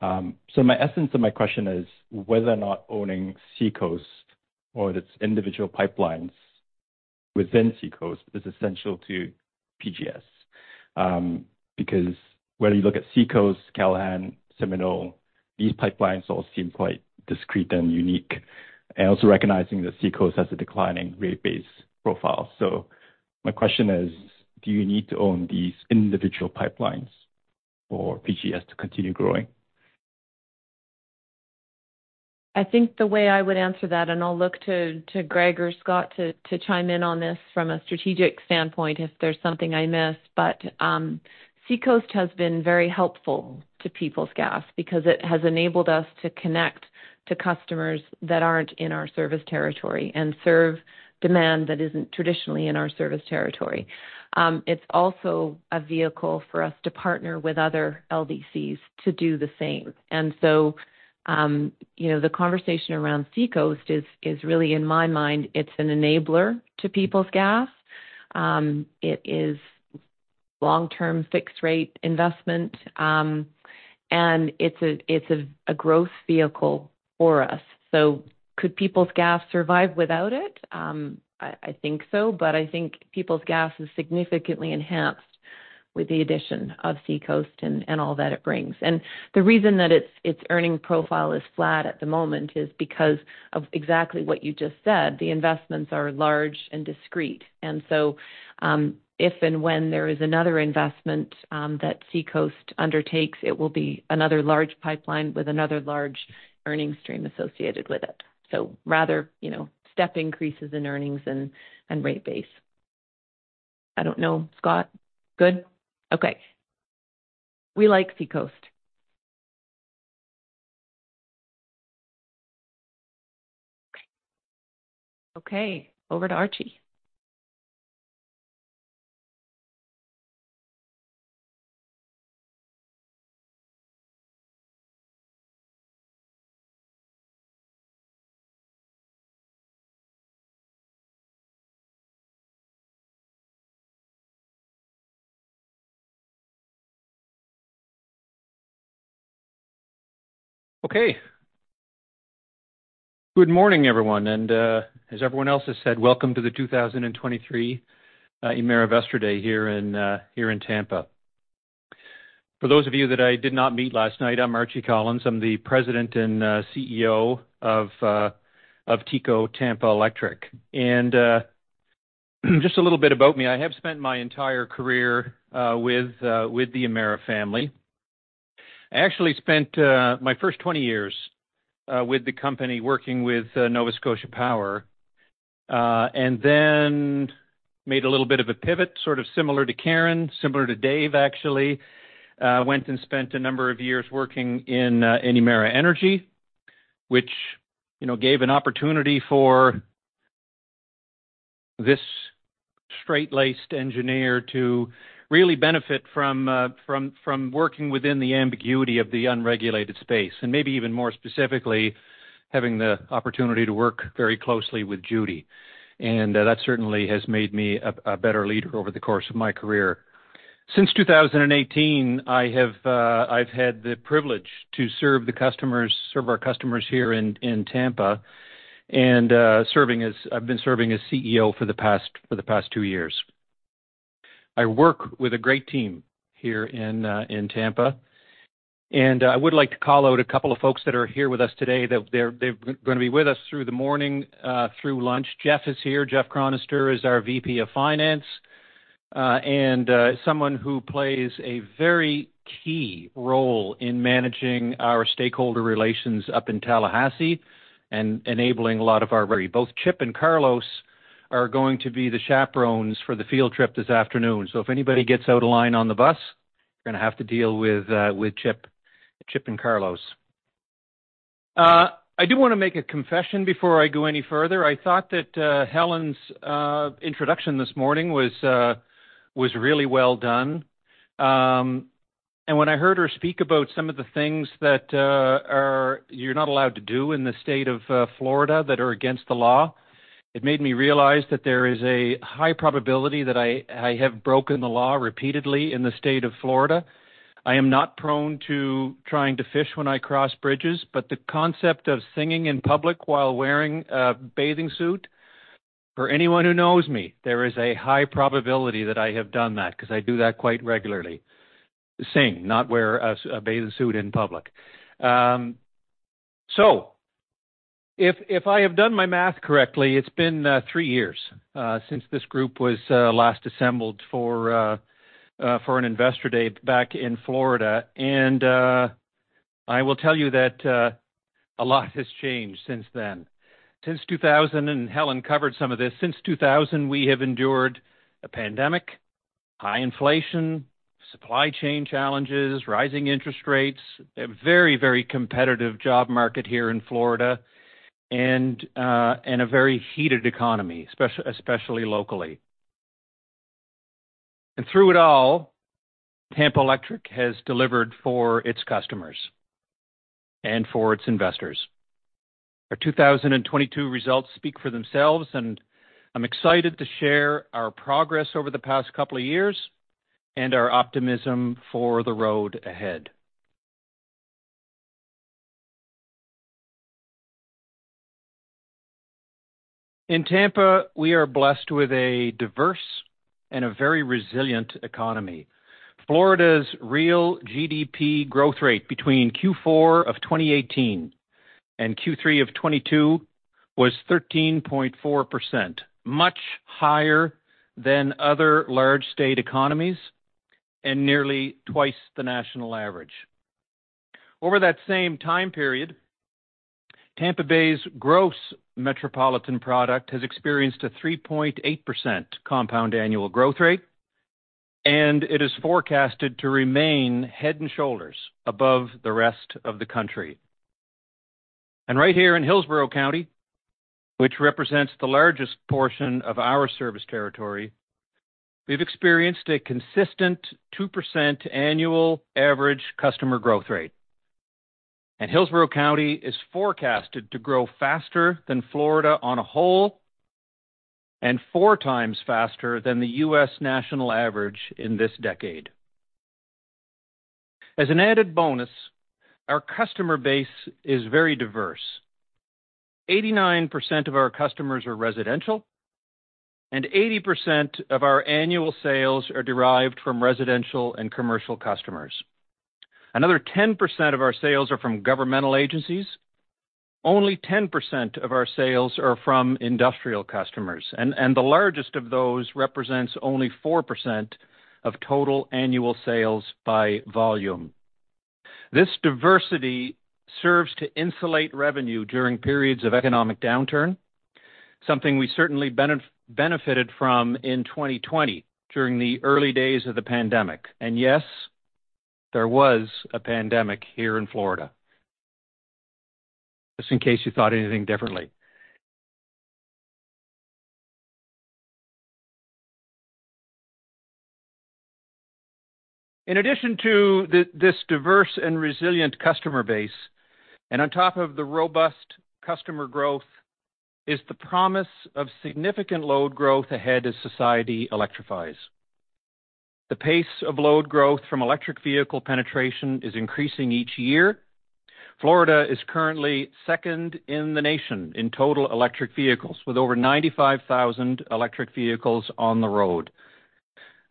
My essence of my question is whether or not owning SeaCoast or its individual pipelines within SeaCoast is essential to PGS. Because whether you look at SeaCoast, Callahan, Seminole, these pipelines all seem quite discrete and unique. Also recognizing that SeaCoast has a declining rate base profile. My question is, do you need to own these individual pipelines for PGS to continue growing? I think the way I would answer that, I'll look to Greg or Scott to chime in on this from a strategic standpoint if there's something I missed. SeaCoast has been very helpful to Peoples Gas because it has enabled us to connect to customers that aren't in our service territory and serve demand that isn't traditionally in our service territory. It's also a vehicle for us to partner with other LDCs to do the same. You know, the conversation around SeaCoast is really in my mind, it's an enabler to Peoples Gas. It is long-term fixed-rate investment, and it's a growth vehicle for us. Could Peoples Gas survive without it? I think so, I think Peoples Gas is significantly enhanced with the addition of SeaCoast and all that it brings. The reason that its earning profile is flat at the moment is because of exactly what you just said. The investments are large and discrete. If and when there is another investment that SeaCoast undertakes, it will be another large pipeline with another large earning stream associated with it. Rather, you know, step increases in earnings and rate base. I don't know. Scott, good? Okay. We like SeaCoast. Okay, over to Archie. Okay. Good morning, everyone, and, as everyone else has said, welcome to the 2023 Emera Investor Day here in Tampa. For those of you that I did not meet last night, I'm Archie Collins. I'm the President and CEO of TECO Tampa Electric. Just a little bit about me. I have spent my entire career with the Emera family. I actually spent my first 20 years with the company working with Nova Scotia Power, and then made a little bit of a pivot, sort of similar to Karen, similar to Dave, actually. Went and spent a number of years working in Emera Energy, which, you know, gave an opportunity for this straight-laced engineer to really benefit from working within the ambiguity of the unregulated space, and maybe even more specifically, having the opportunity to work very closely with Judy. That certainly has made me a better leader over the course of my career. Since 2018, I've had the privilege to serve our customers here in Tampa, and I've been serving as CEO for the past two years. I work with a great team here in Tampa, and I would like to call out a couple of folks that are here with us today. They're gonna be with us through the morning, through lunch. Jeff is here. Jeff Chronister is our VP of Finance, and someone who plays a very key role in managing our stakeholder relations up in Tallahassee and enabling a lot of our... Both Chip and Carlos are going to be the chaperones for the field trip this afternoon. If anybody gets out of line on the bus, you're gonna have to deal with Chip and Carlos. I do want to make a confession before I go any further. I thought that Helen's introduction this morning was really well done. When I heard her speak about some of the things that you're not allowed to do in the state of Florida that are against the law, it made me realize that there is a high probability that I have broken the law repeatedly in the state of Florida. I am not prone to trying to fish when I cross bridges, but the concept of singing in public while wearing a bathing suit. For anyone who knows me, there is a high probability that I have done that, because I do that quite regularly. Sing, not wear a bathing suit in public. If I have done my math correctly, it's been three years since this group was last assembled for an Investor Day back in Florida. I will tell you that a lot has changed since then. Since 2000, and Helen covered some of this. Since 2000, we have endured a pandemic, high inflation, supply chain challenges, rising interest rates, a very, very competitive job market here in Florida, and a very heated economy, especially locally. Through it all, Tampa Electric has delivered for its customers and for its investors. Our 2022 results speak for themselves, and I'm excited to share our progress over the past couple of years and our optimism for the road ahead. In Tampa, we are blessed with a diverse and a very resilient economy. Florida's real GDP growth rate between Q4 of 2018 and Q3 of 2022 was 13.4%, much higher than other large state economies and nearly twice the national average. Over that same time period, Tampa Bay's gross metropolitan product has experienced a 3.8% compound annual growth rate, it is forecasted to remain head and shoulders above the rest of the country. Right here in Hillsborough County, which represents the largest portion of our service territory, we've experienced a consistent 2% annual average customer growth rate. Hillsborough County is forecasted to grow faster than Florida on a whole and four times faster than the U.S. national average in this decade. As an added bonus, our customer base is very diverse. 89% of our customers are residential, and 80% of our annual sales are derived from residential and commercial customers. Another 10% of our sales are from governmental agencies. Only 10% of our sales are from industrial customers, and the largest of those represents only 4% of total annual sales by volume. This diversity serves to insulate revenue during periods of economic downturn, something we certainly benefited from in 2020 during the early days of the pandemic. Yes, there was a pandemic here in Florida. Just in case you thought anything differently. In addition to this diverse and resilient customer base, and on top of the robust customer growth, is the promise of significant load growth ahead as society electrifies. The pace of load growth from electric vehicle penetration is increasing each year. Florida is currently second in the nation in total electric vehicles with over 95,000 electric vehicles on the road.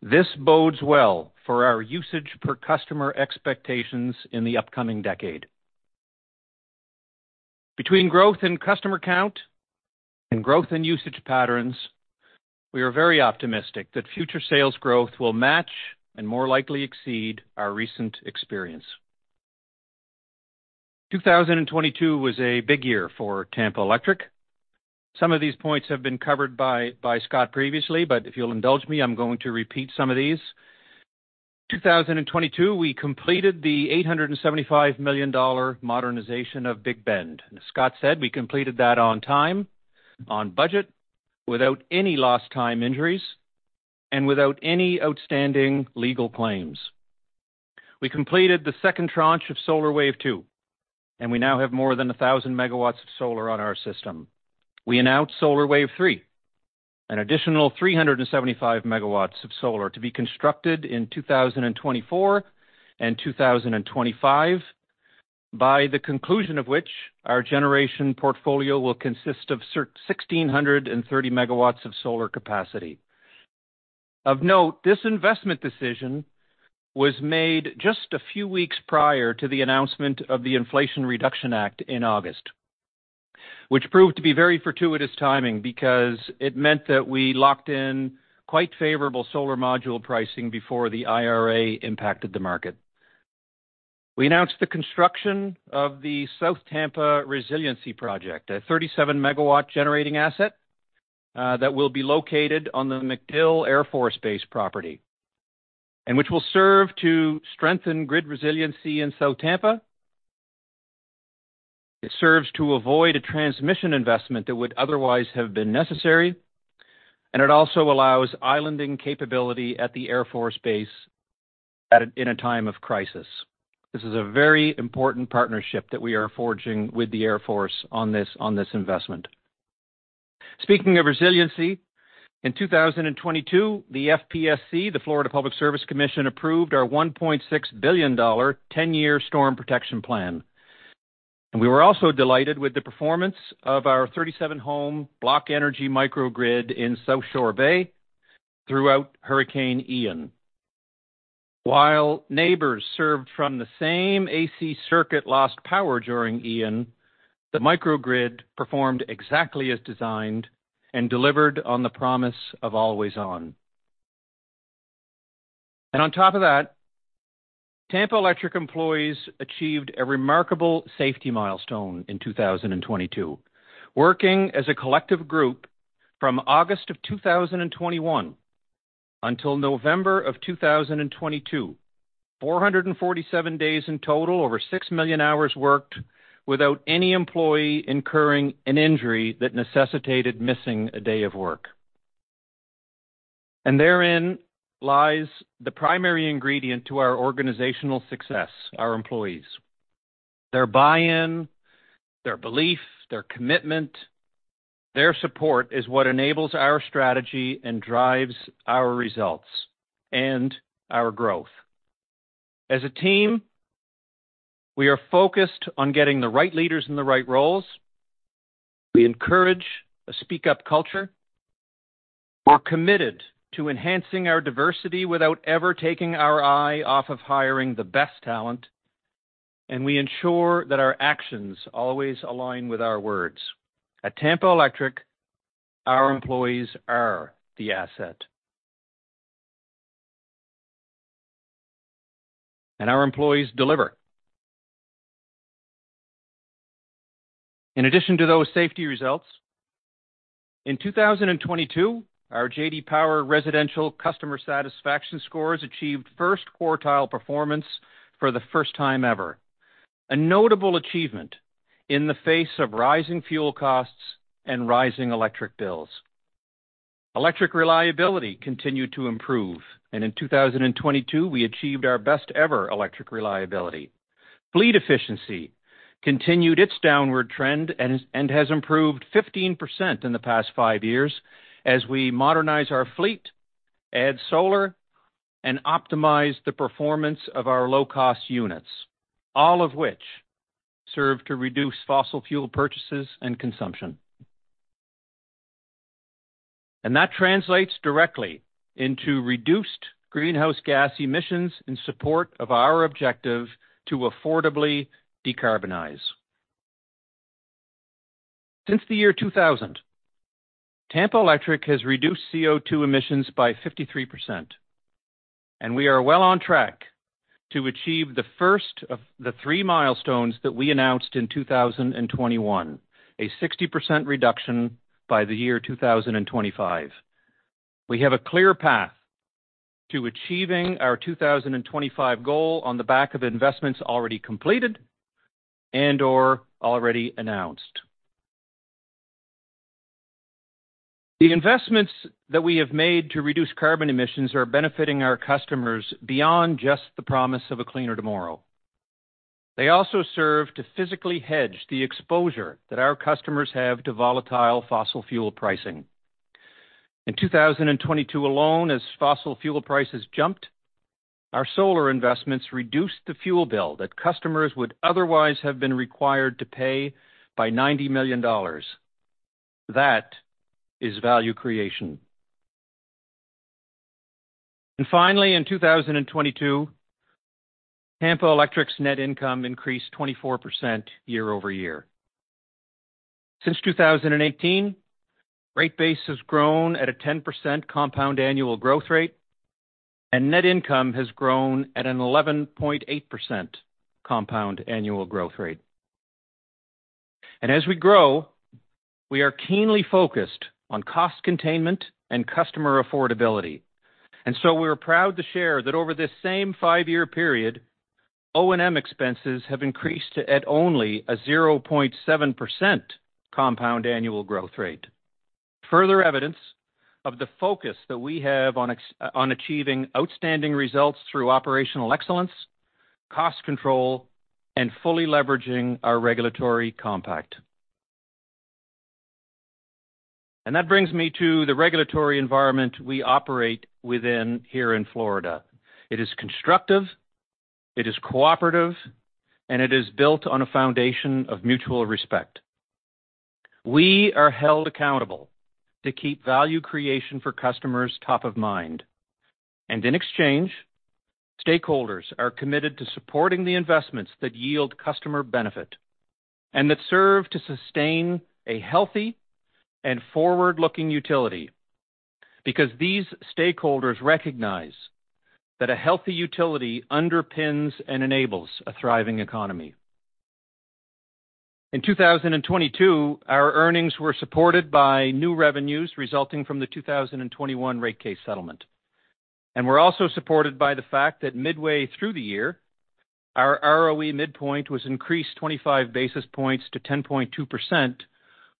This bodes well for our usage per customer expectations in the upcoming decade. Between growth in customer count and growth in usage patterns, we are very optimistic that future sales growth will match and more likely exceed our recent experience. 2022 was a big year for Tampa Electric. Some of these points have been covered by Scott previously, but if you'll indulge me, I'm going to repeat some of these. 2022, we completed the $875 million modernization of Big Bend. As Scott said, we completed that on time, on budget, without any lost time injuries, and without any outstanding legal claims. We completed the second tranche of Solar Wave 2, we now have more than 1,000 megawatts of solar on our system. We announced Solar Wave 3, an additional 375 megawatts of solar to be constructed in 2024 and 2025. By the conclusion of which, our generation portfolio will consist of 1,630 MW of solar capacity. Of note, this investment decision was made just a few weeks prior to the announcement of the Inflation Reduction Act in August, which proved to be very fortuitous timing because it meant that we locked in quite favorable solar module pricing before the IRA impacted the market. We announced the construction of the South Tampa Resiliency Project, a 37 MW generating asset, that will be located on the MacDill Air Force Base property and which will serve to strengthen grid resiliency in South Tampa. It serves to avoid a transmission investment that would otherwise have been necessary, it also allows islanding capability at the Air Force Base in a time of crisis. This is a very important partnership that we are forging with the Air Force on this, on this investment. Speaking of resiliency, in 2022, the FPSC, the Florida Public Service Commission, approved our $1.6 billion 10-year Storm Protection Plan. We were also delighted with the performance of our 37-home BlockEnergy microgrid in Southshore Bay throughout Hurricane Ian. While neighbors served from the same AC circuit lost power during Ian, the microgrid performed exactly as designed and delivered on the promise of always on. On top of that, Tampa Electric employees achieved a remarkable safety milestone in 2022. Working as a collective group from August of 2021 until November of 2022, 447 days in total, over 6 million hours worked without any employee incurring an injury that necessitated missing a day of work. Therein lies the primary ingredient to our organizational success, our employees. Their buy-in, their belief, their commitment, their support is what enables our strategy and drives our results and our growth. As a team, we are focused on getting the right leaders in the right roles. We encourage a speak up culture. We're committed to enhancing our diversity without ever taking our eye off of hiring the best talent. We ensure that our actions always align with our words. At Tampa Electric, our employees are the asset. Our employees deliver. In addition to those safety results, in 2022, our J.D. Power residential customer satisfaction scores achieved first quartile performance for the first time ever. A notable achievement in the face of rising fuel costs and rising electric bills. Electric reliability continued to improve, and in 2022 we achieved our best ever electric reliability. Fleet efficiency continued its downward trend and has improved 15% in the past five years as we modernize our fleet, add solar, and optimize the performance of our low-cost units, all of which serve to reduce fossil fuel purchases and consumption. That translates directly into reduced greenhouse gas emissions in support of our objective to affordably decarbonize. Since the year 2000, Tampa Electric has reduced CO₂ emissions by 53%, and we are well on track to achieve the first of the three milestones that we announced in 2021, a 60% reduction by the year 2025. We have a clear path to achieving our 2025 goal on the back of investments already completed and or already announced. The investments that we have made to reduce carbon emissions are benefiting our customers beyond just the promise of a cleaner tomorrow. They also serve to physically hedge the exposure that our customers have to volatile fossil fuel pricing. In 2022 alone, as fossil fuel prices jumped, our solar investments reduced the fuel bill that customers would otherwise have been required to pay by $90 million. That is value creation. Finally, in 2022, Tampa Electric's net income increased 24% year-over-year. Since 2018, rate base has grown at a 10% compound annual growth rate, and net income has grown at an 11.8% compound annual growth rate. As we grow, we are keenly focused on cost containment and customer affordability. We are proud to share that over this same five-year period, O&M expenses have increased at only a 0.7% compound annual growth rate. Further evidence of the focus that we have on achieving outstanding results through operational excellence, cost control, and fully leveraging our regulatory compact. That brings me to the regulatory environment we operate within here in Florida. It is constructive, it is cooperative, and it is built on a foundation of mutual respect. We are held accountable to keep value creation for customers top of mind. In exchange, stakeholders are committed to supporting the investments that yield customer benefit and that serve to sustain a healthy and forward-looking utility. These stakeholders recognize that a healthy utility underpins and enables a thriving economy. In 2022, our earnings were supported by new revenues resulting from the 2021 rate case settlement. Were also supported by the fact that midway through the year, our ROE midpoint was increased 25 basis points to 10.2%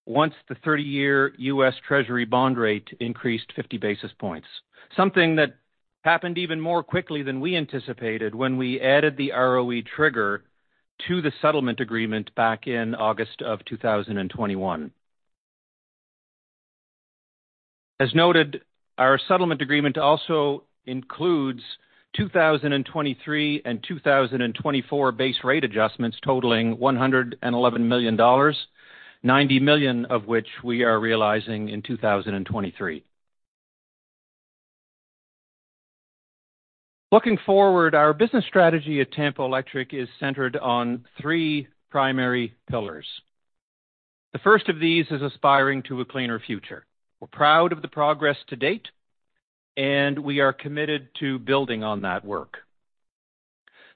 once the 30-year US Treasury bond rate increased 50 basis points. Something that happened even more quickly than we anticipated when we added the ROE trigger to the settlement agreement back in August of 2021. As noted, our settlement agreement also includes 2023 and 2024 base rate adjustments totaling $111 million, $90 million of which we are realizing in 2023. Looking forward, our business strategy at Tampa Electric is centered on three primary pillars. The first of these is aspiring to a cleaner future. We're proud of the progress to date, and we are committed to building on that work.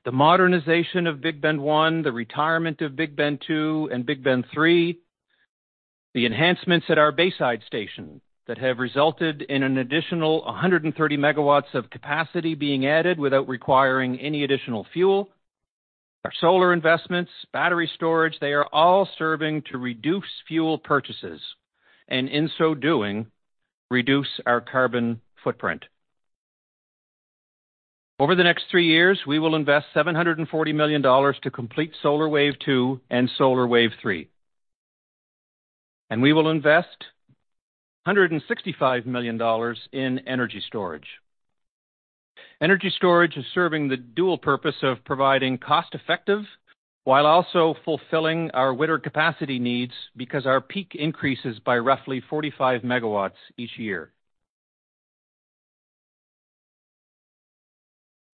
The modernization of Big Bend 1, the retirement of Big Bend 2 and Big Bend 3, the enhancements at our Bayside Station that have resulted in an additional 130 MW of capacity being added without requiring any additional fuel. Our solar investments, battery storage, they are all serving to reduce fuel purchases, and in so doing, reduce our carbon footprint. Over the next three years, we will invest $740 million to complete Solar Wave 2 and Solar Wave 3. We will invest $165 million in energy storage. Energy storage is serving the dual purpose of providing cost-effective while also fulfilling our winter capacity needs because our peak increases by roughly 45 MW each year.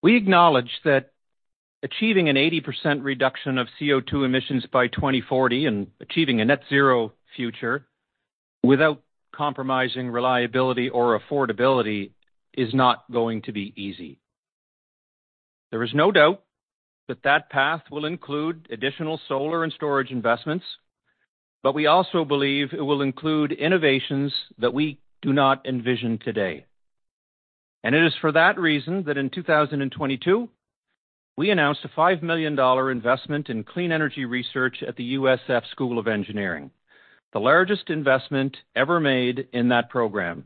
We acknowledge that achieving an 80% reduction of CO₂ emissions by 2040 and achieving a net zero future without compromising reliability or affordability is not going to be easy. There is no doubt that that path will include additional solar and storage investments. We also believe it will include innovations that we do not envision today. It is for that reason that in 2022, we announced a $5 million investment in clean energy research at the USF College of Engineering, the largest investment ever made in that program.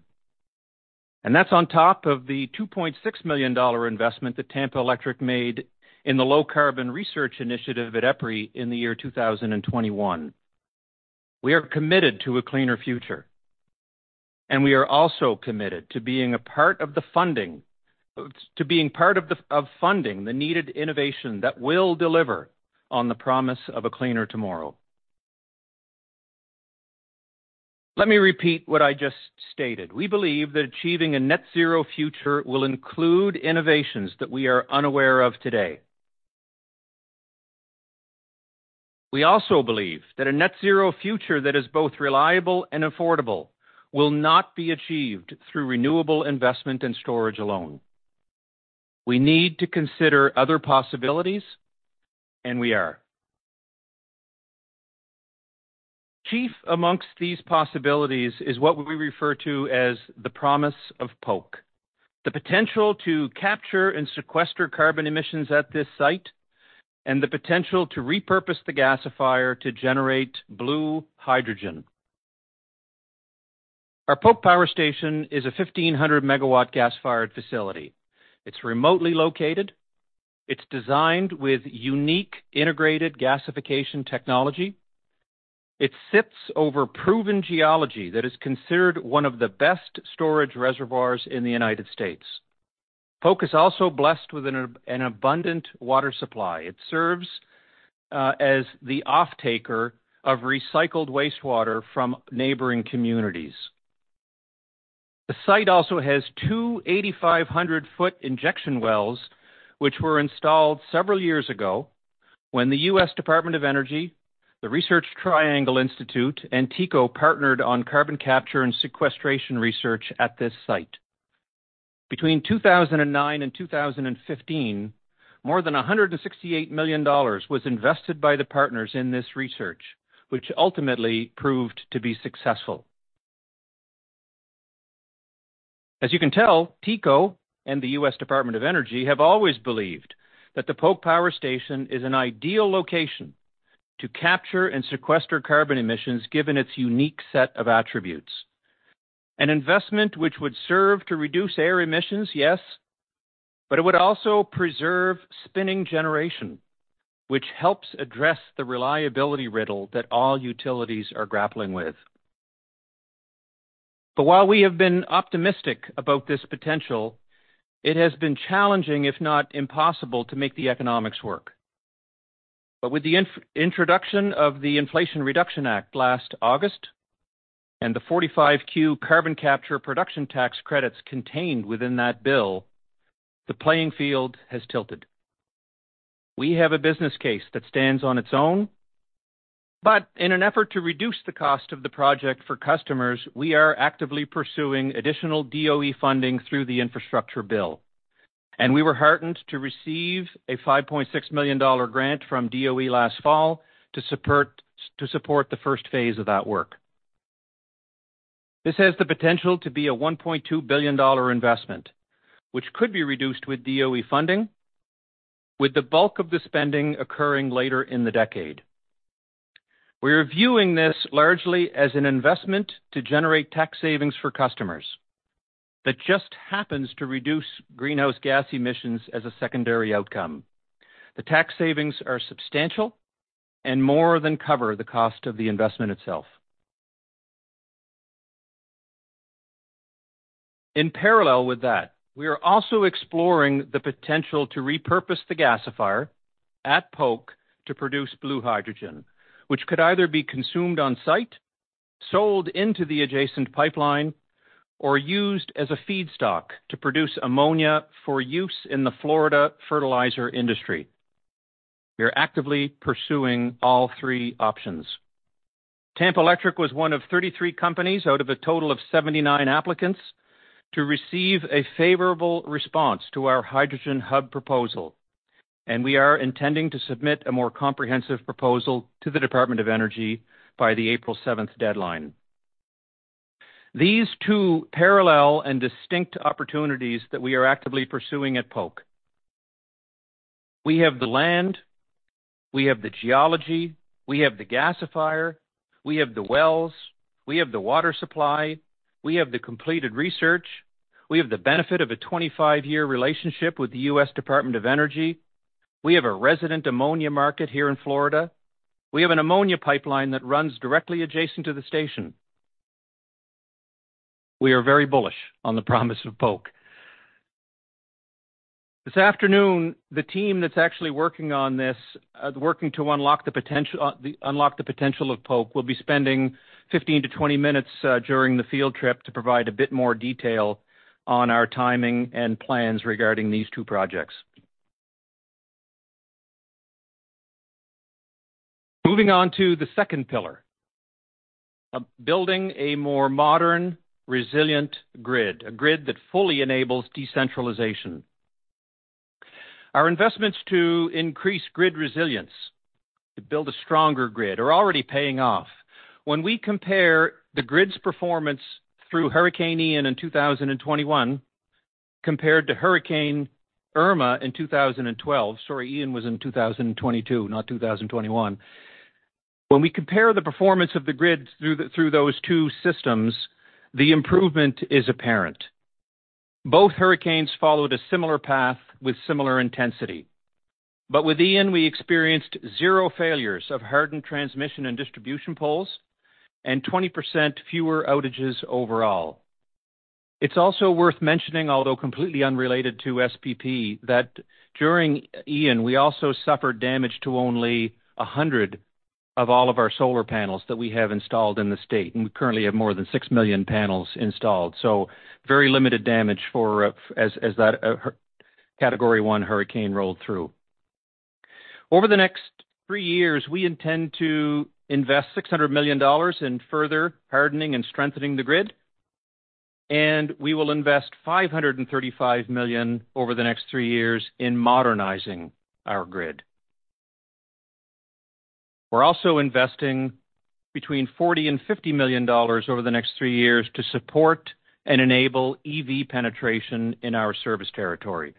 That's on top of the $2.6 million investment that Tampa Electric made in the Low Carbon Resources Initiative at EPRI in the year 2021. We are committed to a cleaner future, and we are also committed to being a part of the funding, to being part of funding the needed innovation that will deliver on the promise of a cleaner tomorrow. Let me repeat what I just stated. We believe that achieving a net zero future will include innovations that we are unaware of today. We also believe that a net zero future that is both reliable and affordable will not be achieved through renewable investment and storage alone. We need to consider other possibilities, and we are. Chief amongst these possibilities is what we refer to as the promise of Polk. The potential to capture and sequester carbon emissions at this site, and the potential to repurpose the gasifier to generate blue hydrogen. Our Polk Power Station is a 1,500 MW gas-fired facility. It's remotely located. It's designed with unique integrated gasification technology. It sits over proven geology that is considered one of the best storage reservoirs in the U.S. Polk is also blessed with an abundant water supply. It serves as the offtaker of recycled wastewater from neighboring communities. The site also has 2 8,500-foot injection wells, which were installed several years ago when the US Department of Energy, RTI International, and TECO partnered on carbon capture and sequestration research at this site. Between 2009 and 2015, more than $168 million was invested by the partners in this research, which ultimately proved to be successful. As you can tell, TECO and the US Department of Energy have always believed that the Polk Power Station is an ideal location to capture and sequester carbon emissions, given its unique set of attributes. An investment which would serve to reduce air emissions, yes, but it would also preserve spinning generation, which helps address the reliability riddle that all utilities are grappling with. While we have been optimistic about this potential, it has been challenging, if not impossible, to make the economics work. With the introduction of the Inflation Reduction Act last August and the 45Q carbon capture production tax credits contained within that bill, the playing field has tilted. We have a business case that stands on its own. In an effort to reduce the cost of the project for customers, we are actively pursuing additional DOE funding through the infrastructure bill. We were heartened to receive a $5.6 million grant from DOE last fall to support the first phase of that work. This has the potential to be a $1.2 billion investment, which could be reduced with DOE funding, with the bulk of the spending occurring later in the decade. We are viewing this largely as an investment to generate tax savings for customers that just happens to reduce greenhouse gas emissions as a secondary outcome. The tax savings are substantial and more than cover the cost of the investment itself. In parallel with that, we are also exploring the potential to repurpose the gasifier at Polk to produce blue hydrogen, which could either be consumed on-site, sold into the adjacent pipeline, or used as a feedstock to produce ammonia for use in the Florida fertilizer industry. We are actively pursuing all three options. Tampa Electric was one of 33 companies out of a total of 79 applicants to receive a favorable response to our hydrogen hub proposal, and we are intending to submit a more comprehensive proposal to the Department of Energy by the April 7th deadline. These two parallel and distinct opportunities that we are actively pursuing at Polk, we have the land, we have the geology, we have the gasifier, we have the wells, we have the water supply, we have the completed research. We have the benefit of a 25-year relationship with the US Department of Energy. We have a resident ammonia market here in Florida. We have an ammonia pipeline that runs directly adjacent to the station. We are very bullish on the promise of Polk. This afternoon, the team that's actually working on this, working to unlock the potential of Polk, will be spending 15-20 minutes during the field trip to provide a bit more detail on our timing and plans regarding these two projects. Moving on to the second pillar. Building a more modern, resilient grid. A grid that fully enables decentralization. Our investments to increase grid resilience, to build a stronger grid are already paying off. When we compare the grid's performance through Hurricane Ian in 2021 compared to Hurricane Irma in 2012. Sorry, Ian was in 2022, not 2021. When we compare the performance of the grid through those two systems, the improvement is apparent. Both hurricanes followed a similar path with similar intensity. With Ian, we experienced zero failures of hardened transmission and distribution poles and 20% fewer outages overall. It's also worth mentioning, although completely unrelated to SPP, that during Ian, we also suffered damage to only 100 of all of our solar panels that we have installed in the state, and we currently have more than 6 million panels installed. Very limited damage for as that Category 1 hurricane rolled through. Over the next three years, we intend to invest $600 million in further hardening and strengthening the grid, we will invest $535 million over the next three years in modernizing our grid. We're also investing between $40 million and $50 million over the next three years to support and enable EV penetration in our service territory.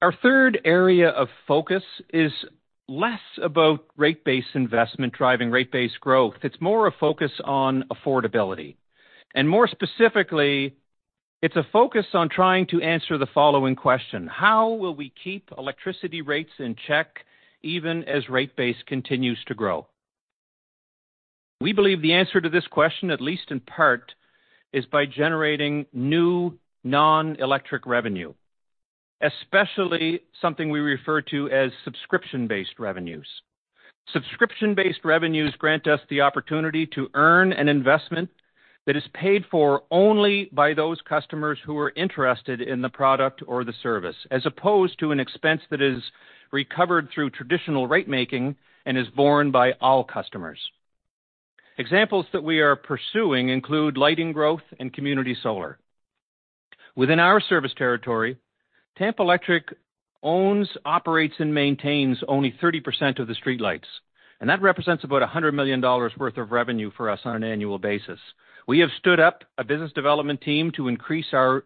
Our third area of focus is less about rate base investment driving rate base growth. It's more a focus on affordability, more specifically, it's a focus on trying to answer the following question: How will we keep electricity rates in check even as rate base continues to grow? We believe the answer to this question, at least in part, is by generating new non-electric revenue, especially something we refer to as subscription-based revenues. Subscription-based revenues grant us the opportunity to earn an investment that is paid for only by those customers who are interested in the product or the service, as opposed to an expense that is recovered through traditional rate making and is borne by all customers. Examples that we are pursuing include lighting growth and community solar. Within our service territory, Tampa Electric owns, operates, and maintains only 30% of the streetlights, and that represents about $100 million worth of revenue for us on an annual basis. We have stood up a business development team to increase our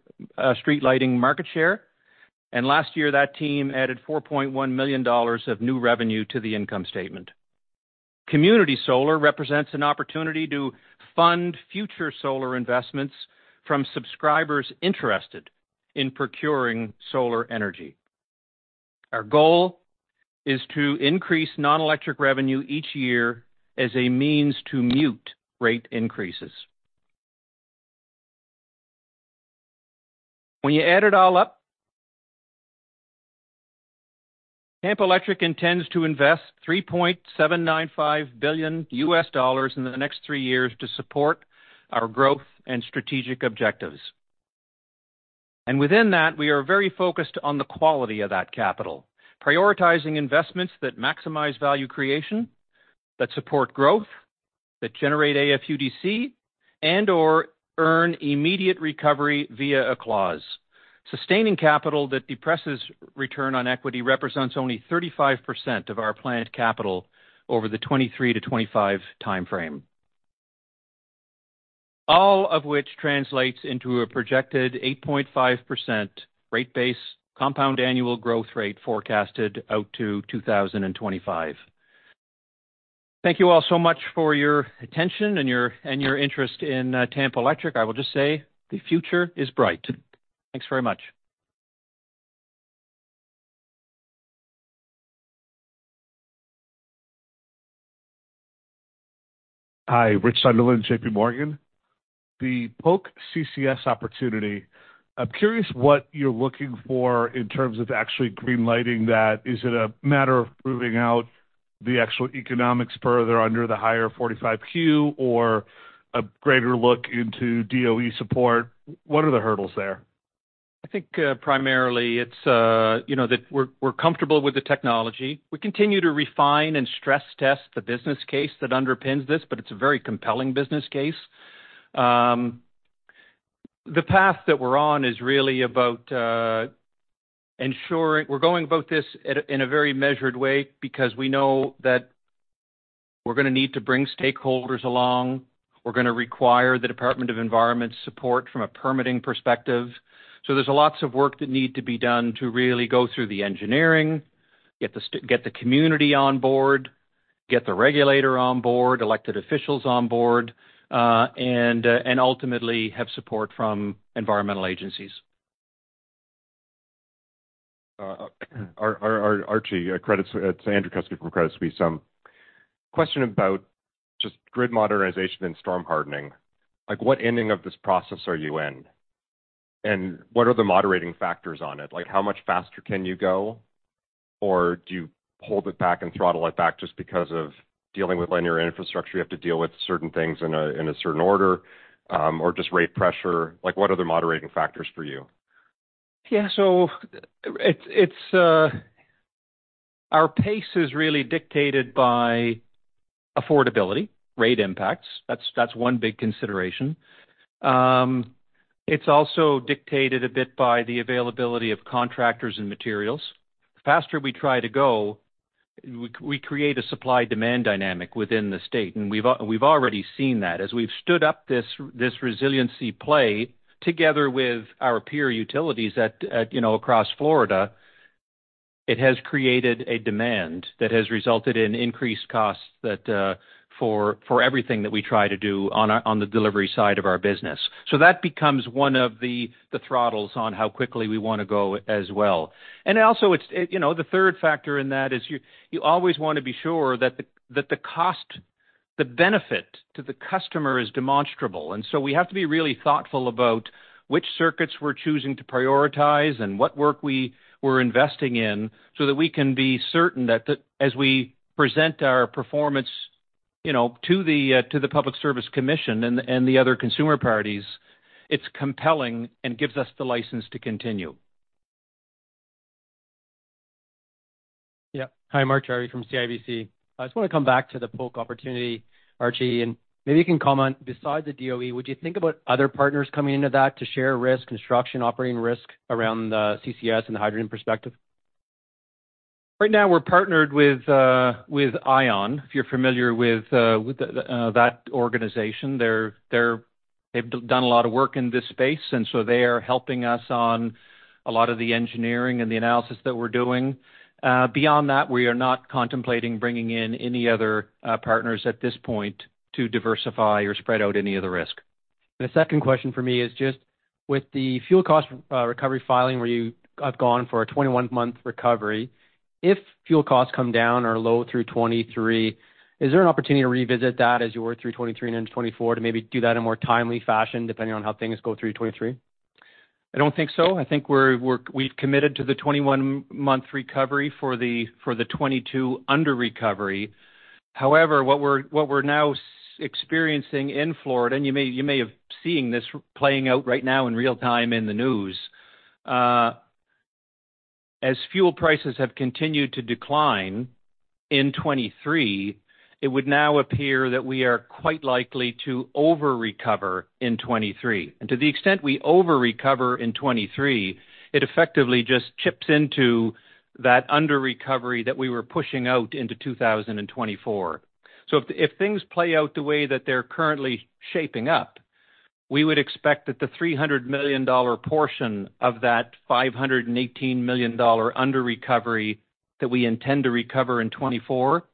street lighting market share, and last year that team added $4.1 million of new revenue to the income statement. Community solar represents an opportunity to fund future solar investments from subscribers interested in procuring solar energy. Our goal is to increase non-electric revenue each year as a means to mute rate increases. When you add it all up, Tampa Electric intends to invest $3.795 billion U.S. dollars in the next three years to support our growth and strategic objectives. Within that, we are very focused on the quality of that capital. Prioritizing investments that maximize value creation, that support growth, that generate AFUDC and/or earn immediate recovery via a clause. Sustaining capital that depresses return on equity represents only 35% of our planned capital over the 2023-2025 timeframe. All of which translates into a projected 8.5% rate base compound annual growth rate forecasted out to 2025. Thank you all so much for your attention and your interest in Tampa Electric. I will just say the future is bright. Thanks very much. Hi. Rich Sunderland, J.P. Morgan. The Polk CCS opportunity. I'm curious what you're looking for in terms of actually green-lighting that. Is it a matter of proving out the actual economics further under the higher 45Q or a greater look into DOE support? What are the hurdles there? I think, primarily it's, you know, that we're comfortable with the technology. We continue to refine and stress test the business case that underpins this, but it's a very compelling business case. The path that we're on is really about ensuring we're going about this in a very measured way because we know that we're gonna need to bring stakeholders along. We're gonna require the Department of Environment's support from a permitting perspective. There's lots of work that need to be done to really go through the engineering, get the community on board. Get the regulator on board, elected officials on board, and ultimately have support from environmental agencies. Archie, it's Andrew Kuske from Credit Suisse. Question about just grid modernization and storm hardening. Like, what ending of this process are you in? What are the moderating factors on it? Like, how much faster can you go? Do you hold it back and throttle it back just because of dealing with linear infrastructure, you have to deal with certain things in a certain order, or just rate pressure? Like, what the moderating factors for you? Yeah. Our pace is really dictated by affordability, rate impacts. That's one big consideration. It's also dictated a bit by the availability of contractors and materials. The faster we try to go, we create a supply-demand dynamic within the state, and we've already seen that. As we've stood up this resiliency play together with our peer utilities at, you know, across Florida, it has created a demand that has resulted in increased costs that for everything that we try to do on the delivery side of our business. That becomes one of the throttles on how quickly we wanna go as well. Also it's, you know, the third factor in that is you always wanna be sure that the cost, the benefit to the customer is demonstrable. We have to be really thoughtful about which circuits we're choosing to prioritize and what work we were investing in, so that we can be certain that, as we present our performance, you know, to the to the Public Service Commission and the other consumer parties, it's compelling and gives us the license to continue. Hi, Mark Jarvi from CIBC. I just wanna come back to the Polk opportunity, Archie, and maybe you can comment. Besides the DOE, would you think about other partners coming into that to share risk, construction, operating risk around the CCS and the hydrogen perspective? Right now we're partnered with ION, if you're familiar with that organization. They've done a lot of work in this space. They are helping us on a lot of the engineering and the analysis that we're doing. Beyond that, we are not contemplating bringing in any other partners at this point to diversify or spread out any of the risk. The second question for me is just with the fuel cost recovery filing where you have gone for a 21-month recovery, if fuel costs come down or are low through 2023, is there an opportunity to revisit that as you work through 2023 and into 2024 to maybe do that in a more timely fashion, depending on how things go through 2023? I don't think so. I think we've committed to the 21-month recovery for the 2022 under-recovery. However, what we're now experiencing in Florida, and you may have seen this playing out right now in real-time in the news. As fuel prices have continued to decline in 2023, it would now appear that we are quite likely to over-recover in 2023. To the extent we over-recover in 2023, it effectively just chips into that under-recovery that we were pushing out into 2024. If things play out the way that they're currently shaping up, we would expect that the $300 million portion of that $518 million under-recovery that we intend to recover in 2024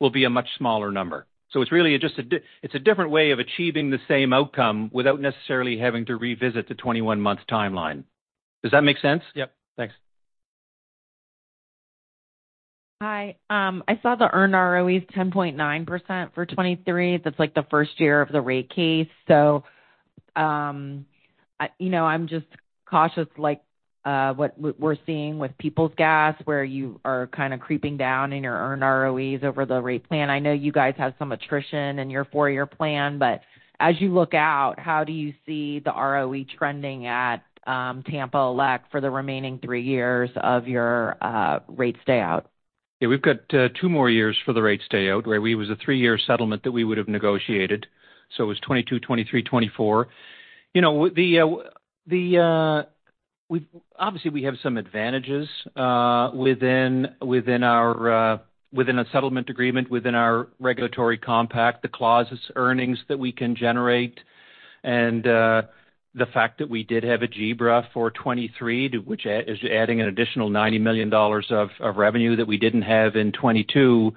will be a much smaller number. It's a different way of achieving the same outcome without necessarily having to revisit the 21 month timeline. Does that make sense? Yep. Thanks. Hi. I saw the earned ROE is 10.9% for 2023. That's like the first year of the rate case. I, you know, I'm just cautious, like, what we're seeing with Peoples Gas, where you are kind of creeping down in your earned ROEs over the rate plan. I know you guys have some attrition in your four-year plan, as you look out, how do you see the ROE trending at Tampa Elec. for the remaining three years of your rate stay out? We've got two more years for the rate stay out, where it was a three-year settlement that we would have negotiated, so it was 2022, 2023, 2024. You know, the, obviously, we have some advantages within our, within a settlement agreement, within our regulatory compact. The clauses, earnings that we can generate, and the fact that we did have a GBRA for 2023, to which adding an additional $90 million of revenue that we didn't have in 2022.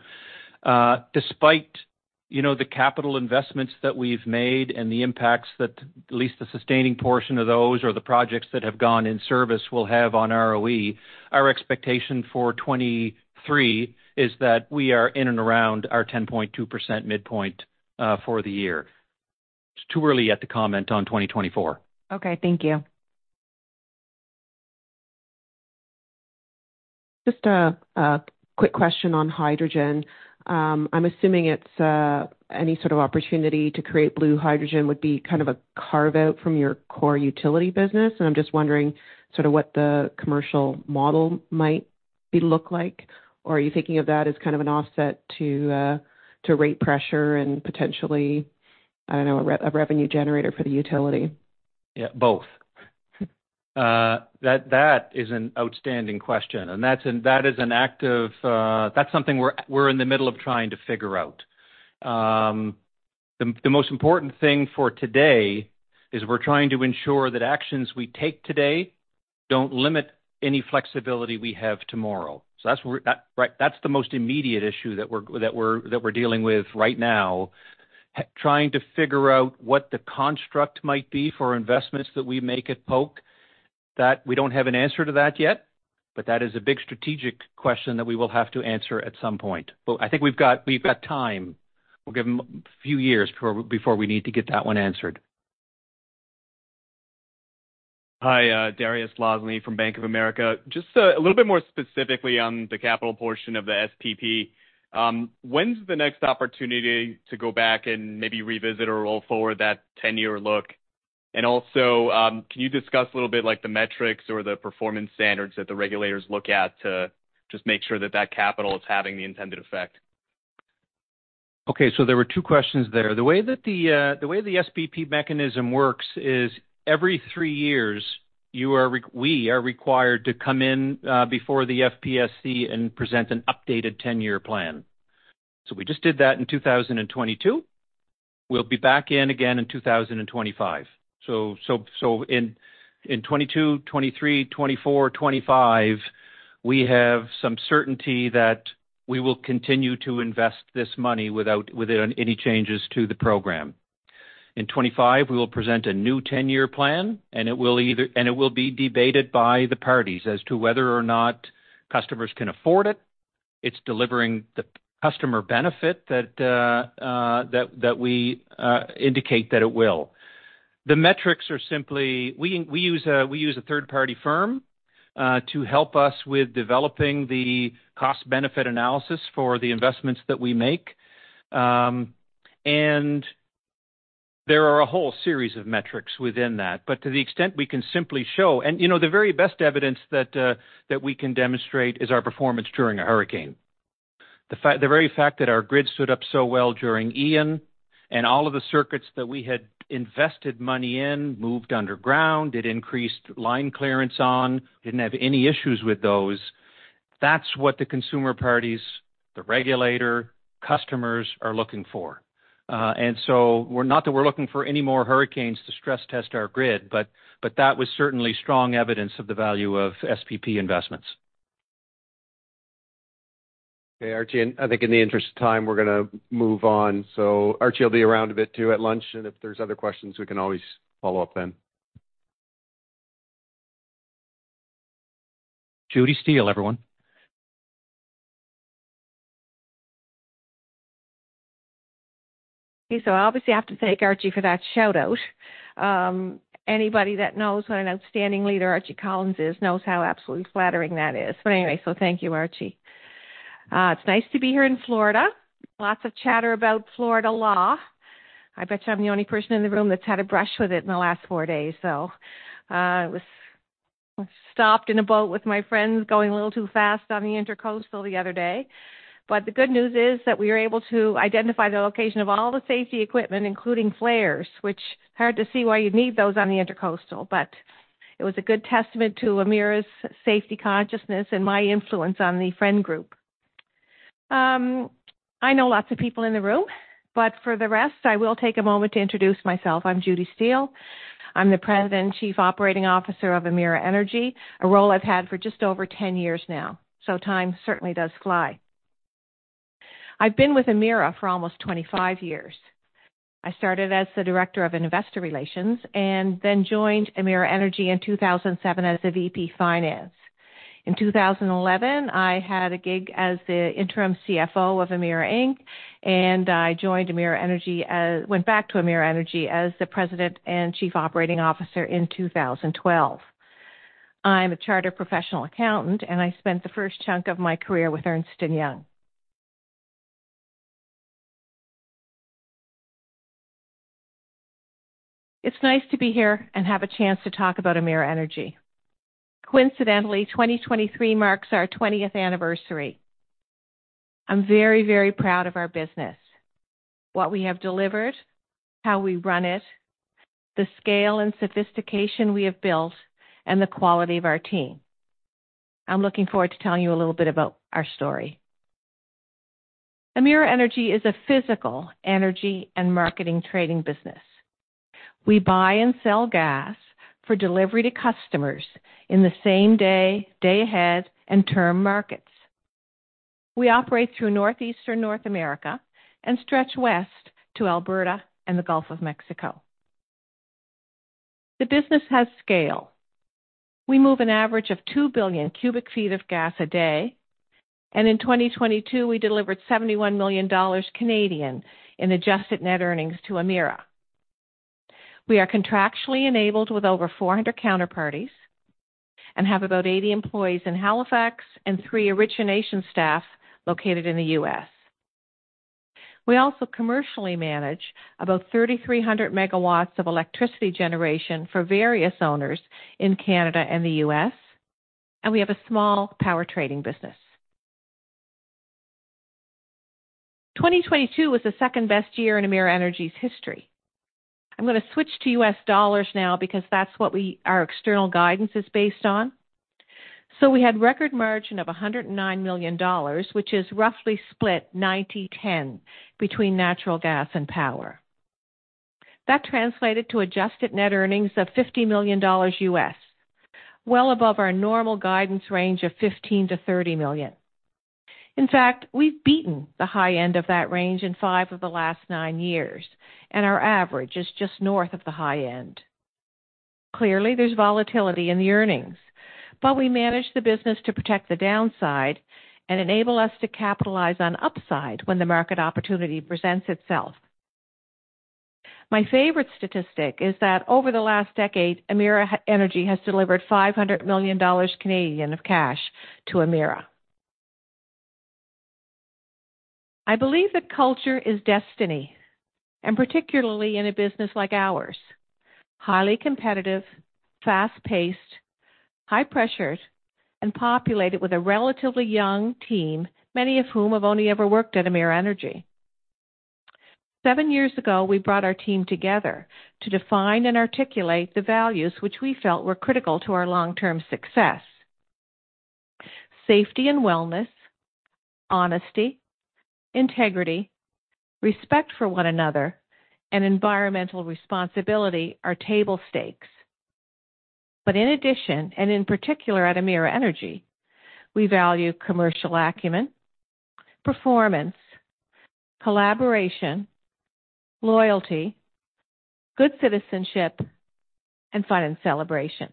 Despite, you know, the capital investments that we've made and the impacts that at least the sustaining portion of those or the projects that have gone in service will have on ROE, our expectation for 2023 is that we are in and around our 10.2% midpoint for the year. It's too early yet to comment on 2024. Okay, thank you. Just a quick question on hydrogen. I'm assuming it's any sort of opportunity to create blue hydrogen would be kind of a carve-out from your core utility business, and I'm just wondering sort of what the commercial model look like. Are you thinking of that as kind of an offset to rate pressure and potentially, I don't know, a revenue generator for the utility? Yeah, both. That, that is an outstanding question, and that is an active... That's something we're in the middle of trying to figure out. The most important thing for today is we're trying to ensure that actions we take today don't limit any flexibility we have tomorrow. That's right. That's the most immediate issue that we're dealing with right now. Trying to figure out what the construct might be for investments that we make at Polk, that we don't have an answer to that yet, but that is a big strategic question that we will have to answer at some point. I think we've got time. We'll give them a few years before we need to get that one answered. Hi, Dariusz Lozny from Bank of America. Just a little bit more specifically on the capital portion of the SPP. When's the next opportunity to go back and maybe revisit or roll forward that 10-year look? Can you discuss a little bit like the metrics or the performance standards that the regulators look at to just make sure that that capital is having the intended effect? Okay, there were two questions there. The way that the SPP mechanism works is every three years, We are required to come in before the FPSC and present an updated 10-year plan. We just did that in 2022. We'll be back in again in 2025. In 2022, 2023, 2024, 2025, we have some certainty that we will continue to invest this money within any changes to the program. In 2025, we will present a new 10-year plan, and it will be debated by the parties as to whether or not customers can afford it. It's delivering the customer benefit that we indicate that it will. The metrics are simply we use a third-party firm to help us with developing the cost-benefit analysis for the investments that we make. There are a whole series of metrics within that. To the extent we can simply show and, you know, the very best evidence that we can demonstrate is our performance during a hurricane. The very fact that our grid stood up so well during Ian and all of the circuits that we had invested money in moved underground, it increased line clearance on, didn't have any issues with those. That's what the consumer parties, the regulator, customers are looking for. So we're not that we're looking for any more hurricanes to stress test our grid, but that was certainly strong evidence of the value of SPP investments. Okay, Archie, and I think in the interest of time, we're gonna move on. Archie will be around a bit too at lunch, and if there's other questions, we can always follow up then. Judy Steele, everyone. I obviously have to thank Archie for that shout-out. Anybody that knows what an outstanding leader Archie Collins is knows how absolutely flattering that is. Thank you, Archie. It's nice to be here in Florida. Lots of chatter about Florida law. I bet you I'm the only person in the room that's had a brush with it in the last four days. I was stopped in a boat with my friends going a little too fast on the Intracoastal the other day. The good news is that we were able to identify the location of all the safety equipment, including flares, which hard to see why you'd need those on the Intracoastal. It was a good testament to Emera's safety consciousness and my influence on the friend group. I know lots of people in the room, but for the rest, I will take a moment to introduce myself. I'm Judy Steele. I'm the President, Chief Operating Officer of Emera Energy, a role I've had for just over 10 years now. Time certainly does fly. I've been with Emera for almost 25 years. I started as the Director of Investor Relations and then joined Emera Energy in 2007 as the VP, Finance. In 2011, I had a gig as the interim CFO of Emera Inc. I went back to Emera Energy as the President and Chief Operating Officer in 2012. I'm a chartered professional accountant, and I spent the first chunk of my career with Ernst & Young. It's nice to be here and have a chance to talk about Emera Energy. Coincidentally, 2023 marks our 20th anniversary. I'm very, very proud of our business, what we have delivered, how we run it, the scale and sophistication we have built, and the quality of our team. I'm looking forward to telling you a little bit about our story. Emera Energy is a physical energy and marketing trading business. We buy and sell gas for delivery to customers in the same day ahead, and term markets. We operate through Northeastern North America and stretch west to Alberta and the Gulf of Mexico. The business has scale. We move an average of 2 billion cubic feet of gas a day, and in 2022 we delivered 71 million Canadian dollars in adjusted net earnings to Emera. We are contractually enabled with over 400 counterparties and have about 80 employees in Halifax and three origination staff located in the U.S. We also commercially manage about 3,300 megawatts of electricity generation for various owners in Canada and the U.S., and we have a small power trading business. 2022 was the second-best year in Emera Energy's history. I'm gonna switch to U.S. dollars now because that's what our external guidance is based on. We had record margin of $109 million, which is roughly split 90/10 between natural gas and power. That translated to adjusted net earnings of $50 million U.S., well above our normal guidance range of $15 million-$30 million. In fact, we've beaten the high end of that range in five of the last nine years, and our average is just north of the high end. Clearly, there's volatility in the earnings, but we manage the business to protect the downside and enable us to capitalize on upside when the market opportunity presents itself. My favorite statistic is that over the last decade, Emera Energy has delivered 500 million Canadian dollars of cash to Emera. I believe that culture is destiny, and particularly in a business like ours. Highly competitive, fast-paced, high pressured, and populated with a relatively young team, many of whom have only ever worked at Emera Energy. Seven years ago, we brought our team together to define and articulate the values which we felt were critical to our long-term success. Safety and wellness, honesty, integrity, respect for one another, and environmental responsibility are table stakes. In addition, and in particular at Emera Energy, we value commercial acumen, performance, collaboration, loyalty, good citizenship, and fun and celebration.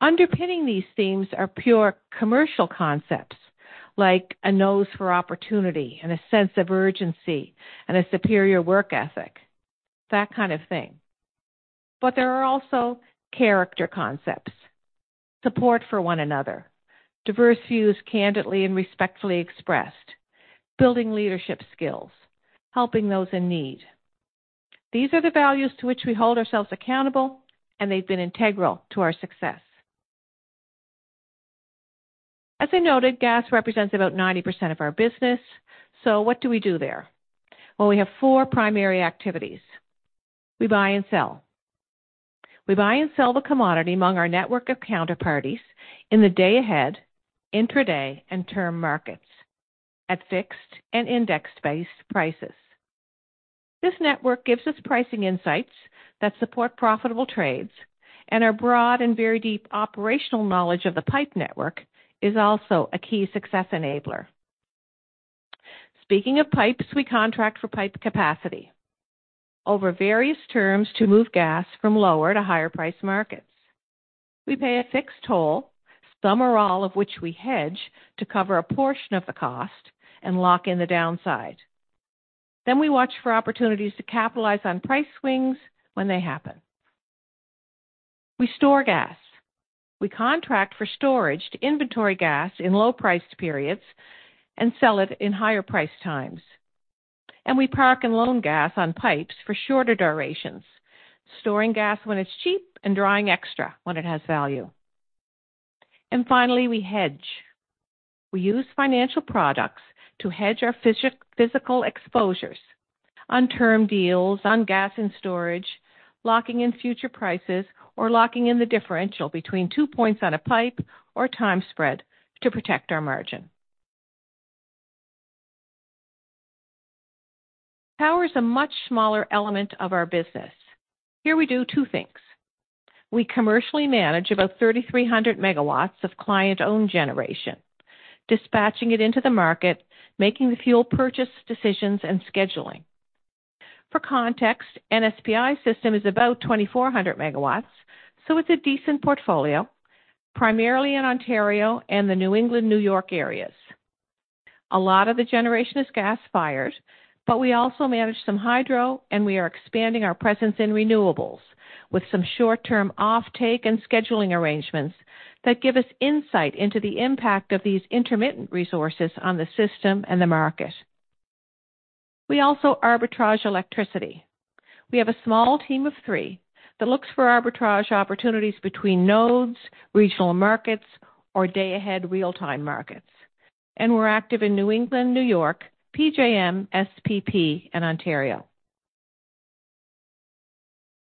Underpinning these themes are pure commercial concepts like a nose for opportunity and a sense of urgency and a superior work ethic, that kind of thing. There are also character concepts, support for one another, diverse views candidly and respectfully expressed, building leadership skills, helping those in need. These are the values to which we hold ourselves accountable, and they've been integral to our success. As I noted, gas represents about 90% of our business. What do we do there? We have four primary activities. We buy and sell. We buy and sell the commodity among our network of counterparties in the day ahead, intraday, and term markets at fixed and index-based prices. This network gives us pricing insights that support profitable trades, and our broad and very deep operational knowledge of the pipe network is also a key success enabler. Speaking of pipes, we contract for pipe capacity over various terms to move gas from lower to higher price markets. We pay a fixed toll, some or all of which we hedge to cover a portion of the cost and lock in the downside. We watch for opportunities to capitalize on price swings when they happen. We store gas. We contract for storage to inventory gas in low-priced periods and sell it in higher-priced times. We park and loan gas on pipes for shorter durations, storing gas when it's cheap and drawing extra when it has value. Finally, we hedge. We use financial products to hedge our physical exposures on term deals on gas and storage, locking in future prices, or locking in the differential between two points on a pipe or time spread to protect our margin. Power is a much smaller element of our business. Here we do two things. We commercially manage about 3,300 megawatts of client-owned generation, dispatching it into the market, making the fuel purchase decisions and scheduling. For context, NSPI system is about 2,400 megawatts, so it's a decent portfolio, primarily in Ontario and the New England, New York areas. A lot of the generation is gas-fired, but we also manage some hydro, and we are expanding our presence in renewables with some short-term offtake and scheduling arrangements that give us insight into the impact of these intermittent resources on the system and the market. We also arbitrage electricity. We have a small team of three that looks for arbitrage opportunities between nodes, regional markets or day-ahead real-time markets. We're active in New England, New York, PJM, SPP and Ontario.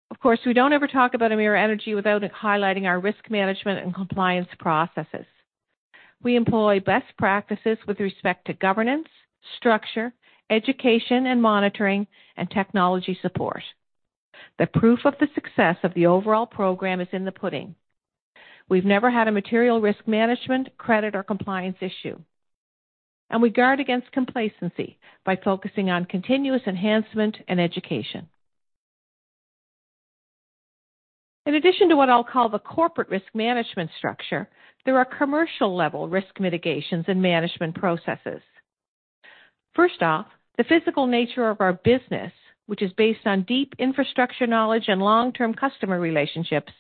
Of course, we don't ever talk about Emera Energy without highlighting our risk management and compliance processes. We employ best practices with respect to governance, structure, education and monitoring, and technology support. The proof of the success of the overall program is in the pudding. We've never had a material risk management, credit or compliance issue, and we guard against complacency by focusing on continuous enhancement and education. In addition to what I'll call the corporate risk management structure, there are commercial-level risk mitigations and management processes. First off, the physical nature of our business, which is based on deep infrastructure knowledge and long-term customer relationships,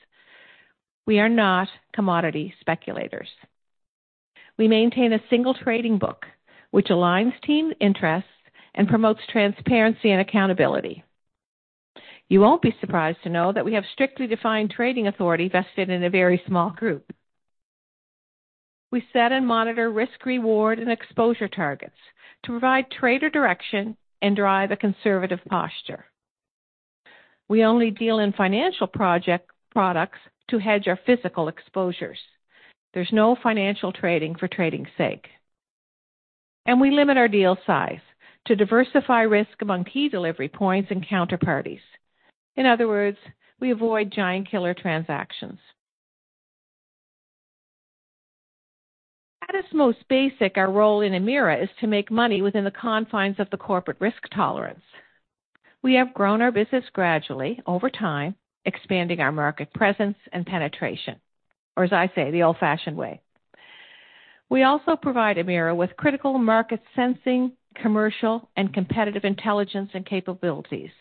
we are not commodity speculators. We maintain a single trading book which aligns team interests and promotes transparency and accountability. You won't be surprised to know that we have strictly defined trading authority vested in a very small group. We set and monitor risk, reward, and exposure targets to provide trader direction and drive a conservative posture. We only deal in financial project products to hedge our physical exposures. There's no financial trading for trading's sake. We limit our deal size to diversify risk among key delivery points and counterparties. In other words, we avoid giant killer transactions. At its most basic, our role in Emera is to make money within the confines of the corporate risk tolerance. We have grown our business gradually over time, expanding our market presence and penetration, or as I say, the old-fashioned way. We also provide Emera with critical market sensing, commercial, and competitive intelligence and capabilities.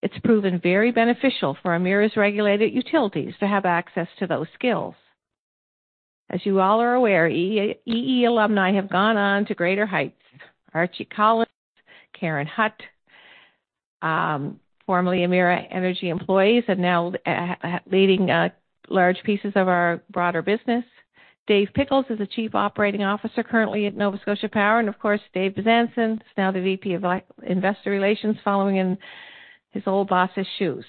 It's proven very beneficial for Emera's regulated utilities to have access to those skills. As you all are aware, EE alumni have gone on to greater heights. Archie Collins, Karen Hutt, formerly Emera Energy employees, are now leading large pieces of our broader business. Dave Pickles is the chief operating officer currently at Nova Scotia Power. Of course, Dave Bezanson is now the VP of Investor Relations, following in his old boss's shoes.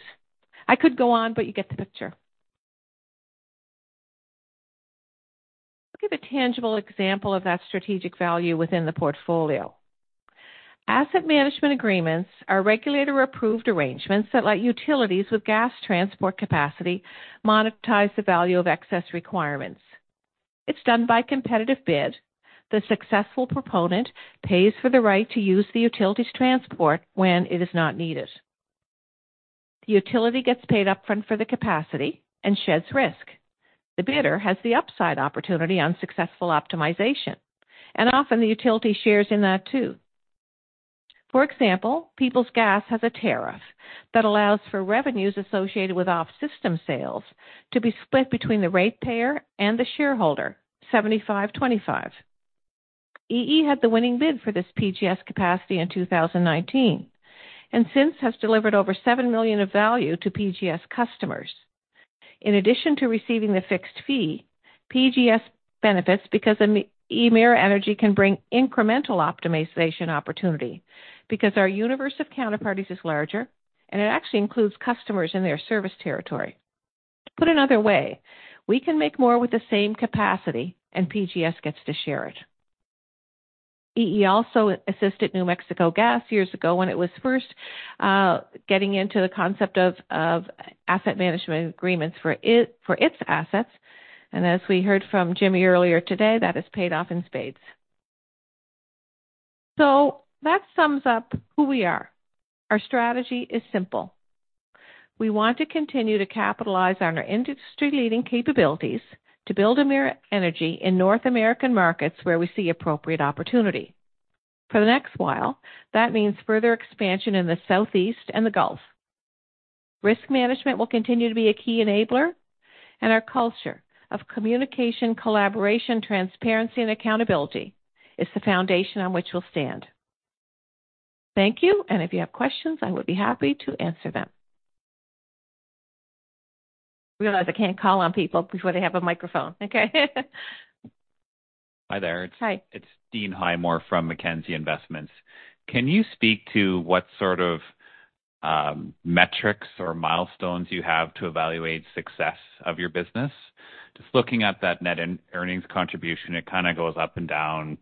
I could go on, you get the picture. Look at the tangible example of that strategic value within the portfolio. Asset management agreements are regulator-approved arrangements that let utilities with gas transport capacity monetize the value of excess requirements. It's done by competitive bid. The successful proponent pays for the right to use the utility's transport when it is not needed. The utility gets paid upfront for the capacity and sheds risk. The bidder has the upside opportunity on successful optimization, often the utility shares in that too. For example, Peoples Gas has a tariff that allows for revenues associated with off-system sales to be split between the ratepayer and the shareholder, 75, 25. EE had the winning bid for this PGS capacity in 2019. Since has delivered over $7 million of value to PGS customers. In addition to receiving the fixed fee, PGS benefits because Emera Energy can bring incremental optimization opportunity because our universe of counterparties is larger, and it actually includes customers in their service territory. To put another way, we can make more with the same capacity, PGS gets to share it. EE also assisted New Mexico Gas years ago when it was first getting into the concept of asset management agreements for its assets, and as we heard from Jimmy earlier today, that has paid off in spades. That sums up who we are. Our strategy is simple. We want to continue to capitalize on our industry-leading capabilities to build Emera Energy in North American markets where we see appropriate opportunity. For the next while, that means further expansion in the Southeast and the Gulf. Risk management will continue to be a key enabler, and our culture of communication, collaboration, transparency, and accountability is the foundation on which we'll stand. Thank you, and if you have questions, I would be happy to answer them. Realize I can't call on people before they have a microphone. Okay. Hi there. Hi. It's Dean Highmoor from Mackenzie Investments. Can you speak to what sort of metrics or milestones you have to evaluate success of your business? Just looking at that net in-earnings contribution, it kind of goes up and down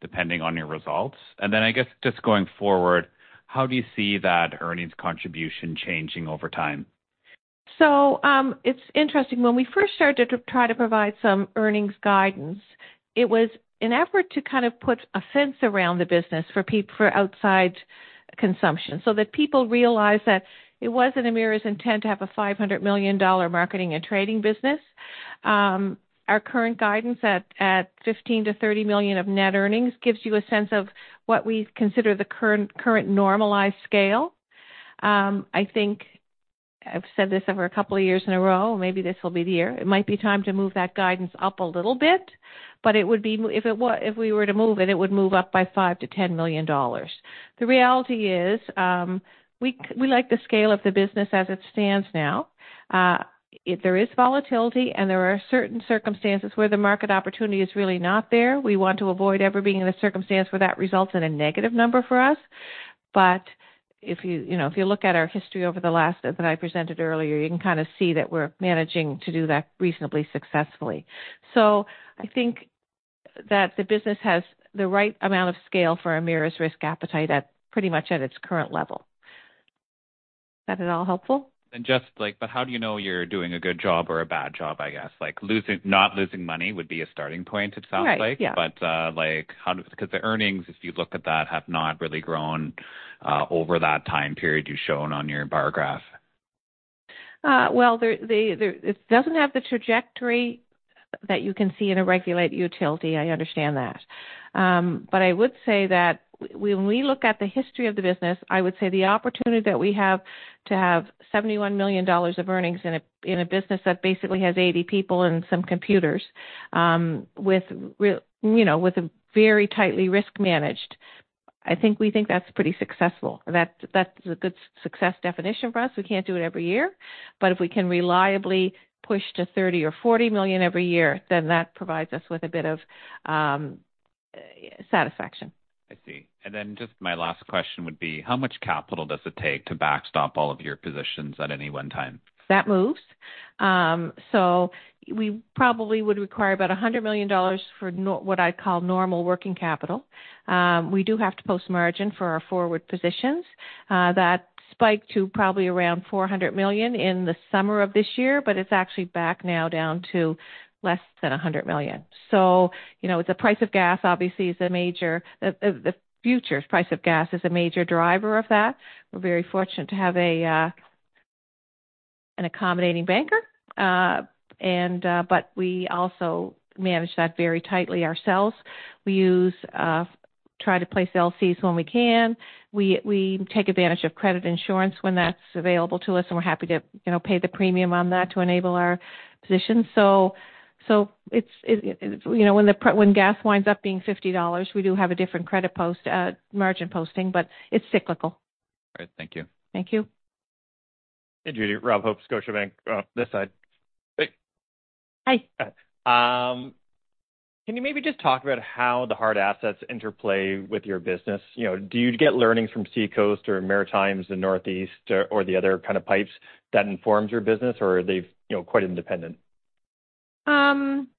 depending on your results. I guess just going forward, how do you see that earnings contribution changing over time? It's interesting. When we first started to try to provide some earnings guidance, it was an effort to kind of put a fence around the business for outside consumption, so that people realized that it wasn't Emera's intent to have a $500 million marketing and trading business. Our current guidance at $15 million-$30 million of net earnings gives you a sense of what we consider the current normalized scale. I think I've said this over a couple of years in a row, maybe this will be the year. It might be time to move that guidance up a little bit, but if we were to move it would move up by $5 million-$10 million. The reality is, we like the scale of the business as it stands now. There is volatility, there are certain circumstances where the market opportunity is really not there. We want to avoid ever being in a circumstance where that results in a negative number for us. If you know, if you look at our history over the last that I presented earlier, you can kind of see that we're managing to do that reasonably successfully. I think that the business has the right amount of scale for Emera's risk appetite at pretty much at its current level. That at all helpful? Just like, but how do you know you're doing a good job or a bad job, I guess? Like not losing money would be a starting point, it sounds like. Right. Yeah. Like how does. Because the earnings, if you look at that, have not really grown, over that time period you've shown on your bar graph. It doesn't have the trajectory that you can see in a regulated utility, I understand that. I would say that when we look at the history of the business, I would say the opportunity that we have to have $71 million of earnings in a business that basically has 80 people and some computers, you know, with a very tightly risk-managed, I think we think that's pretty successful. That's a good success definition for us. We can't do it every year, but if we can reliably push to $30 million or $40 million every year, that provides us with a bit of satisfaction. I see. Just my last question would be how much capital does it take to backstop all of your positions at any one time? That moves. We probably would require about $100 million for what I'd call normal working capital. We do have to post margin for our forward positions. That spiked to probably around $400 million in the summer of this year, but it's actually back now down to less than $100 million. You know, the price of gas obviously is a major. The future price of gas is a major driver of that. We're very fortunate to have an accommodating banker, and. We also manage that very tightly ourselves. We use, try to place LCs when we can. We take advantage of credit insurance when that's available to us, and we're happy to, you know, pay the premium on that to enable our position. It's, you know, when gas winds up being $50, we do have a different credit post, margin posting, but it's cyclical. All right, thank you. Thank you. Hey, Judy. Rob Hope, Scotiabank. this side. Hey. Hi. Can you maybe just talk about how the hard assets interplay with your business? You know, do you get learnings from SeaCoast or Maritime Link, the Northeast or the other kind of pipes that informs your business or are they, you know, quite independent? Well,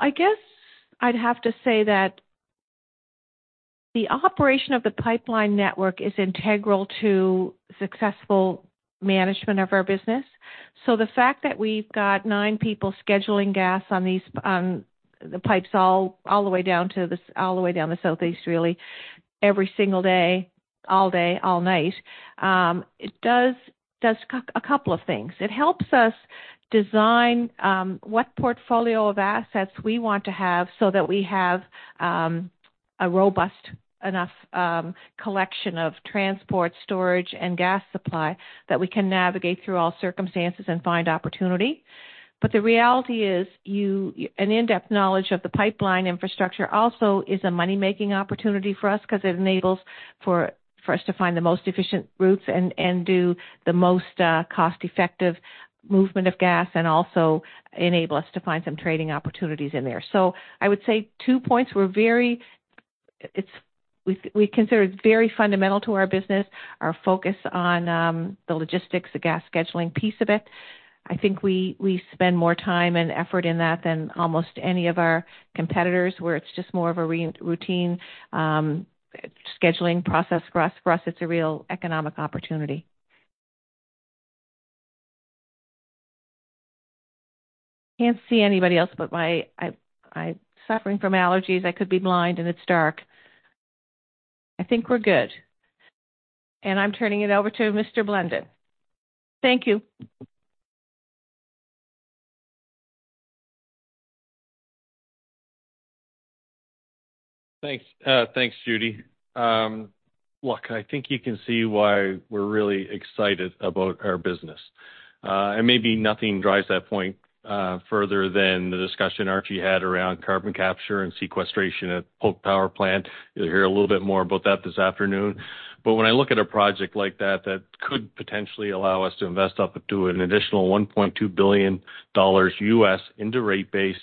I guess I'd have to say that the operation of the pipeline network is integral to successful management of our business. The fact that we've got nine people scheduling gas on these, the pipes all the way down to the, all the way down the Southeast really, every single day, all day, all night, it does a couple of things. It helps us design what portfolio of assets we want to have so that we have a robust enough collection of transport, storage and gas supply that we can navigate through all circumstances and find opportunity. The reality is you, an in-depth knowledge of the pipeline infrastructure also is a money-making opportunity for us 'cause it enables for us to find the most efficient routes and do the most cost-effective movement of gas and also enable us to find some trading opportunities in there. I would say we consider it very fundamental to our business, our focus on the logistics, the gas scheduling piece of it. I think we spend more time and effort in that than almost any of our competitors, where it's just more of a routine scheduling process. For us it's a real economic opportunity. Can't see anybody else but my... I'm suffering from allergies. I could be blind and it's dark. I think we're good. I'm turning it over to Greg Blunden. Thank you. Thanks. Thanks, Judy. Look, I think you can see why we're really excited about our business. Maybe nothing drives that point further than the discussion Archie had around carbon capture and sequestration at Polk Power Plant. You'll hear a little bit more about that this afternoon. When I look at a project like that could potentially allow us to invest up to an additional $1.2 billion into rate base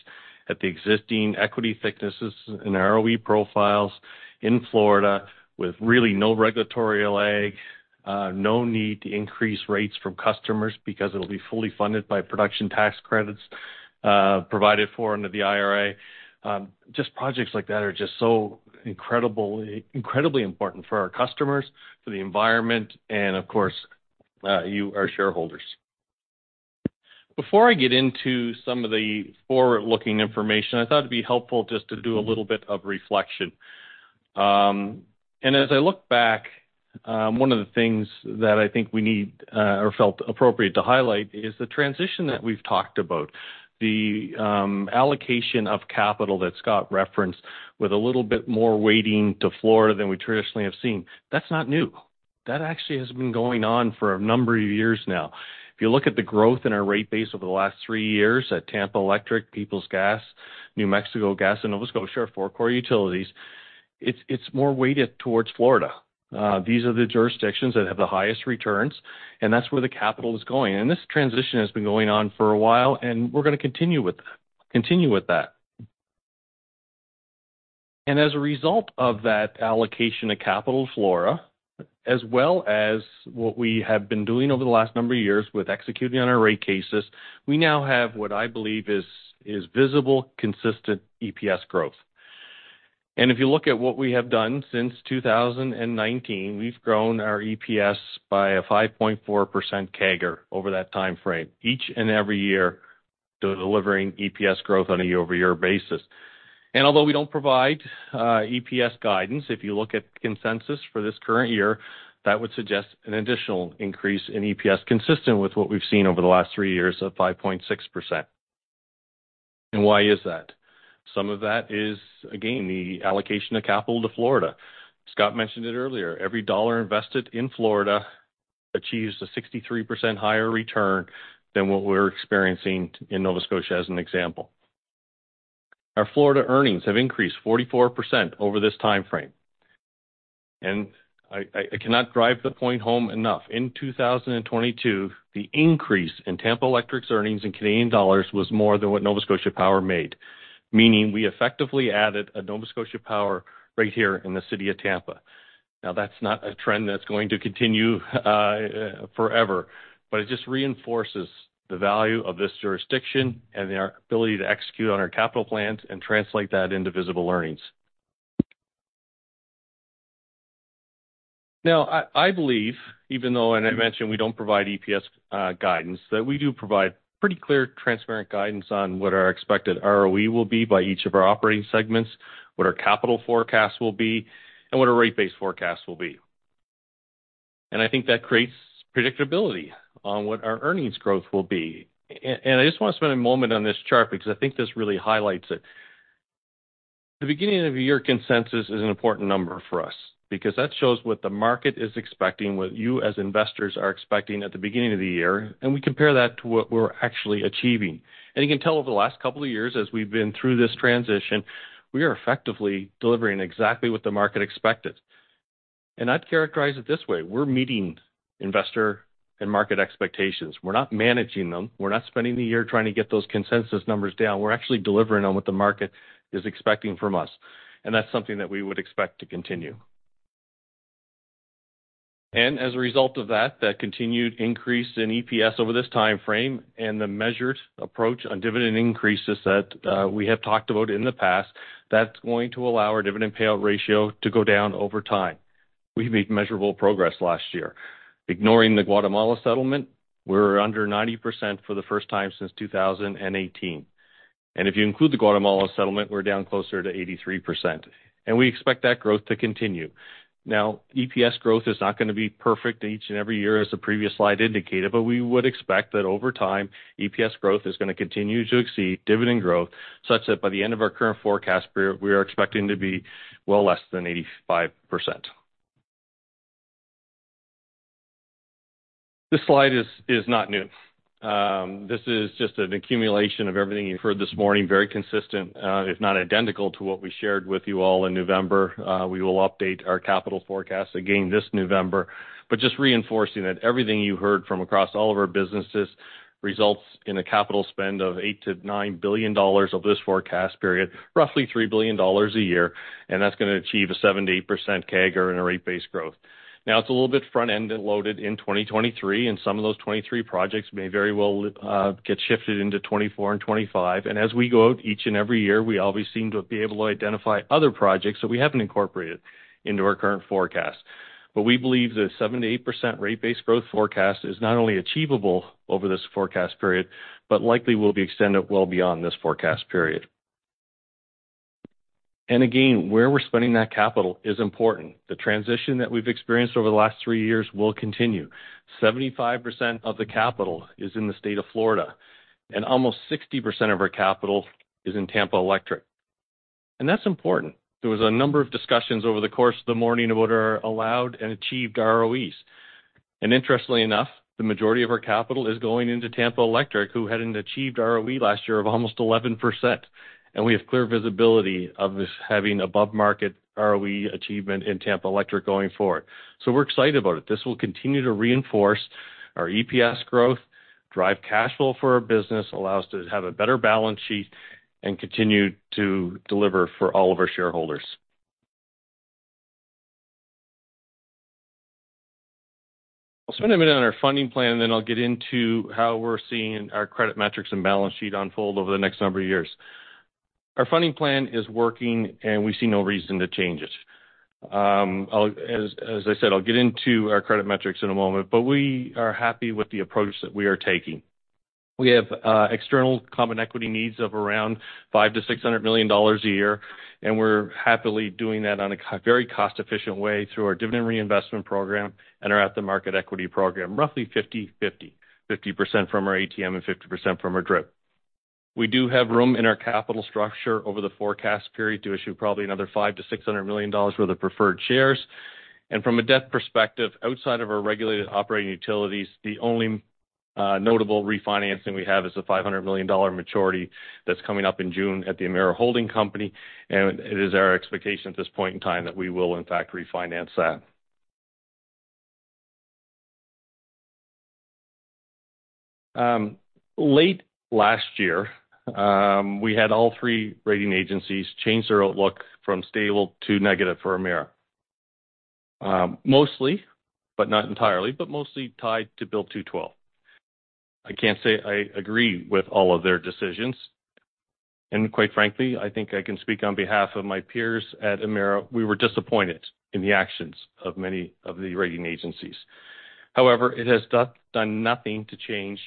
at the existing equity thicknesses and ROE profiles in Florida with really no regulatory lag, no need to increase rates from customers because it'll be fully funded by production tax credits provided for under the IRA. Just projects like that are just so incredibly important for our customers, for the environment and of course, you, our shareholders. Before I get into some of the forward-looking information, I thought it'd be helpful just to do a little bit of reflection. As I look back, one of the things that I think we need or felt appropriate to highlight is the transition that we've talked about. The allocation of capital that Scott referenced with a little bit more weighting to Florida than we traditionally have seen. That's not new. That actually has been going on for a number of years now. If you look at the growth in our rate base over the last three years at Tampa Electric, Peoples Gas, New Mexico Gas and Nova Scotia, our four core utilities, it's more weighted towards Florida. These are the jurisdictions that have the highest returns, and that's where the capital is going. This transition has been going on for a while, we're going to continue with that. As a result of that allocation of capital to Florida, as well as what we have been doing over the last number of years with executing on our rate cases, we now have what I believe is visible, consistent EPS growth. If you look at what we have done since 2019, we've grown our EPS by a 5.4% CAGR over that timeframe, each and every year, delivering EPS growth on a year-over-year basis. Although we don't provide EPS guidance, if you look at consensus for this current year, that would suggest an additional increase in EPS consistent with what we've seen over the last three years of 5.6%. Why is that? Some of that is, again, the allocation of capital to Florida. Scott mentioned it earlier. Every dollar invested in Florida achieves a 63% higher return than what we're experiencing in Nova Scotia as an example. Our Florida earnings have increased 44% over this timeframe. I cannot drive the point home enough. In 2022, the increase in Tampa Electric's earnings in CAD was more than what Nova Scotia Power made. Meaning we effectively added a Nova Scotia Power right here in the city of Tampa. That's not a trend that's going to continue forever, but it just reinforces the value of this jurisdiction and our ability to execute on our capital plans and translate that into visible earnings. I believe, even though, and I mentioned, we don't provide EPS guidance, that we do provide pretty clear transparent guidance on what our expected ROE will be by each of our operating segments, what our capital forecast will be, and what our rate base forecast will be. I think that creates predictability on what our earnings growth will be. I just want to spend a moment on this chart because I think this really highlights it. The beginning of the year consensus is an important number for us because that shows what the market is expecting, what you, as investors are expecting at the beginning of the year, and we compare that to what we're actually achieving. You can tell over the last couple of years as we've been through this transition, we are effectively delivering exactly what the market expected. I'd characterize it this way, we're meeting investor and market expectations. We're not managing them. We're not spending the year trying to get those consensus numbers down. We're actually delivering on what the market is expecting from us, and that's something that we would expect to continue. As a result of that continued increase in EPS over this timeframe and the measured approach on dividend increases that we have talked about in the past, that's going to allow our dividend payout ratio to go down over time. We've made measurable progress last year. Ignoring the Guatemala settlement, we're under 90% for the first time since 2018. If you include the Guatemala settlement, we're down closer to 83%. We expect that growth to continue. EPS growth is not going to be perfect each and every year as the previous slide indicated, but we would expect that over time, EPS growth is going to continue to exceed dividend growth such that by the end of our current forecast period, we are expecting to be well less than 85%. This slide is not new. This is just an accumulation of everything you've heard this morning. Very consistent, if not identical to what we shared with you all in November. We will update our capital forecast again this November. Just reinforcing that everything you heard from across all of our businesses results in a capital spend of 8 billion-9 billion dollars over this forecast period, roughly 3 billion dollars a year, and that's going to achieve a 7%-8% CAGR in our rate base growth. It's a little bit front-end loaded in 2023, and some of those '23 projects may very well get shifted into '24 and '25. As we go out each and every year, we always seem to be able to identify other projects that we haven't incorporated into our current forecast. We believe the 7%-8% rate base growth forecast is not only achievable over this forecast period, but likely will be extended well beyond this forecast period. Again, where we're spending that capital is important. The transition that we've experienced over the last three years will continue. 75% of the capital is in the state of Florida, and almost 60% of our capital is in Tampa Electric. That's important. There was a number of discussions over the course of the morning about our allowed and achieved ROEs. Interestingly enough, the majority of our capital is going into Tampa Electric, who had an achieved ROE last year of almost 11%. We have clear visibility of this having above market ROE achievement in Tampa Electric going forward. We're excited about it. This will continue to reinforce our EPS growth, drive cash flow for our business, allow us to have a better balance sheet and continue to deliver for all of our shareholders. I'll spend a minute on our funding plan, and then I'll get into how we're seeing our credit metrics and balance sheet unfold over the next number of years. Our funding plan is working, and we see no reason to change it. As I said, I'll get into our credit metrics in a moment, but we are happy with the approach that we are taking. We have external common equity needs of around 500 million-600 million dollars a year, and we're happily doing that on a very cost-efficient way through our DRIP and our ATM, roughly 50/50. 50% from our ATM and 50% from our DRIP. We do have room in our capital structure over the forecast period to issue probably another 500 million-600 million dollars worth of preferred shares. From a debt perspective, outside of our regulated operating utilities, the only notable refinancing we have is a 500 million dollar maturity that's coming up in June at the Emera Holding Company. It is our expectation at this point in time that we will in fact refinance that. late last year, we had all three rating agencies change their outlook from stable to negative for Emera. mostly, but not entirely, but mostly tied to Bill 212. I can't say I agree with all of their decisions. Quite frankly, I think I can speak on behalf of my peers at Emera, we were disappointed in the actions of many of the rating agencies. However, it has done nothing to change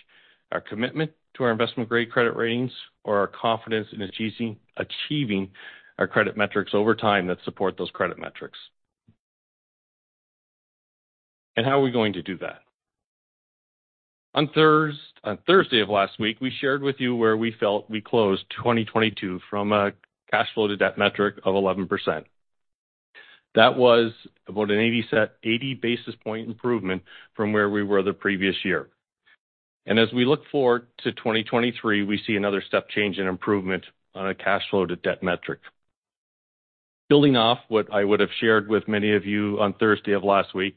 our commitment to our investment-grade credit ratings or our confidence in achieving our credit metrics over time that support those credit metrics. How are we going to do that? On Thursday of last week, we shared with you where we felt we closed 2022 from a cash flow to debt metric of 11%. That was about an 80 basis point improvement from where we were the previous year. As we look forward to 2023, we see another step change in improvement on a cash flow to debt metric. Building off what I would have shared with many of you on Thursday of last week,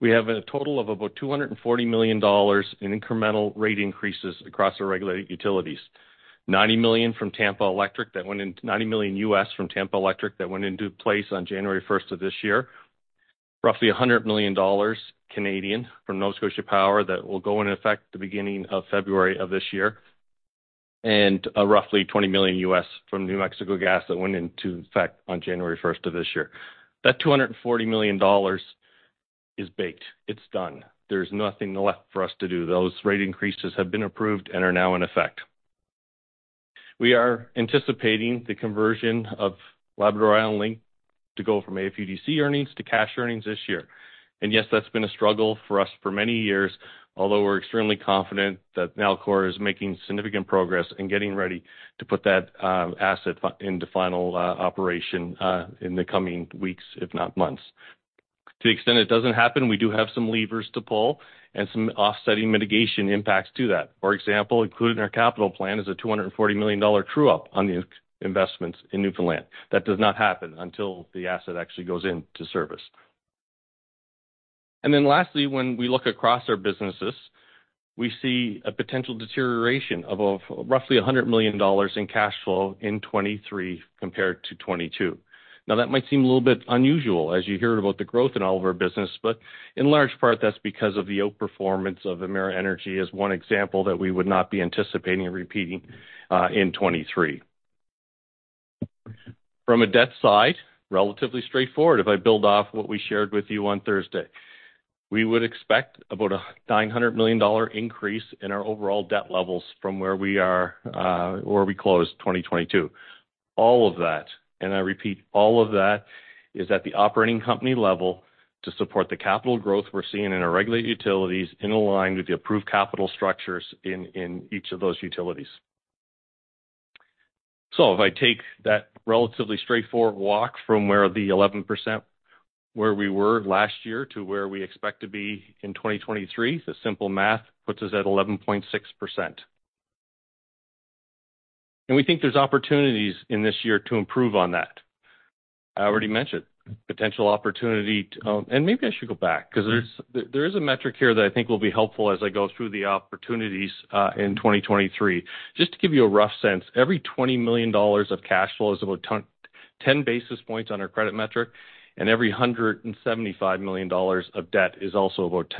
we have a total of about $240 million in incremental rate increases across our regulated utilities. $90 million from Tampa Electric that went into place on January first of this year. Roughly 100 million Canadian dollars from Nova Scotia Power that will go in effect at the beginning of February of this year. Roughly $20 million from New Mexico Gas that went into effect on January first of this year. That 240 million dollars is baked, it's done. There's nothing left for us to do. Those rate increases have been approved and are now in effect. We are anticipating the conversion of Labrador-Island Link to go from AFUDC earnings to cash earnings this year. Yes, that's been a struggle for us for many years, although we're extremely confident that Nalcor is making significant progress in getting ready to put that asset into final operation in the coming weeks, if not months. To the extent it doesn't happen, we do have some levers to pull and some offsetting mitigation impacts to that. For example, including our capital plan is a 240 million dollar true-up on the investments in Newfoundland. That does not happen until the asset actually goes into service. Lastly, when we look across our businesses, we see a potential deterioration of roughly 100 million dollars in cash flow in 2023 compared to 2022. That might seem a little bit unusual as you hear about the growth in all of our business, but in large part, that's because of the outperformance of Emera Energy as one example that we would not be anticipating repeating in 2023. From a debt side, relatively straightforward, if I build off what we shared with you on Thursday. We would expect about a 900 million dollar increase in our overall debt levels from where we are, where we closed 2022. All of that, and I repeat all of that, is at the operating company level to support the capital growth we're seeing in our regulated utilities in align with the approved capital structures in each of those utilities. If I take that relatively straightforward walk from where the 11% where we were last year to where we expect to be in 2023, the simple math puts us at 11.6%. We think there's opportunities in this year to improve on that. I already mentioned potential opportunity. Maybe I should go back because there is a metric here that I think will be helpful as I go through the opportunities in 2023. Just to give you a rough sense, every 20 million dollars of cash flow is about 10 basis points on our credit metric, and every 175 million dollars of debt is also about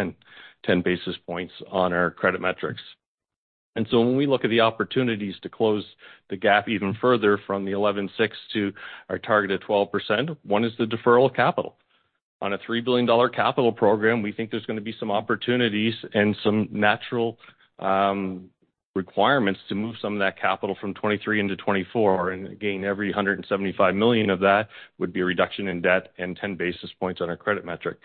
10 basis points on our credit metrics. When we look at the opportunities to close the gap even further from the 11.6 to our target of 12%, one is the deferral of capital. On a 3 billion dollar capital program, we think there's gonna be some opportunities and some natural requirements to move some of that capital from 2023 into 2024. Again, every 175 million of that would be a reduction in debt and 10 basis points on our credit metric.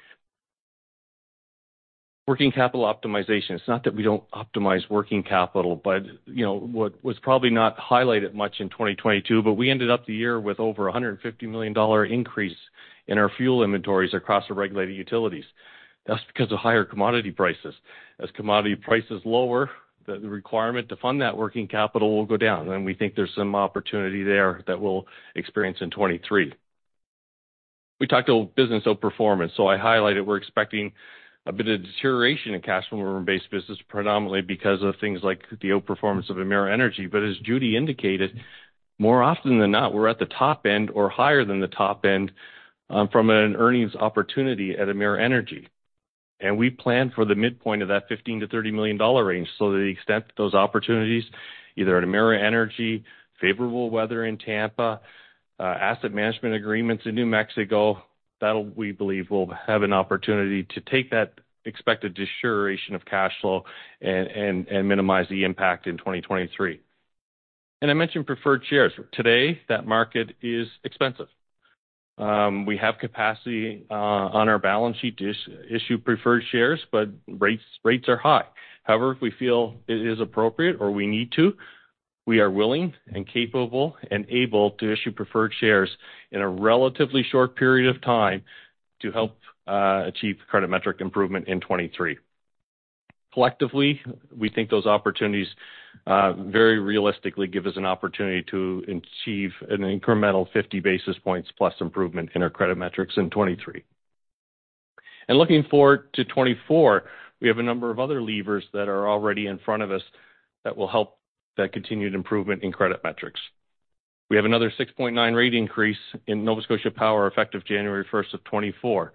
Working capital optimization. It's not that we don't optimize working capital, you know, what was probably not highlighted much in 2022, we ended up the year with over a $150 million increase in our fuel inventories across the regulated utilities. That's because of higher commodity prices. As commodity prices lower, the requirement to fund that working capital will go down. We think there's some opportunity there that we'll experience in 2023. We talked a business outperformance, I highlighted we're expecting a bit of deterioration in cash from room-based business, predominantly because of things like the outperformance of Emera Energy. As Judy indicated, more often than not, we're at the top end or higher than the top end, from an earnings opportunity at Emera Energy. We plan for the midpoint of that $15 million-$30 million range. To the extent those opportunities, either at Emera Energy, favorable weather in Tampa, asset management agreements in New Mexico, that we believe will have an opportunity to take that expected deterioration of cash flow and minimize the impact in 2023. I mentioned preferred shares. Today, that market is expensive. We have capacity on our balance sheet to issue preferred shares, but rates are high. If we feel it is appropriate or we need to, we are willing and capable and able to issue preferred shares in a relatively short period of time to help achieve credit metric improvement in 2023. Collectively, we think those opportunities very realistically give us an opportunity to achieve an incremental 50 basis points plus improvement in our credit metrics in 2023. Looking forward to 2024, we have a number of other levers that are already in front of us that will help that continued improvement in credit metrics. We have another 6.9 rate increase in Nova Scotia Power effective January 1st of 2024.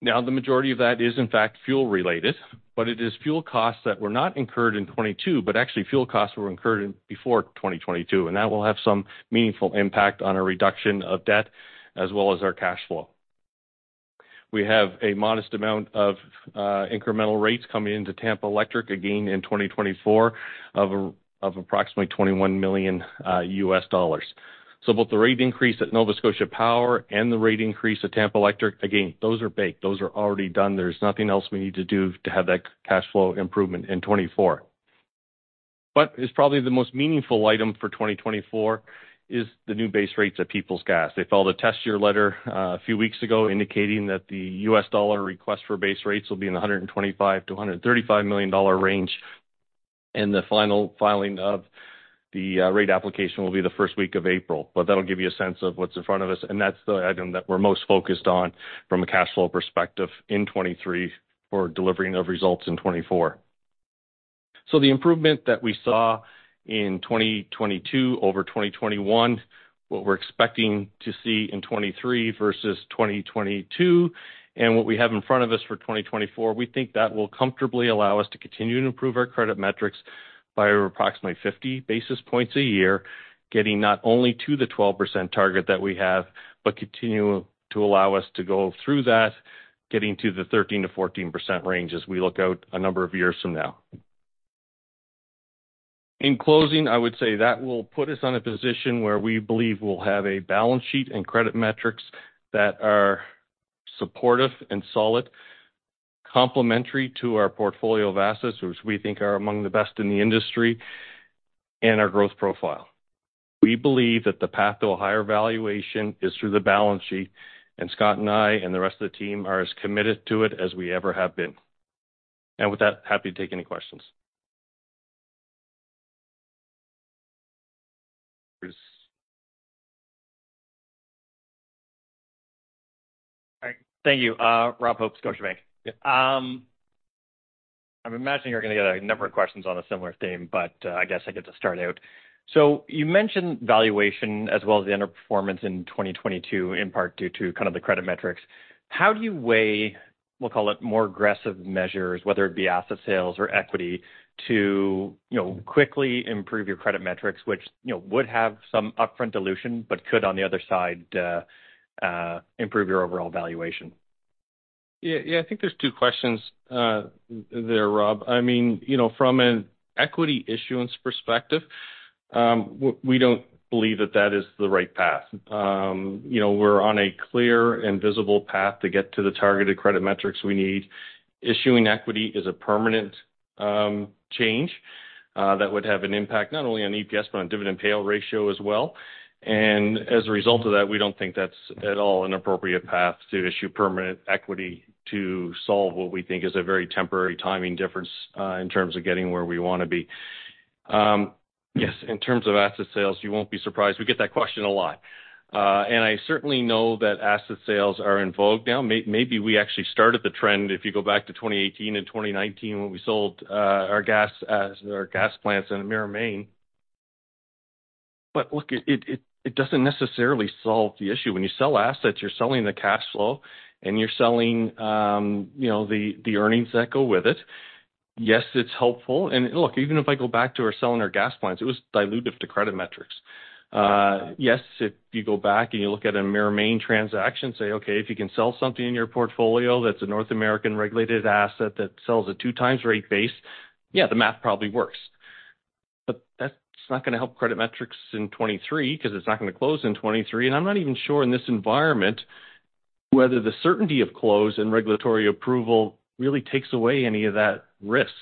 The majority of that is in fact fuel-related, but it is fuel costs that were not incurred in 2022, but actually fuel costs were incurred in before 2022, and that will have some meaningful impact on our reduction of debt as well as our cash flow. We have a modest amount of incremental rates coming into Tampa Electric, again in 2024, of approximately $21 million. Both the rate increase at Nova Scotia Power and the rate increase at Tampa Electric, again, those are baked, those are already done. There's nothing else we need to do to have that cash flow improvement in 2024. Is probably the most meaningful item for 2024 is the new base rates at Peoples Gas. They filed a test year letter, a few weeks ago indicating that the U.S. dollar request for base rates will be in the $125 million-$135 million range, and the final filing of the rate application will be the first week of April. That'll give you a sense of what's in front of us, and that's the item that we're most focused on from a cash flow perspective in 2023 for delivering of results in 2024. The improvement that we saw in 2022 over 2021, what we're expecting to see in 2023 versus 2022, and what we have in front of us for 2024, we think that will comfortably allow us to continue to improve our credit metrics by approximately 50 basis points a year, getting not only to the 12% target that we have, but continue to allow us to go through that, getting to the 13%-14% range as we look out a number of years from now. In closing, I would say that will put us on a position where we believe we'll have a balance sheet and credit metrics that are supportive and solid, complementary to our portfolio of assets, which we think are among the best in the industry, and our growth profile. We believe that the path to a higher valuation is through the balance sheet, Scott and I and the rest of the team are as committed to it as we ever have been. With that, happy to take any questions. All right. Thank you. Rob Hope, Scotiabank. I'm imagining you're gonna get a number of questions on a similar theme, but I guess I get to start out. You mentioned valuation as well as the underperformance in 2022, in part due to kind of the credit metrics. How do you weigh, we'll call it, more aggressive measures, whether it be asset sales or equity to, you know, quickly improve your credit metrics, which, you know, would have some upfront dilution, but could, on the other side, improve your overall valuation? Yeah, yeah. I think there's two questions there, Rob. I mean, you know, from an equity issuance perspective, we don't believe that that is the right path. You know, we're on a clear and visible path to get to the targeted credit metrics we need. Issuing equity is a permanent change that would have an impact not only on EPS, but on dividend payout ratio as well. As a result of that, we don't think that's at all an appropriate path to issue permanent equity to solve what we think is a very temporary timing difference in terms of getting where we wanna be. Yes, in terms of asset sales, you won't be surprised. We get that question a lot. I certainly know that asset sales are in vogue now. Maybe we actually started the trend if you go back to 2018 and 2019 when we sold our gas plants in Emera Maine. Look, it doesn't necessarily solve the issue. When you sell assets, you're selling the cash flow and you're selling, you know, the earnings that go with it. Yes, it's helpful. Look, even if I go back to selling our gas plants, it was dilutive to credit metrics. Yes, if you go back and you look at Emera Maine transaction, say, okay, if you can sell something in your portfolio that's a North American regulated asset that sells a two times rate base, yeah, the math probably works. That's not gonna help credit metrics in 2023 'cause it's not gonna close in 2023. I'm not even sure in this environment whether the certainty of close and regulatory approval really takes away any of that risk.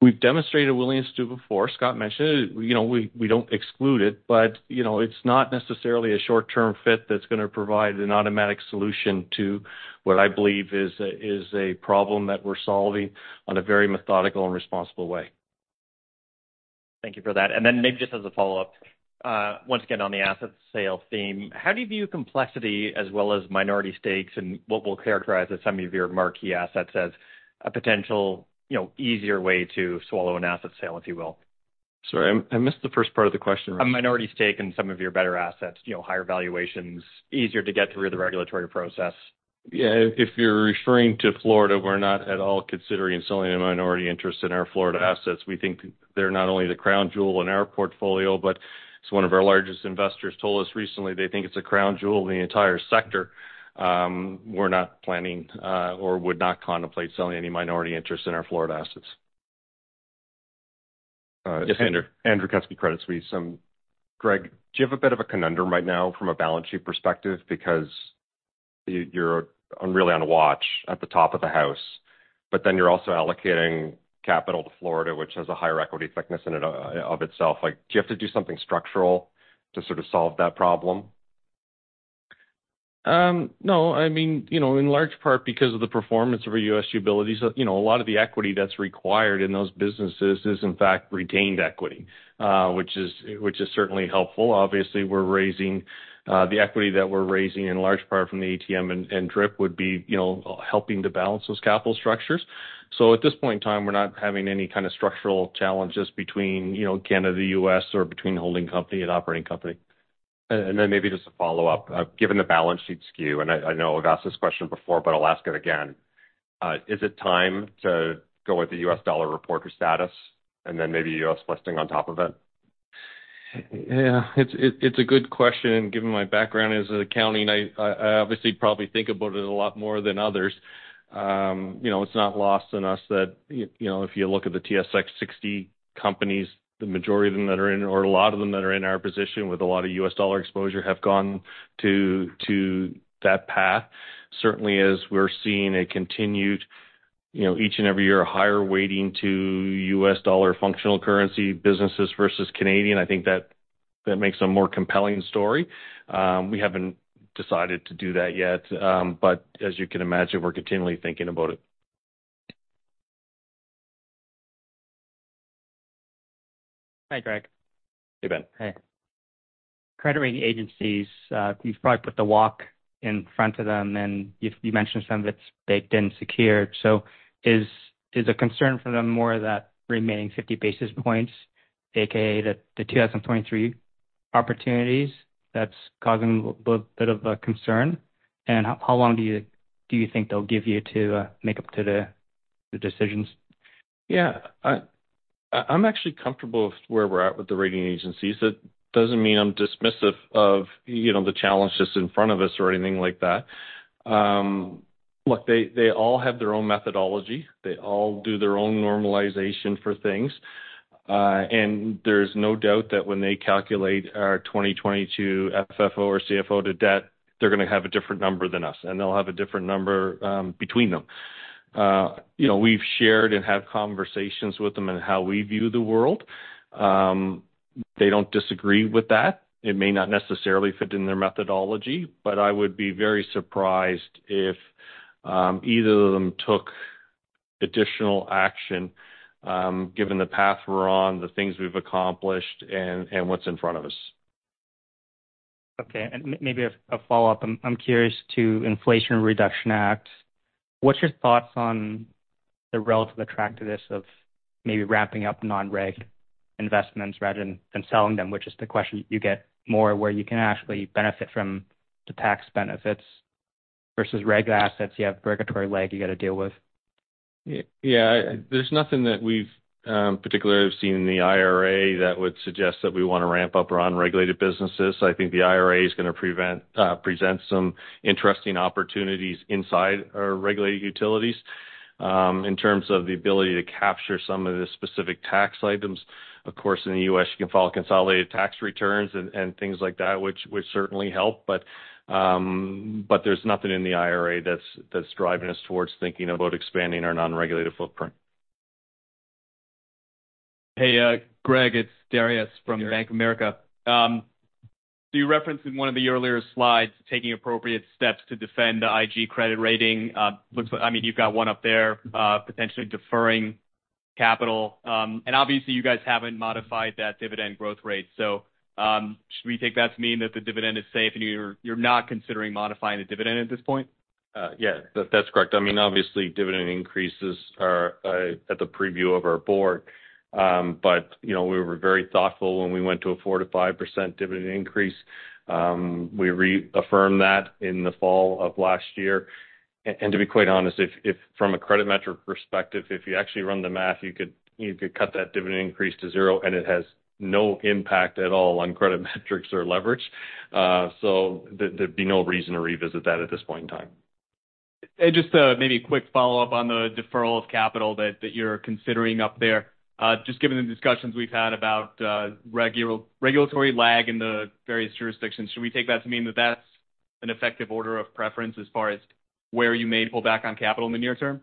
We've demonstrated a willingness to before. Scott mentioned it. You know, we don't exclude it, but, you know, it's not necessarily a short-term fit that's gonna provide an automatic solution to what I believe is a problem that we're solving on a very methodical and responsible way. Thank you for that. Maybe just as a follow-up, once again on the asset sale theme, how do you view complexity as well as minority stakes and what we'll characterize as some of your marquee assets as a potential, you know, easier way to swallow an asset sale, if you will? Sorry, I missed the first part of the question. A minority stake in some of your better assets, you know, higher valuations, easier to get through the regulatory process. Yeah. If you're referring to Florida, we're not at all considering selling a minority interest in our Florida assets. We think they're not only the crown jewel in our portfolio, but as one of our largest investors told us recently they think it's a crown jewel in the entire sector. We're not planning, or would not contemplate selling any minority interest in our Florida assets. Uh. It's Andrew. Andrew Kuske, Credit Suisse. Greg, do you have a bit of a conundrum right now from a balance sheet perspective? Because you're really on a watch at the top of the house, but then you're also allocating capital to Florida, which has a higher equity thickness in and of itself. Like, do you have to do something structural to sort of solve that problem? No. I mean, you know, in large part because of the performance of our U.S. utilities, you know, a lot of the equity that's required in those businesses is, in fact, retained equity, which is certainly helpful. Obviously, we're raising, the equity that we're raising in large part from the ATM and DRIP would be, you know, helping to balance those capital structures. At this point in time, we're not having any kind of structural challenges between, you know, Canada, U.S., or between holding company and operating company. Maybe just a follow-up. Given the balance sheet skew, and I know I've asked this question before, but I'll ask it again. Is it time to go with the US dollar reporter status and then maybe U.S. listing on top of it? Yeah. It's a good question. Given my background as accounting, I obviously probably think about it a lot more than others. You know, it's not lost on us that you know, if you look at the TSX 60 companies, the majority of them that are in or a lot of them that are in our position with a lot of U.S. dollar exposure have gone to that path. Certainly, as we're seeing a continued, you know, each and every year, a higher weighting to U.S. dollar functional currency businesses versus Canadian, I think that makes a more compelling story. We haven't decided to do that yet, as you can imagine, we're continually thinking about it. Hi, Greg. Hey, Ben. Hey. Credit rating agencies, you've probably put the walk in front of them and you mentioned some of it's baked in secured. Is the concern for them more of that remaining 50 basis points, AKA the 2023 opportunities that's causing a little bit of a concern? How long do you think they'll give you to make up to the decisions? I'm actually comfortable with where we're at with the rating agencies. That doesn't mean I'm dismissive of, you know, the challenges in front of us or anything like that. Look, they all have their own methodology. They all do their own normalization for things. There's no doubt that when they calculate our 2022 FFO or CFO to debt, they're gonna have a different number than us, and they'll have a different number between them. You know, we've shared and have conversations with them in how we view the world. They don't disagree with that. It may not necessarily fit in their methodology, I would be very surprised if either of them took additional action given the path we're on, the things we've accomplished and what's in front of us. Okay. Maybe a follow-up. I'm curious to Inflation Reduction Act. What's your thoughts on the relative attractiveness of maybe ramping up non-reg investments rather than selling them, which is the question you get more where you can actually benefit from the tax benefits versus reg assets, you have regulatory lag you gotta deal with? Yeah. There's nothing that we've particularly seen in the IRA that would suggest that we wanna ramp up around regulated businesses. I think the IRA is gonna present some interesting opportunities inside our regulated utilities in terms of the ability to capture some of the specific tax items. Of course, in the U.S., you can file consolidated tax returns and things like that, which certainly help. There's nothing in the IRA that's driving us towards thinking about expanding our non-regulated footprint. Hey, Greg, it's Dariusz from Bank of America. You referenced in one of the earlier slides taking appropriate steps to defend the IG credit rating. You've got one up there, potentially deferring capital. Obviously you guys haven't modified that dividend growth rate. Should we take that to mean that the dividend is safe and you're not considering modifying the dividend at this point? Yeah, that's correct. I mean, obviously dividend increases are at the preview of our board. You know, we were very thoughtful when we went to a 4%-5% dividend increase. We reaffirmed that in the fall of last year. To be quite honest, if from a credit metric perspective, if you actually run the math, you could cut that dividend increase to 0, and it has no impact at all on credit metrics or leverage. There'd be no reason to revisit that at this point in time. Just, maybe a quick follow-up on the deferral of capital that you're considering up there. Just given the discussions we've had about regulatory lag in the various jurisdictions, should we take that to mean that that's an effective order of preference as far as where you may pull back on capital in the near term?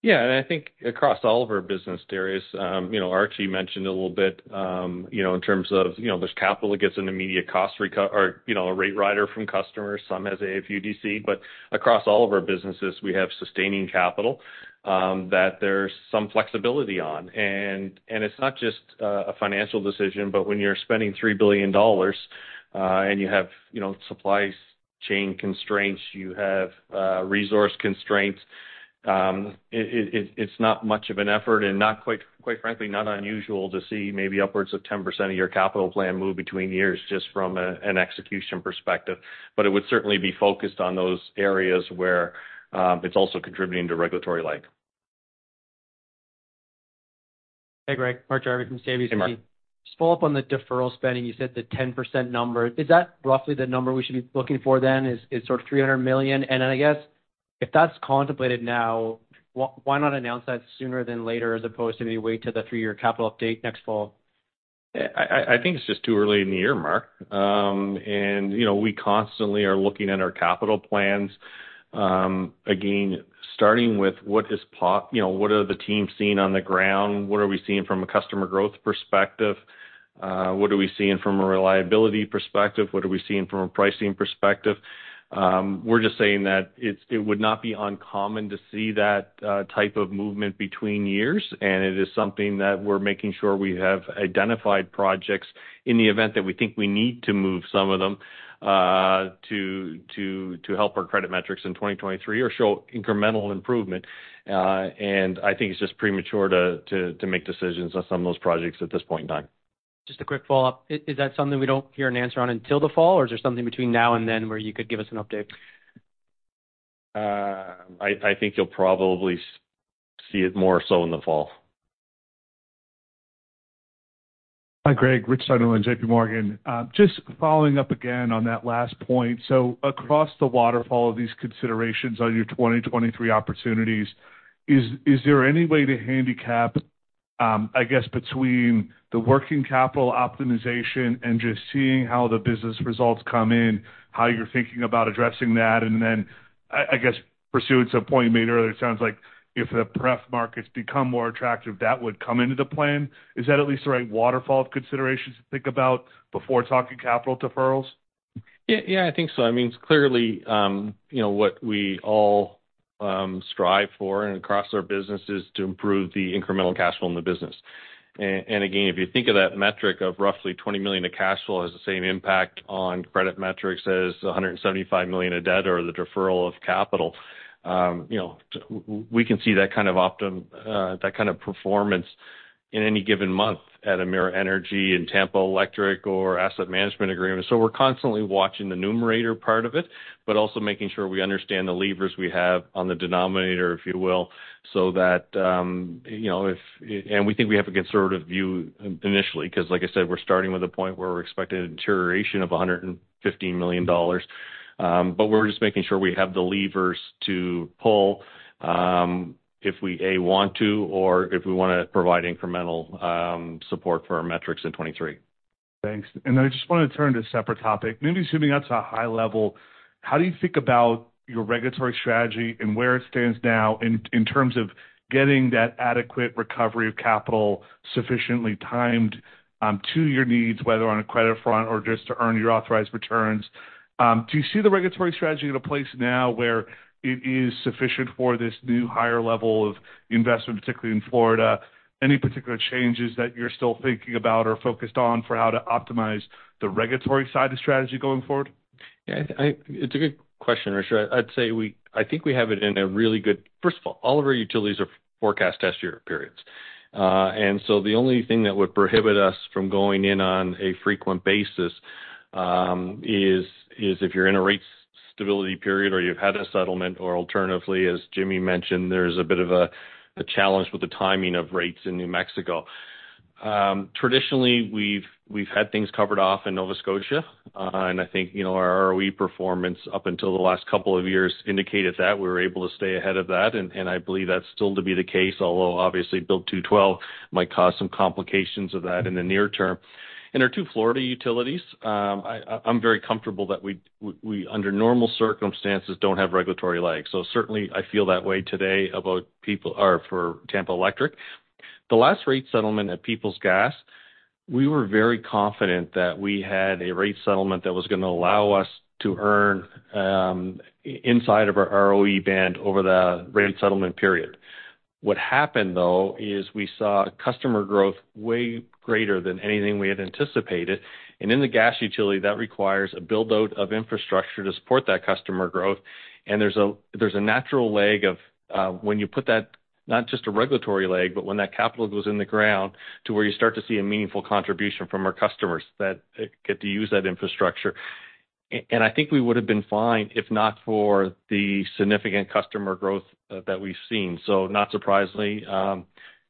Yeah. I think across all of our business, Dariusz, you know, Archie mentioned a little bit, you know, in terms of, you know, there's capital that gets an immediate cost or, you know, a rate rider from customers, some as AFUDC. Across all of our businesses, we have sustaining capital, that there's some flexibility on. It's not just a financial decision, but when you're spending $3 billion, and you have, you know, supplies chain constraints, you have, resource constraints, it's not much of an effort and not quite frankly, not unusual to see maybe upwards of 10% of your capital plan move between years just from an execution perspective. It would certainly be focused on those areas where it's also contributing to regulatory lag. Hey, Greg. Mark Jarvi from RBC. Hey, Mark. Just follow up on the deferral spending. You said the 10% number. Is that roughly the number we should be looking for then is sort of 300 million? Then I guess if that's contemplated now, why not announce that sooner than later as opposed to maybe wait till the three-year capital update next fall? I think it's just too early in the year, Mark. You know, we constantly are looking at our capital plans, again, starting with what is you know, what are the teams seeing on the ground? What are we seeing from a customer growth perspective? What are we seeing from a reliability perspective? What are we seeing from a pricing perspective? We're just saying that it would not be uncommon to see that type of movement between years. It is something that we're making sure we have identified projects in the event that we think we need to move some of them to help our credit metrics in 2023 or show incremental improvement. I think it's just premature to make decisions on some of those projects at this point in time. Just a quick follow-up. Is that something we don't hear an answer on until the fall, or is there something between now and then where you could give us an update? I think you'll probably see it more so in the fall. Hi, Greg. Richard Sunderland, J.P. Morgan. Just following up again on that last point. Across the waterfall of these considerations on your 2023 opportunities, is there any way to handicap, I guess between the working capital optimization and just seeing how the business results come in, how you're thinking about addressing that? I guess pursuant to a point you made earlier, it sounds like if the pref markets become more attractive, that would come into the plan. Is that at least the right waterfall of considerations to think about before talking capital deferrals? Yeah, yeah, I think so. I mean, clearly, you know, what we all strive for and across our business is to improve the incremental cash flow in the business. And again, if you think of that metric of roughly $20 million of cash flow has the same impact on credit metrics as $175 million of debt or the deferral of capital, you know, we can see that kind of performance in any given month at Emera Energy, in Tampa Electric or Asset Management Agreement. We're constantly watching the numerator part of it, but also making sure we understand the levers we have on the denominator, if you will, so that, you know, if... We think we have a conservative view initially, cause like I said, we're starting with a point where we're expecting a deterioration of $115 million. We're just making sure we have the levers to pull if we, A, want to or if we wanna provide incremental support for our metrics in 2023. Thanks. I just want to turn to a separate topic. Maybe zooming out to a high level, how do you think about your regulatory strategy and where it stands now in terms of getting that adequate recovery of capital sufficiently timed to your needs, whether on a credit front or just to earn your authorized returns? Do you see the regulatory strategy in a place now where it is sufficient for this new higher level of investment, particularly in Florida? Any particular changes that you're still thinking about or focused on for how to optimize the regulatory side of the strategy going forward? Yeah, it's a good question, Richard. I'd say I think we have it in a really good. First of all of our utilities are forecast test year periods. The only thing that would prohibit us from going in on a frequent basis is if you're in a rate stability period or you've had a settlement, or alternatively, as Jimmy mentioned, there's a bit of a challenge with the timing of rates in New Mexico. Traditionally, we've had things covered off in Nova Scotia. I think, you know, our ROE performance up until the last couple of years indicated that we were able to stay ahead of that, and I believe that's still to be the case, although obviously Bill 212 might cause some complications of that in the near term. In our two Florida utilities, I'm very comfortable that we under normal circumstances don't have regulatory legs. Certainly I feel that way today about or for Tampa Electric. The last rate settlement at Peoples Gas, we were very confident that we had a rate settlement that was gonna allow us to earn inside of our ROE band over the rate settlement period. What happened, though, is we saw customer growth way greater than anything we had anticipated. In the gas utility, that requires a build-out of infrastructure to support that customer growth. There's a natural leg of when you put that not just a regulatory leg, but when that capital goes in the ground to where you start to see a meaningful contribution from our customers that get to use that infrastructure. I think we would have been fine, if not for the significant customer growth that we've seen. Not surprisingly,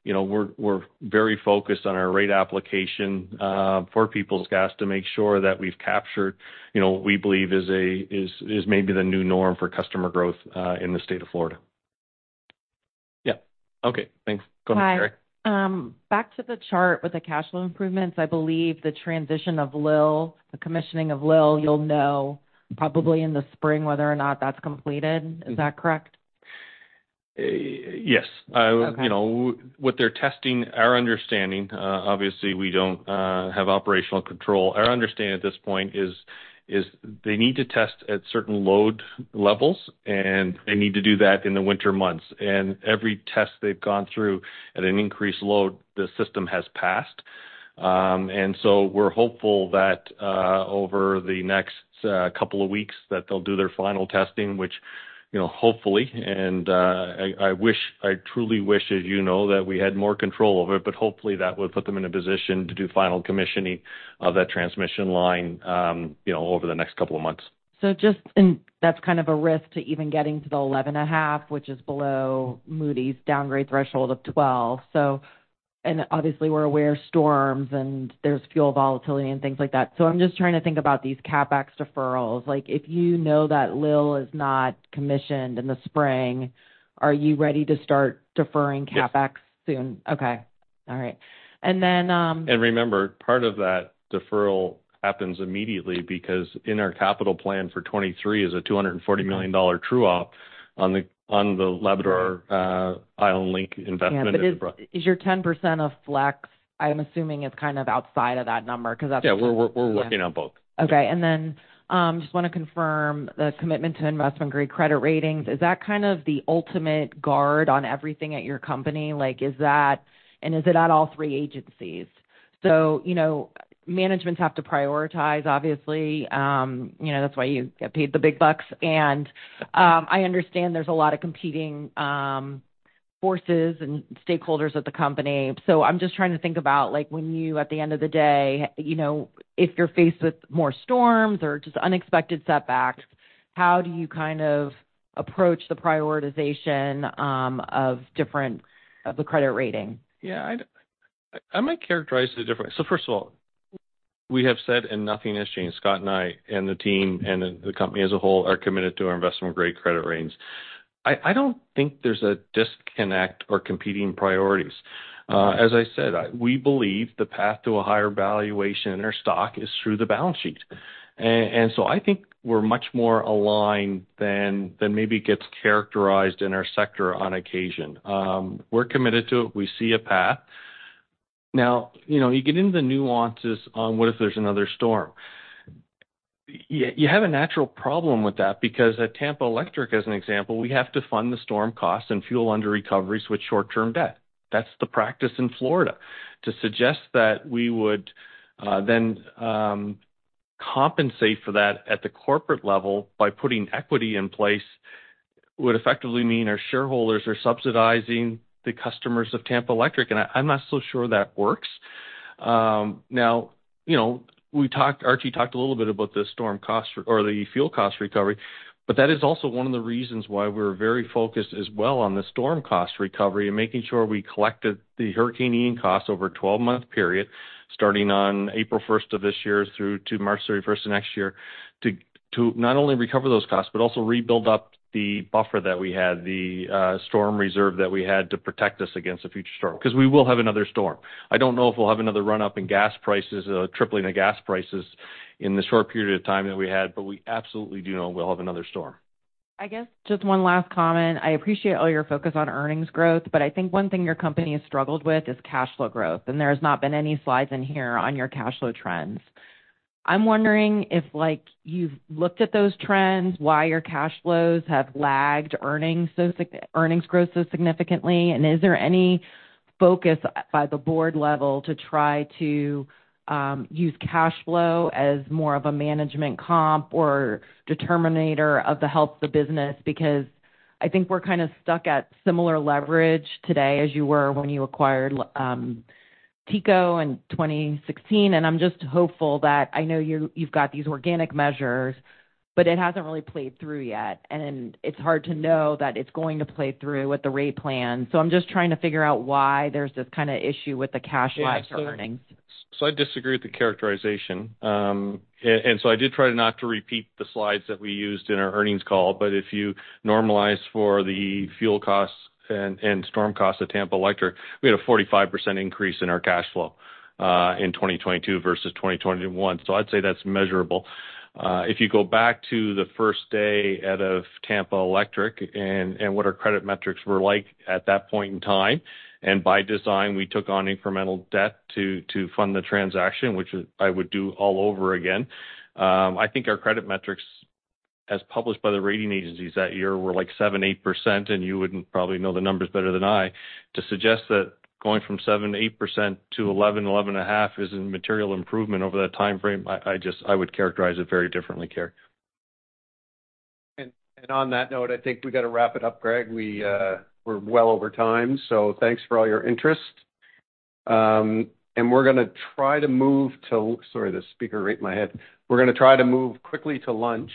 you know, we're very focused on our rate application for Peoples Gas to make sure that we've captured, you know, what we believe is maybe the new norm for customer growth in the state of Florida. Yeah. Okay. Thanks. Go ahead, Carly. Hi. Back to the chart with the cash flow improvements. I believe the transition of LIL, the commissioning of LIL, you'll know probably in the spring whether or not that's completed. Is that correct? Yes. Okay. You know, what they're testing, our understanding, obviously we don't have operational control. Our understanding at this point is they need to test at certain load levels, and they need to do that in the winter months. Every test they've gone through at an increased load, the system has passed. We're hopeful that over the next couple of weeks that they'll do their final testing, which, you know, hopefully, and I wish, I truly wish, as you know, that we had more control over it, but hopefully that would put them in a position to do final commissioning of that transmission line, you know, over the next couple of months. That's kind of a risk to even getting to the 11.5, which is below Moody's downgrade threshold of 12. Obviously we're aware of storms and there's fuel volatility and things like that. I'm just trying to think about these CapEx deferrals. Like, if you know that LIL is not commissioned in the spring, are you ready to start deferring CapEx- Yes. -soon? Okay. All right. Remember, part of that deferral happens immediately because in our capital plan for 2023 is a 240 million dollar true-up on the Labrador-Island Link investment. Yeah. Is your 10% of flex, I'm assuming, is kind of outside of that number because that's-? Yeah, we're working on both. Okay. Just wanna confirm the commitment to investment-grade credit ratings. Is that kind of the ultimate guard on everything at your company? Like, is that... Is it at all three agencies? You know, managements have to prioritize, obviously, you know, that's why you get paid the big bucks. I understand there's a lot of competing forces and stakeholders at the company. I'm just trying to think about, like, when you at the end of the day, you know, if you're faced with more storms or just unexpected setbacks, how do you kind of approach the prioritization of different, of the credit rating? Yeah, I might characterize it a different way. First of all, we have said and nothing has changed, Scott and I and the team and the company as a whole are committed to our investment-grade credit ratings. I don't think there's a disconnect or competing priorities. As I said, we believe the path to a higher valuation in our stock is through the balance sheet. I think we're much more aligned than maybe gets characterized in our sector on occasion. We're committed to it. We see a path. Now, you know, you get into the nuances on what if there's another storm. You have a natural problem with that because at Tampa Electric, as an example, we have to fund the storm costs and fuel under recoveries with short-term debt. That's the practice in Florida. To suggest that we would then compensate for that at the corporate level by putting equity in place would effectively mean our shareholders are subsidizing the customers of Tampa Electric, and I'm not so sure that works. you know, Archie talked a little bit about the storm cost or the fuel cost recovery. That is also one of the reasons why we're very focused as well on the storm cost recovery and making sure we collected the Hurricane Ian costs over a 12-month period, starting on April first of this year through to March 31st of next year, to not only recover those costs but also rebuild up the buffer that we had, the storm reserve that we had to protect us against a future storm because we will have another storm. I don't know if we'll have another run-up in gas prices, tripling the gas prices in the short period of time that we had, but we absolutely do know we'll have another storm. I guess just one last comment. I appreciate all your focus on earnings growth, but I think one thing your company has struggled with is cash flow growth, and there has not been any slides in here on your cash flow trends. I'm wondering if, like, you've looked at those trends, why your cash flows have lagged earnings growth so significantly, and is there any focus by the board level to try to use cash flow as more of a management comp or determinator of the health of the business? I think we're kind of stuck at similar leverage today as you were when you acquired TECO in 2016, and I'm just hopeful that I know you've got these organic measures, but it hasn't really played through yet, and it's hard to know that it's going to play through with the rate plan. I'm just trying to figure out why there's this kind of issue with the cash flow for earnings. I disagree with the characterization. I did try not to repeat the slides that we used in our earnings call, if you normalize for the fuel costs and storm costs at Tampa Electric, we had a 45% increase in our cash flow in 2022 versus 2021. I'd say that's measurable. If you go back to the first day out of Tampa Electric and what our credit metrics were like at that point in time, by design, we took on incremental debt to fund the transaction, which I would do all over again. I think our credit metrics, as published by the rating agencies that year, were like 7%, 8%, you would probably know the numbers better than I. To suggest that going from 7%, 8% to 11%, 11.5% is a material improvement over that timeframe, I would characterize it very differently, Carly. On that note, I think we gotta wrap it up, Greg. We're well over time, so thanks for all your interest. We're gonna try to move to... Sorry, the speaker right in my head. We're gonna try to move quickly to lunch.